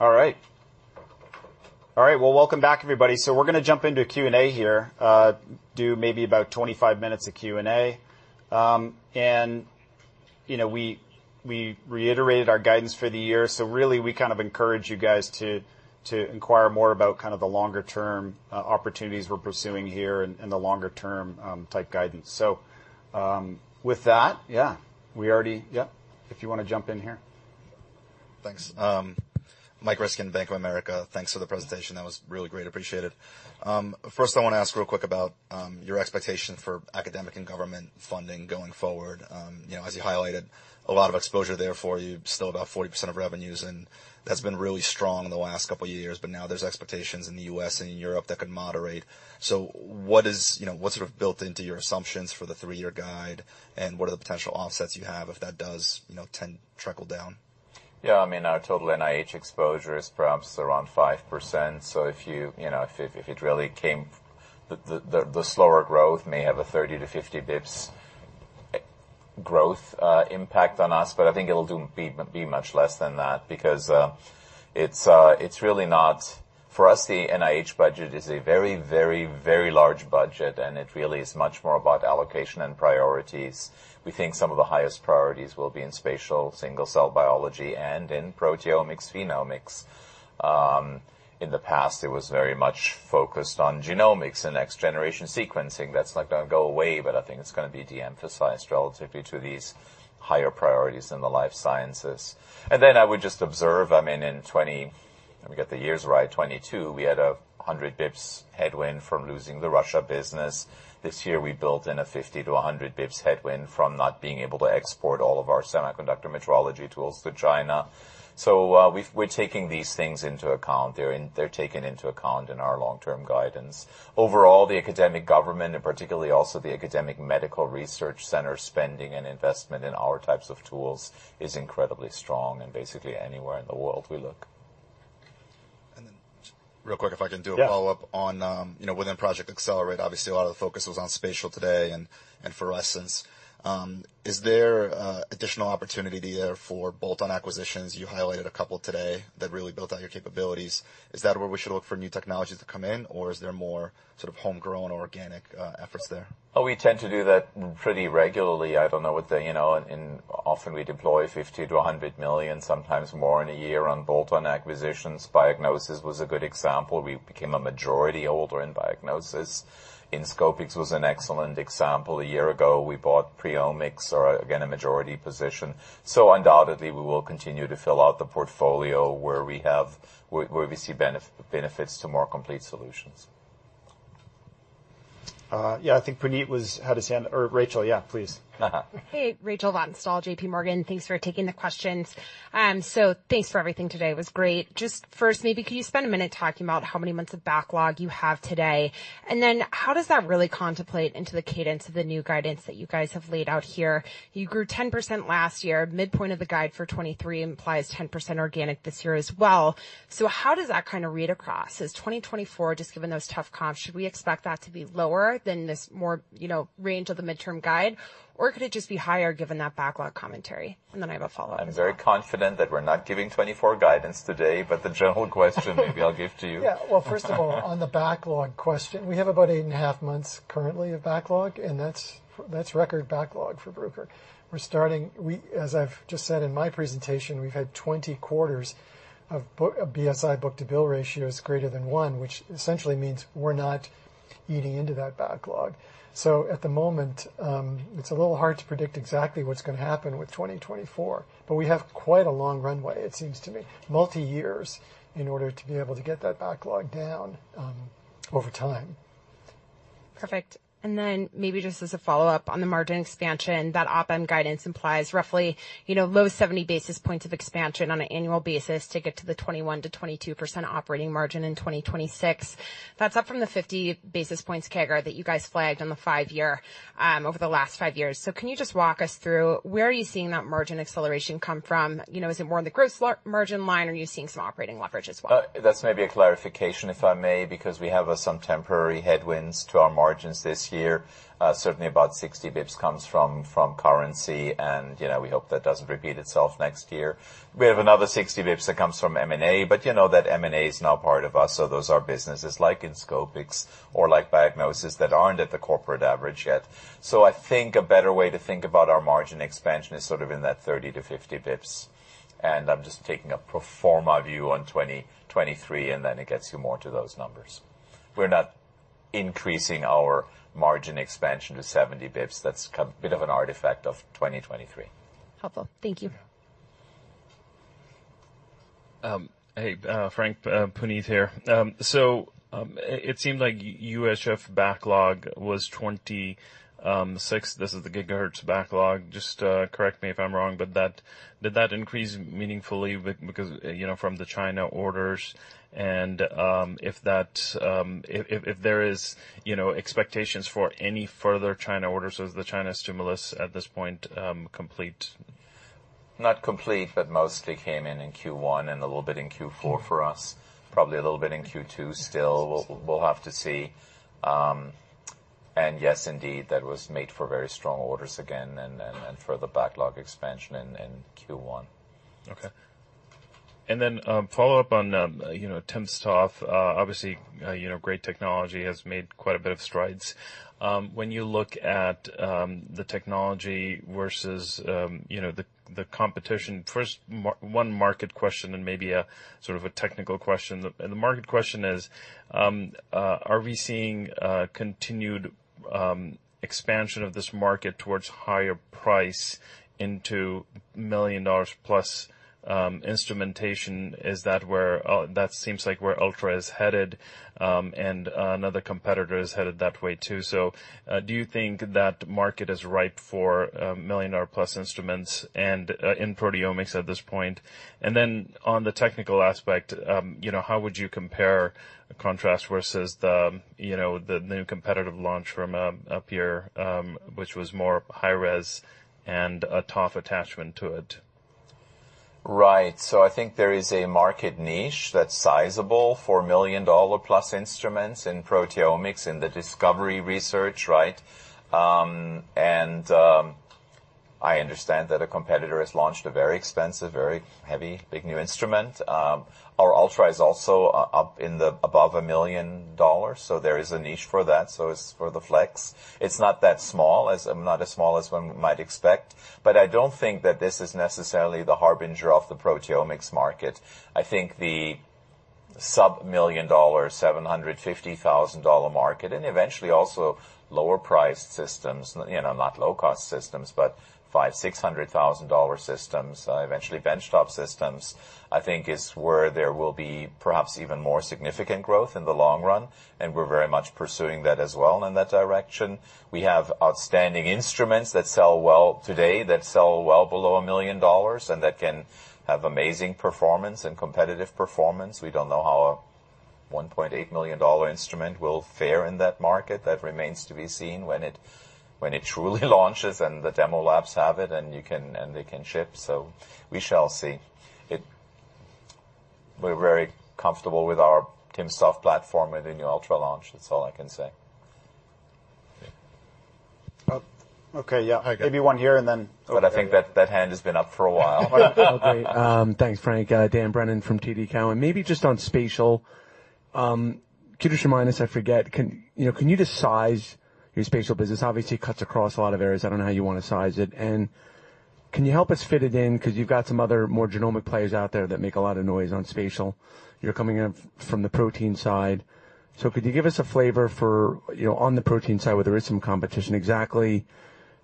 All right, well, welcome back, everybody. We're going to jump into Q&A here, do maybe about 25 minutes of Q&A. You know, we reiterated our guidance for the year. Really, we kind of encourage you guys to inquire more about kind of the longer-term opportunities we're pursuing here and the longer-term type guidance. With that, yeah, if you want to jump in here? Thanks. Mike Ryskin, Bank of America, thanks for the presentation. That was really great. Appreciate it. First I want to ask real quick about your expectation for academic and government funding going forward. You know, as you highlighted, a lot of exposure there for you, still about 40% of revenues, and that's been really strong in the last couple of years, but now there's expectations in the U.S. and in Europe that could moderate. What is, you know, what's sort of built into your assumptions for the three-year guide? What are the potential offsets you have if that does, you know, trickle down? I mean, our total NIH exposure is perhaps around 5%. If you know, if it really came, the slower growth may have a 30 to 50 bps growth impact on us, but I think it'll be much less than that because it's really not. For us, the NIH budget is a very large budget, and it really is much more about allocation and priorities. We think some of the highest priorities will be in spatial, single cell biology and in proteomics, phenomics. In the past, it was very much focused on genomics and next generation sequencing. That's not going to go away, but I think it's going to be de-emphasized relatively to these higher priorities in the life sciences. I would just observe, I mean, in 2022, we had a 100 basis points headwind from losing the Russia business. This year, we built in a 50 to 100 bps headwind from not being able to export all of our semiconductor metrology tools to China. We're taking these things into account. They're taken into account in our long-term guidance. Overall, the academic government, and particularly also the academic medical research center, spending and investment in our types of tools is incredibly strong and basically anywhere in the world we look. Just real quick, if I can do a follow-up. Yeah. -on, you know, within Project Accelerate, obviously, a lot of the focus was on spatial today and fluorescence. Is there additional opportunity there for bolt-on acquisitions? You highlighted a couple today that really built out your capabilities. Is that where we should look for new technologies to come in, or is there more sort of homegrown organic efforts there? Oh, we tend to do that pretty regularly. I don't know what the, you know, and often we deploy $50 million-$100 million, sometimes more in a year on bolt-on acquisitions. Biognosys was a good example. We became a majority holder in Biognosys. Inscopix was an excellent example. A year ago, we bought PreOmics, or again, a majority position. Undoubtedly, we will continue to fill out the portfolio where we have, where we see benefits to more complete solutions. Yeah, I think Puneet was, had his hand. Rachel, yeah, please. Hey, Rachel Vatnsdal, JPMorgan. Thanks for taking the questions. Thanks for everything today. It was great. Just first, maybe could you spend a minute talking about how many months of backlog you have today? How does that really contemplate into the cadence of the new guidance that you guys have laid out here? You grew 10% last year. Midpoint of the guide for 2023 implies 10% organic this year as well. How does that kind of read across? Is 2024, just given those tough comps, should we expect that to be lower than this more, you know, range of the midterm guide, or could it just be higher given that backlog commentary? I have a follow-up as well. I'm very confident that we're not giving 2024 guidance today, but the general question maybe I'll give to you. Well, first of all, on the backlog question, we have about 8.5 months currently of backlog, and that's record backlog for Bruker. As I've just said in my presentation, we've had 20 quarters of BSI book-to-bill ratios greater than one, which essentially means we're not eating into that backlog. At the moment, it's a little hard to predict exactly what's going to happen with 2024, but we have quite a long runway, it seems to me, multi years, in order to be able to get that backlog down over time. Perfect. Maybe just as a follow-up on the margin expansion, that OpEx guidance implies roughly, you know, low 70 basis points of expansion on an annual basis to get to the 21%-22% operating margin in 2026. That's up from the 50 basis points CAGR that you guys flagged on the five-year over the last five years. Can you just walk us through where are you seeing that margin acceleration come from? You know, is it more on the gross margin line, or are you seeing some operating leverage as well? That's maybe a clarification, if I may, because we have some temporary headwinds to our margins this year. Certainly about 60 bps comes from currency, you know, we hope that doesn't repeat itself next year. We have another 60 bps that comes from M&A, but you know that M&A is now part of us, so those are businesses like Inscopix or like Biognosys that aren't at the corporate average yet. I think a better way to think about our margin expansion is sort of in that 30 to 50 bps, and I'm just taking a pro forma view on 2023, and then it gets you more to those numbers. We're not increasing our margin expansion to 70 bps. That's a bit of an artifact of 2023. Helpful. Thank you. Hey, Frank, Puneet here. It seemed like USF backlog was 20, 6. This is the gigahertz backlog. Just, correct me if I'm wrong, but that, did that increase meaningfully because, you know, from the China orders? If that, if there is, you know, expectations for any further China orders, is the China stimulus at this point, complete? Not complete, but mostly came in in Q1 and a little bit in Q4 for us. Probably a little bit in Q2 still. We'll have to see. Yes, indeed, that was made for very strong orders again and further backlog expansion in Q1. Okay. Then, follow up on, you know, timsTOF stuff. Obviously, you know, great technology has made quite a bit of strides. When you look at the technology versus, you know, the competition. First, one market question and maybe a sort of a technical question. The market question is, are we seeing continued expansion of this market towards higher price into $1 million+ instrumentation? Is that where that seems like where timsTOF Ultra is headed, and another competitor is headed that way, too. Do you think that market is ripe for $1 million+ instruments and in proteomics at this point? On the technical aspect, you know, how would you compare, contrast versus the, you know, the new competitive launch from up here, which was more high-res and a tough attachment to it? Right. I think there is a market niche that's sizable for $1 million+ instruments in proteomics, in the discovery research, right? I understand that a competitor has launched a very expensive, very heavy, big new instrument. Our Ultra is also up in the above $1 million. There is a niche for that, so it's for the flex. It's not that small, as not as small as one might expect. I don't think that this is necessarily the harbinger of the proteomics market. I think the sub-$1 million, $750,000 market, eventually also lower-priced systems, you know, not low-cost systems, but $500,000-$600,000 systems, eventually bench top systems, I think is where there will be perhaps even more significant growth in the long run, and we're very much pursuing that as well in that direction. We have outstanding instruments that sell well today, that sell well below $1 million, and that can have amazing performance and competitive performance. We don't know how a $1.8 million instrument will fare in that market. That remains to be seen when it truly launches and the demo labs have it, and they can ship. We shall see. We're very comfortable with our timsTOF platform and the new Ultra launch. That's all I can say. Okay, yeah. Maybe one here. I think that that hand has been up for a while. Okay. Thanks, Frank. Dan Brennan from TD Cowen. Maybe just on spatial, could you just remind us, I forget, you know, can you just size your spatial business? Obviously, it cuts across a lot of areas. I don't know how you want to size it. Can you help us fit it in? Because you've got some other more genomic players out there that make a lot of noise on spatial. You're coming in from the protein side. Could you give us a flavor for, you know, on the protein side, where there is some competition, exactly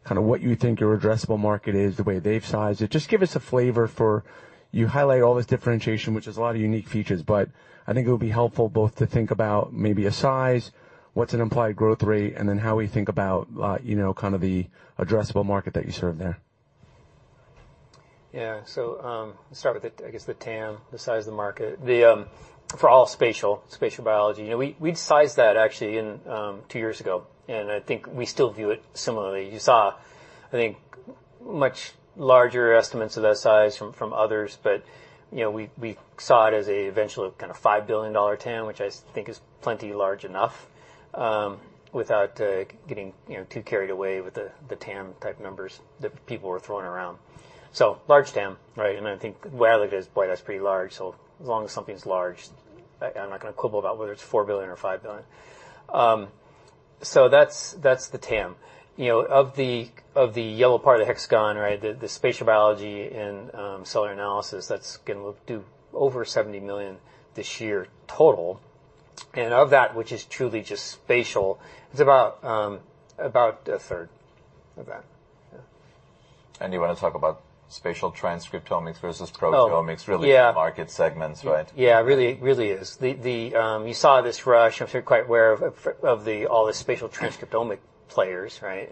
kind of what you think your addressable market is, the way they've sized it. Just give us a flavor for... You highlight all this differentiation, which is a lot of unique features, but I think it would be helpful both to think about maybe a size, what's an implied growth rate, and then how we think about, you know, kind of the addressable market that you serve there. Yeah. Let's start with the, I guess, the TAM, the size of the market. For all spatial biology, you know, we'd sized that actually in two years ago, and I think we still view it similarly. You saw, I think, much larger estimates of that size from others, but, you know, we saw it as a eventually kind of $5 billion TAM, which I think is plenty large enough, without getting, you know, too carried away with the TAM type numbers that people were throwing around. Large TAM, right? I think, well, boy, that's pretty large. As long as something's large, I'm not gonna quibble about whether it's $4 billion or $5 billion. That's the TAM. You know, of the yellow part of the hexagon, right, the spatial biology and cellular analysis, that's gonna do over $70 million this year total. Of that, which is truly just spatial, it's about a third of that. Yeah. You want to talk about spatial transcriptomics versus proteomics. Oh, yeah. really market segments, right? Yeah, really is. The, you saw this rush, if you're quite aware of the spatial transcriptomic players, right?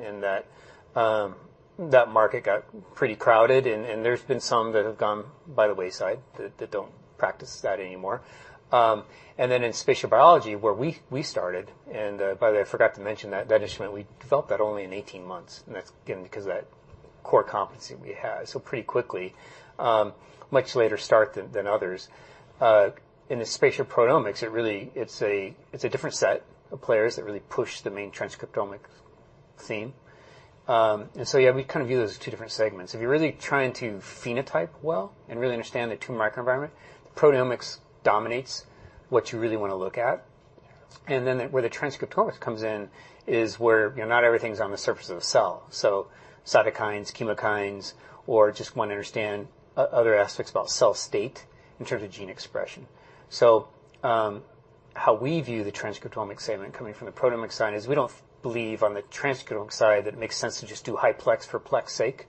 That market got pretty crowded and there's been some that have gone by the wayside that don't practice that anymore. Then in spatial proteomics, where we started, and by the way, I forgot to mention that instrument, we developed that only in 18 months, and that's again, because of that core competency we had. Pretty quickly, much later start than others. In the spatial proteomics, it really is a different set of players that really push the main transcriptomic theme. Yeah, we kind of view those as two different segments. If you're really trying to phenotype well and really understand the tumor microenvironment, proteomics dominates what you really want to look at. Where the transcriptomics comes in is where, you know, not everything's on the surface of a cell, so cytokines, chemokines, or just want to understand other aspects about cell state in terms of gene expression. How we view the transcriptomic statement coming from the proteomic side is we don't believe on the transcriptomic side that it makes sense to just do high plex for plex sake.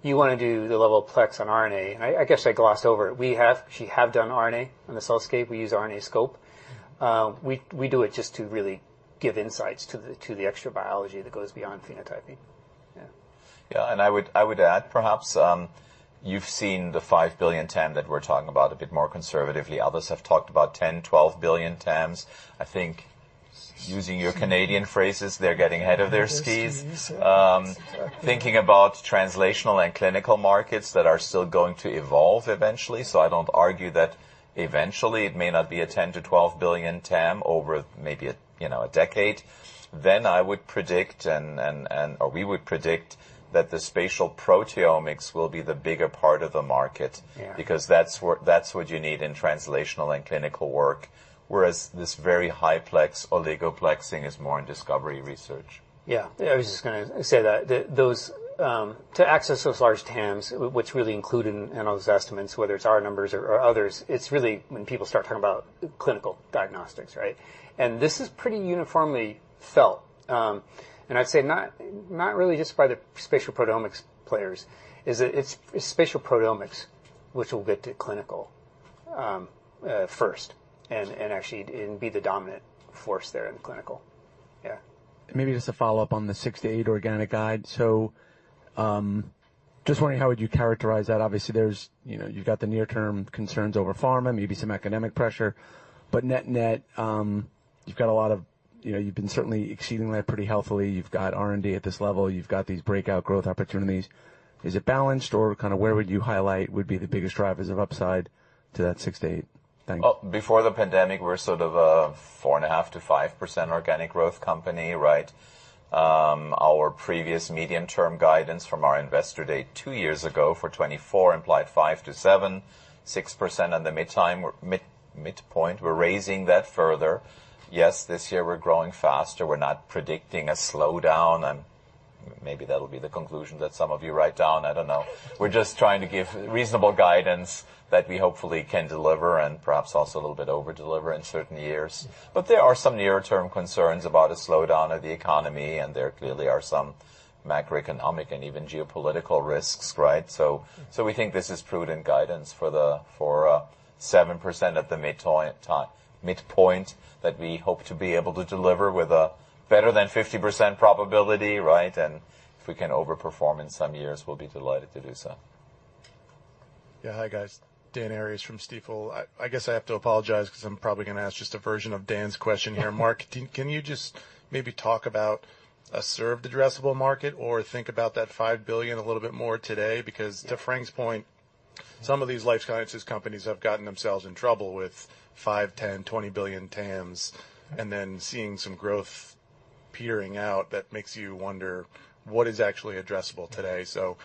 You wanna do the level of plex on RNA. I guess I glossed over it. We have done RNA on the CellScape. We use RNAscope. We do it just to really give insights to the, to the extra biology that goes beyond phenotyping. Yeah. I would, I would add, perhaps, you've seen the $5 billion TAM that we're talking about a bit more conservatively. Others have talked about $10 billion, $12 billion TAMs. I think using your Canadian phrases, they're getting ahead of their skis. Thinking about translational and clinical markets that are still going to evolve eventually. I don't argue that eventually it may not be a $10 billion-$12 billion TAM over maybe a, you know, a decade. I would predict or we would predict that the spatial proteomics will be the bigger part of the market. Yeah. That's what you need in translational and clinical work, whereas this very high plex, oligoplexing, is more in discovery research. Yeah. I was just gonna say that those to access those large TAMs, which really include in those estimates, whether it's our numbers or others, it's really when people start talking about clinical diagnostics, right? This is pretty uniformly felt. I'd say not really just by the spatial proteomics players, is that it's spatial proteomics, which will get to clinical first and actually and be the dominant force there in clinical. Yeah. Maybe just a follow-up on the 6%-8% organic guide. Just wondering, how would you characterize that? Obviously, there's, you know, you've got the near-term concerns over pharma, maybe some economic pressure, but net-net, you've got a lot of... You know, you've been certainly exceeding that pretty healthily. You've got R&D at this level. You've got these breakout growth opportunities. Is it balanced, or kind of where would you highlight would be the biggest drivers of upside to that 6%-8%? Thanks. Well, before the pandemic, we were sort of a 4.5%-5% organic growth company, right? Our previous medium-term guidance from our Investor Day two years ago for 2024 implied 5%-7%, 6% on the midpoint. We're raising that further. Yes, this year we're growing faster. We're not predicting a slowdown, and maybe that'll be the conclusion that some of you write down. I don't know. We're just trying to give reasonable guidance that we hopefully can deliver and perhaps also a little bit over-deliver in certain years. There are some near-term concerns about a slowdown of the economy, and there clearly are some macroeconomic and even geopolitical risks, right? We think this is prudent guidance for 7% at the midpoint that we hope to be able to deliver with a better than 50% probability, right? If we can overperform in some years, we'll be delighted to do so. Hi, guys. Dan Arias from Stifel. I guess I have to apologize because I'm probably gonna ask just a version of Dan's question here. Mark, can you just maybe talk about a served addressable market or think about that $5 billion a little bit more today? Yeah. Because to Frank's point, some of these life sciences companies have gotten themselves in trouble with $5 billion, $10 billion, $20 billion TAMs, and then seeing some growth peering out, that makes you wonder what is actually addressable today. Exactly.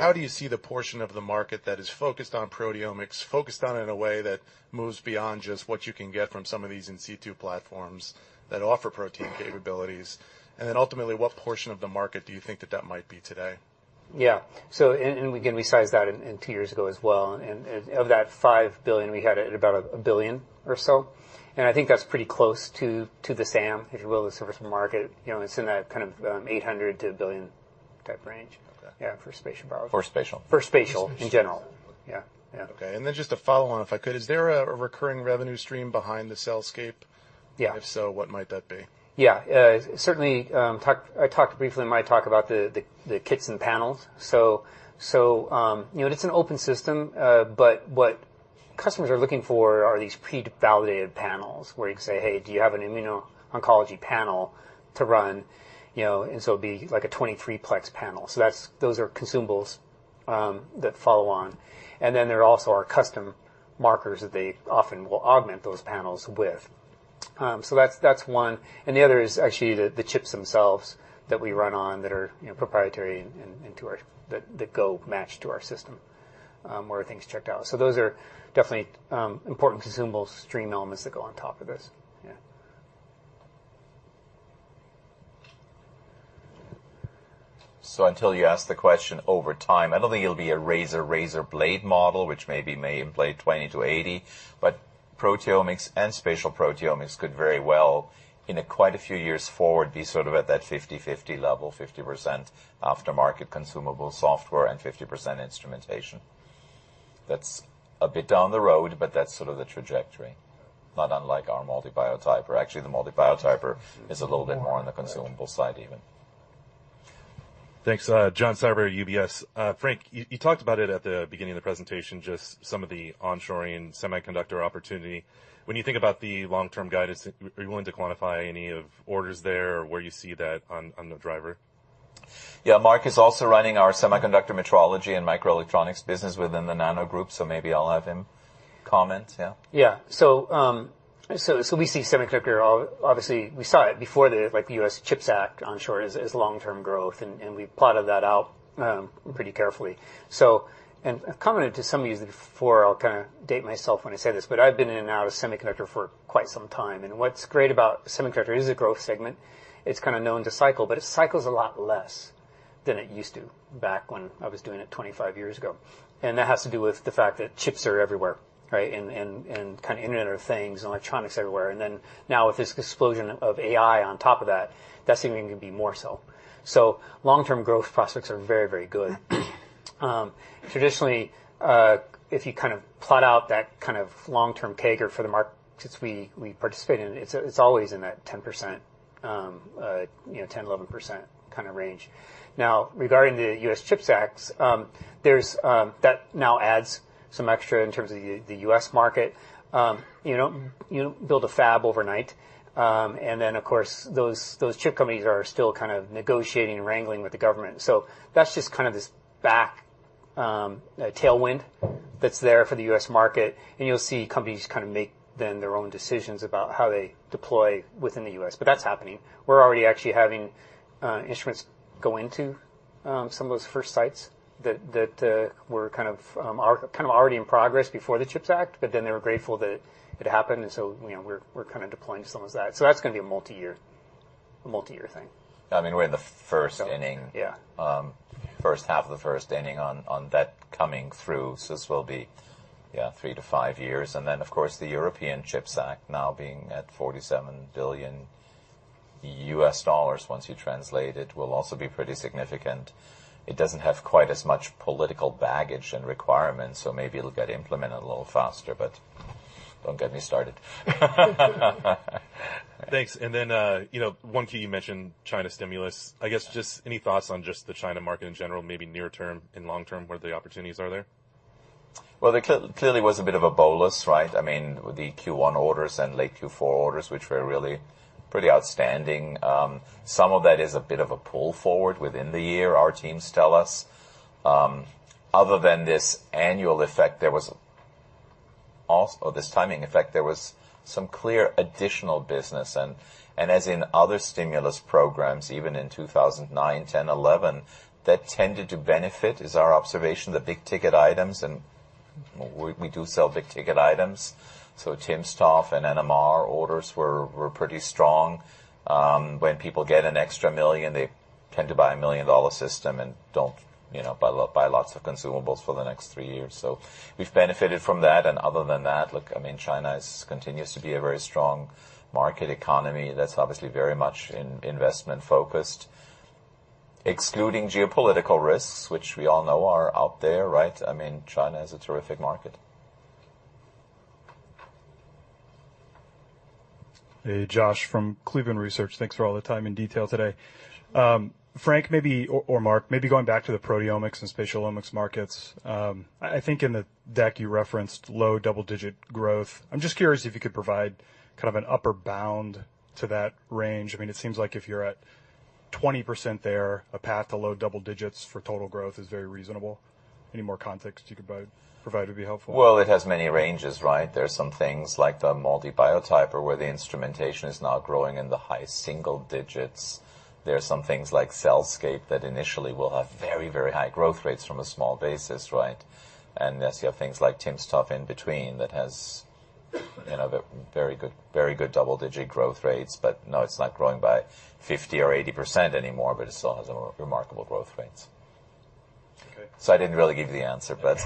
How do you see the portion of the market that is focused on proteomics, focused on it in a way that moves beyond just what you can get from some of these in situ platforms that offer protein capabilities? Ultimately, what portion of the market do you think that that might be today? Yeah. again, we sized that in two years ago as well, of that $5 billion, we had about $1 billion or so. I think that's pretty close to the SAM, if you will, the service market. You know, it's in that kind of, $800 million-$1 billion type range. Okay. Yeah, for spatial power. For spatial. For spatial in general. Spatial. Yeah. Yeah. Okay, then just a follow-on, if I could: Is there a recurring revenue stream behind the CellScape? Yeah. If so, what might that be? Certainly, I talked briefly in my talk about the kits and panels. You know, it's an open system, what customers are looking for are these pre-validated panels where you can say, "Hey, do you have an immuno-oncology panel to run?" You know, it'd be like a 23 plex panel. Those are consumables that follow on, and then there also are custom markers that they often will augment those panels with. That's one, and the other is actually the chips themselves that we run on, that are, you know, proprietary and to our That go match to our system, where everything's checked out. Those are definitely important consumable stream elements that go on top of this. Until you ask the question over time, I don't think it'll be a razor blade model, which may be may play 20-80, but proteomics and spatial proteomics could very well, in a quite a few years forward, be sort of at that 50-50 level, 50% aftermarket consumable software and 50% instrumentation. That's a bit down the road, but that's sort of the trajectory, not unlike our MALDI Biotyper. Actually, the MALDI Biotyper is a little bit more on the consumable side, even. Thanks. John Sourbeer, UBS. Frank, you talked about it at the beginning of the presentation, just some of the onshoring and semiconductor opportunity. When you think about the long-term guidance, are you willing to quantify any of orders there or where you see that on the driver? Mark is also running our semiconductor metrology and microelectronics business within the Nano Group, so maybe I'll have him comment. Yeah. Yeah. We see semiconductor obviously, we saw it before the, like, the U.S. Chips Act onshore as long-term growth, and we plotted that out pretty carefully. According to some of these before, I'll kind of date myself when I say this, but I've been in and out of semiconductor for quite some time, and what's great about semiconductor is it's a growth segment. It's kind of known to cycle, but it cycles a lot less than it used to back when I was doing it 25 years ago. That has to do with the fact that chips are everywhere, right? Kind of Internet of Things, electronics everywhere, and then now with this explosion of AI on top of that's even going to be more so. Long-term growth prospects are very, very good. Traditionally, if you kind of plot out that kind of long-term CAGR for the markets we participate in, it's always in that 10%, you know, 10%-11% kind of range. Regarding the US Chips Act, that now adds some extra in terms of the U.S. market. You don't build a fab overnight. Of course, those chip companies are still kind of negotiating and wrangling with the government. That's just kind of this a tailwind that's there for the U.S. market, and you'll see companies kind of make then their own decisions about how they deploy within the U.S. That's happening. We're already actually having instruments go into some of those first sites that were kind of, are kind of already in progress before the Chips Act. They were grateful that it happened. You know, we're kind of deploying some of that. That's gonna be a multi-year, multi-year thing. I mean, we're in the first inning. Yeah. First half of the first inning on that coming through. This will be, yeah, three to five years. Of course, the European Chips Act now being at $47 billion, once you translate it, will also be pretty significant. It doesn't have quite as much political baggage and requirements, so maybe it'll get implemented a little faster, but don't get me started. Thanks. You know, one key, you mentioned China stimulus. I guess just any thoughts on just the China market in general, maybe near term and long term, what the opportunities are there? Well, there clearly was a bit of a bolus, right? I mean, the Q1 orders and late Q4 orders, which were really pretty outstanding. Some of that is a bit of a pull forward within the year, our teams tell us. Other than this annual effect, or this timing effect, there was some clear additional business. As in other stimulus programs, even in 2009, 2010, 2011, that tended to benefit, is our observation, the big ticket items, and we do sell big ticket items. timsTOF and NMR orders were pretty strong. When people get an extra $1 million, they tend to buy a $1 million-dollar system and don't, you know, buy lots of consumables for the next three years. We've benefited from that, and other than that, look, I mean, China is, continues to be a very strong market economy that's obviously very much investment-focused. Excluding geopolitical risks, which we all know are out there, right? I mean, China is a terrific market. Hey, Josh from Cleveland Research. Thanks for all the time and detail today. Frank, maybe, or Mark, maybe going back to the proteomics and spatialomics markets, I think in the deck, you referenced low double-digit growth. I'm just curious if you could provide kind of an upper bound to that range. I mean, it seems like if you're at 20% there, a path to low double digits for total growth is very reasonable. Any more context you could provide would be helpful. Well, it has many ranges, right? There are some things like the MALDI Biotyper, where the instrumentation is now growing in the high single digits. There are some things like CellScape that initially will have very, very high growth rates from a small basis, right? There's, you have things like timsTOF in between that has, you know, very good, very good double-digit growth rates. No, it's not growing by 50% or 80% anymore. It still has a remarkable growth rates. Okay. I didn't really give you the answer. That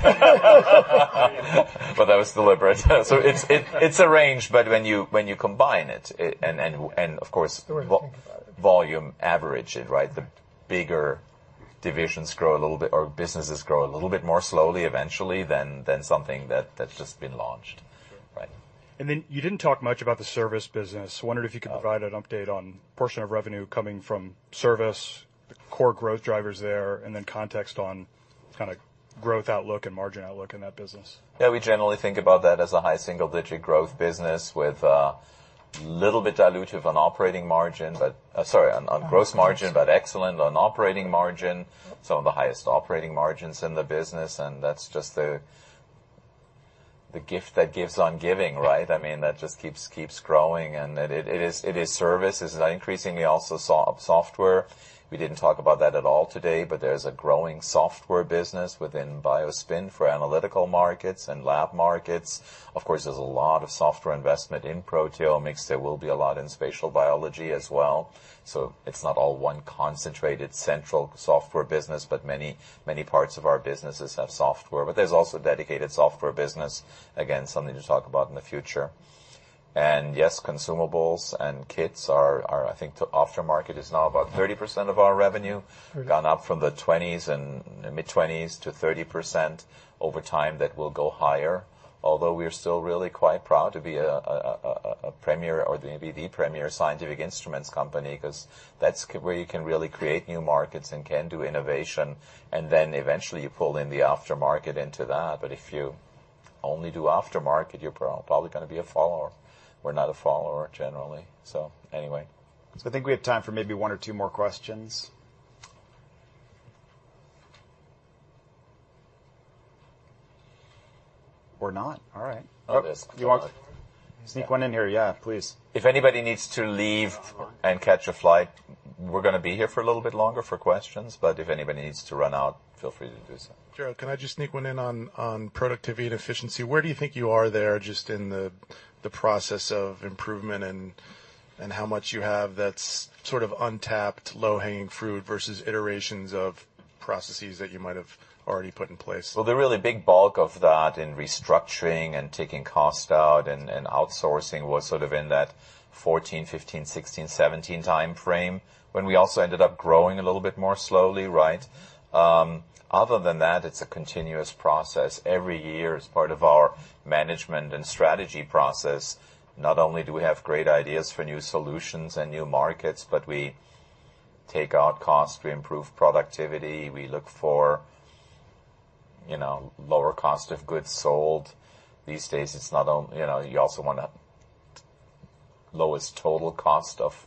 was deliberate. It's a range, but when you combine it, and of course- The way to think about it. Volume average it, right? The bigger divisions grow a little bit, or businesses grow a little bit more slowly eventually than something that's just been launched. Sure. Right. You didn't talk much about the service business. I wondered if you could provide an update on portion of revenue coming from service, the core growth drivers there, and then context on kind of growth outlook and margin outlook in that business. We generally think about that as a high single-digit growth business with a little bit dilutive on operating margin, on gross margin, but excellent on operating margin. That's just the gift that gives on giving, right? I mean, that just keeps growing and it is service. It is increasingly also software. We didn't talk about that at all today. There's a growing software business within BioSpin for analytical markets and lab markets. Of course, there's a lot of software investment in proteomics. There will be a lot in spatial biology as well. It's not all one concentrated central software business, but many parts of our businesses have software. There's also dedicated software business. Again, something to talk about in the future. Yes, consumables and kits are I think, the aftermarket is now about 30% of our revenue. Thirty. Gone up from the 20s and mid-20s to 30% over time. That will go higher, although we are still really quite proud to be a premier or maybe the premier scientific instruments company, because that's where you can really create new markets and can do innovation, and then eventually you pull in the aftermarket into that. But if you only do aftermarket, you're probably gonna be a follower. We're not a follower, generally. Anyway. I think we have time for maybe one or two more questions. Not. All right. Okay. You want to sneak one in here? Yeah, please. If anybody needs to leave and catch a flight, we're gonna be here for a little bit longer for questions, but if anybody needs to run out, feel free to do so. Gerald, can I just sneak one in on productivity and efficiency? Where do you think you are there, just in the process of improvement and how much you have that's sort of untapped, low-hanging fruit versus iterations of processes that you might have already put in place? The really big bulk of that in restructuring and taking cost out and outsourcing was sort of in that 14, 15, 16, 17 time frame, when we also ended up growing a little bit more slowly, right? Other than that, it's a continuous process. Every year, as part of our management and strategy process, not only do we have great ideas for new solutions and new markets, but we take out cost, we improve productivity, we look for, you know, lower cost of goods sold. These days, it's not you know, you also want to lowest total cost of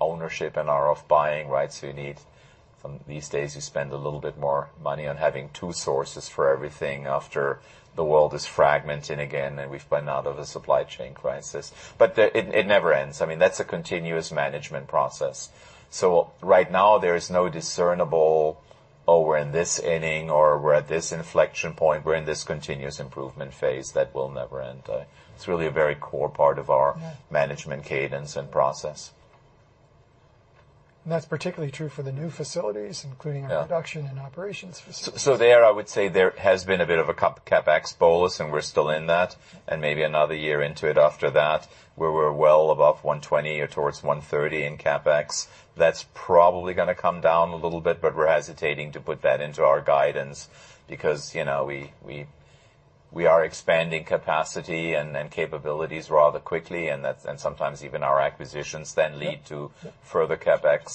ownership and our buying rights, we need these days, we spend a little bit more money on having two sources for everything after the world is fragmented again, and we've been out of a supply chain crisis. It never ends. I mean, that's a continuous management process. Right now there is no discernible, "Oh, we're in this inning," or, "We're at this inflection point. We're in this continuous improvement phase that will never end." It's really a very core part of. Yeah. management cadence and process. That's particularly true for the new facilities, including. Yeah our production and operations facilities. There, I would say there has been a bit of a CapEx bolus, and we're still in that, and maybe another year into it after that, where we're well above $120 or towards $130 in CapEx. That's probably gonna come down a little bit, but we're hesitating to put that into our guidance because, you know, we are expanding capacity and capabilities rather quickly, and that's. Sometimes even our acquisitions then lead to. Yeah further CapEx.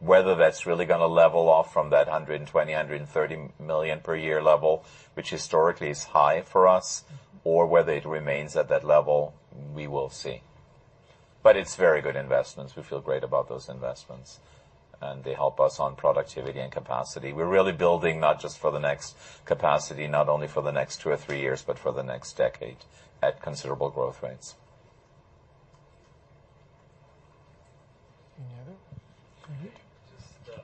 Whether that's really gonna level off from that $120 million-$130 million per year level, which historically is high for us, or whether it remains at that level, we will see. It's very good investments. We feel great about those investments, and they help us on productivity and capacity. We're really building not just for the next capacity, not only for the next two or three years, but for the next decade at considerable growth rates. Any other? Right here. Just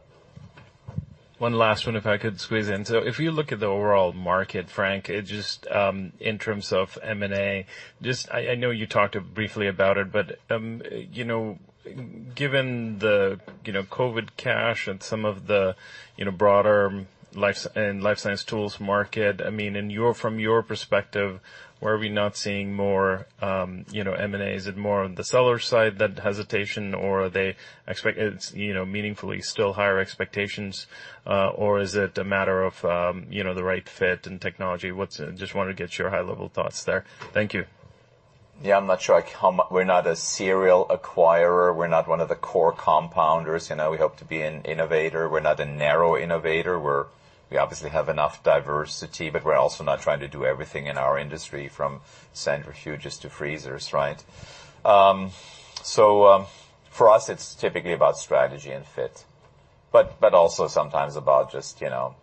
one last one, if I could squeeze in. If you look at the overall market, Frank, it just... In terms of M&A, just... I know you talked briefly about it, but, you know, given the, you know, COVID cash and some of the, you know, broader life and life science tools market, I mean, from your perspective, why are we not seeing more, you know, M&A? Is it more on the seller side, that hesitation, or are they expect, you know, meaningfully still higher expectations, or is it a matter of, you know, the right fit and technology? What's... Just wanted to get your high-level thoughts there. Thank you. Yeah, I'm not sure. We're not a serial acquirer. We're not one of the core compounders. You know, we hope to be an innovator. We're not a narrow innovator. We obviously have enough diversity, but we're also not trying to do everything in our industry, from centrifuges to freezers, right? For us, it's typically about strategy and fit, but also sometimes about just, you know,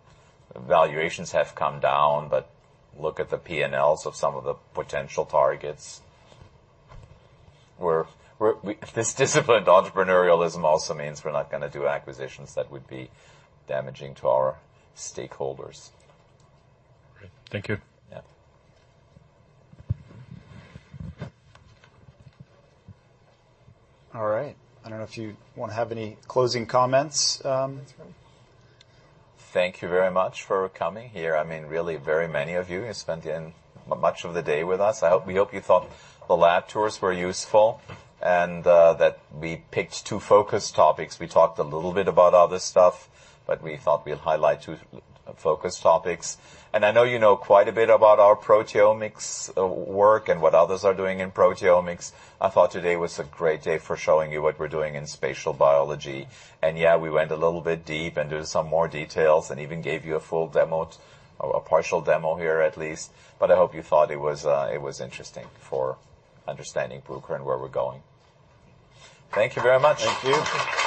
valuations have come down, but look at the PNLs of some of the potential targets. This disciplined entrepreneurialism also means we're not gonna do acquisitions that would be damaging to our stakeholders. Great. Thank you. Yeah. All right. I don't know if you want to have any closing comments, Frank? Thank you very much for coming here. I mean, really, very many of you have spent in much of the day with us. I hope, we hope you thought the lab tours were useful and that we picked two focused topics. We talked a little bit about other stuff, but we thought we'd highlight two focused topics. I know you know quite a bit about our proteomics work and what others are doing in proteomics. I thought today was a great day for showing you what we're doing in spatial biology. Yeah, we went a little bit deep into some more details and even gave you a full demo, a partial demo here at least, but I hope you thought it was interesting for understanding Bruker and where we're going. Thank you very much. Thank you.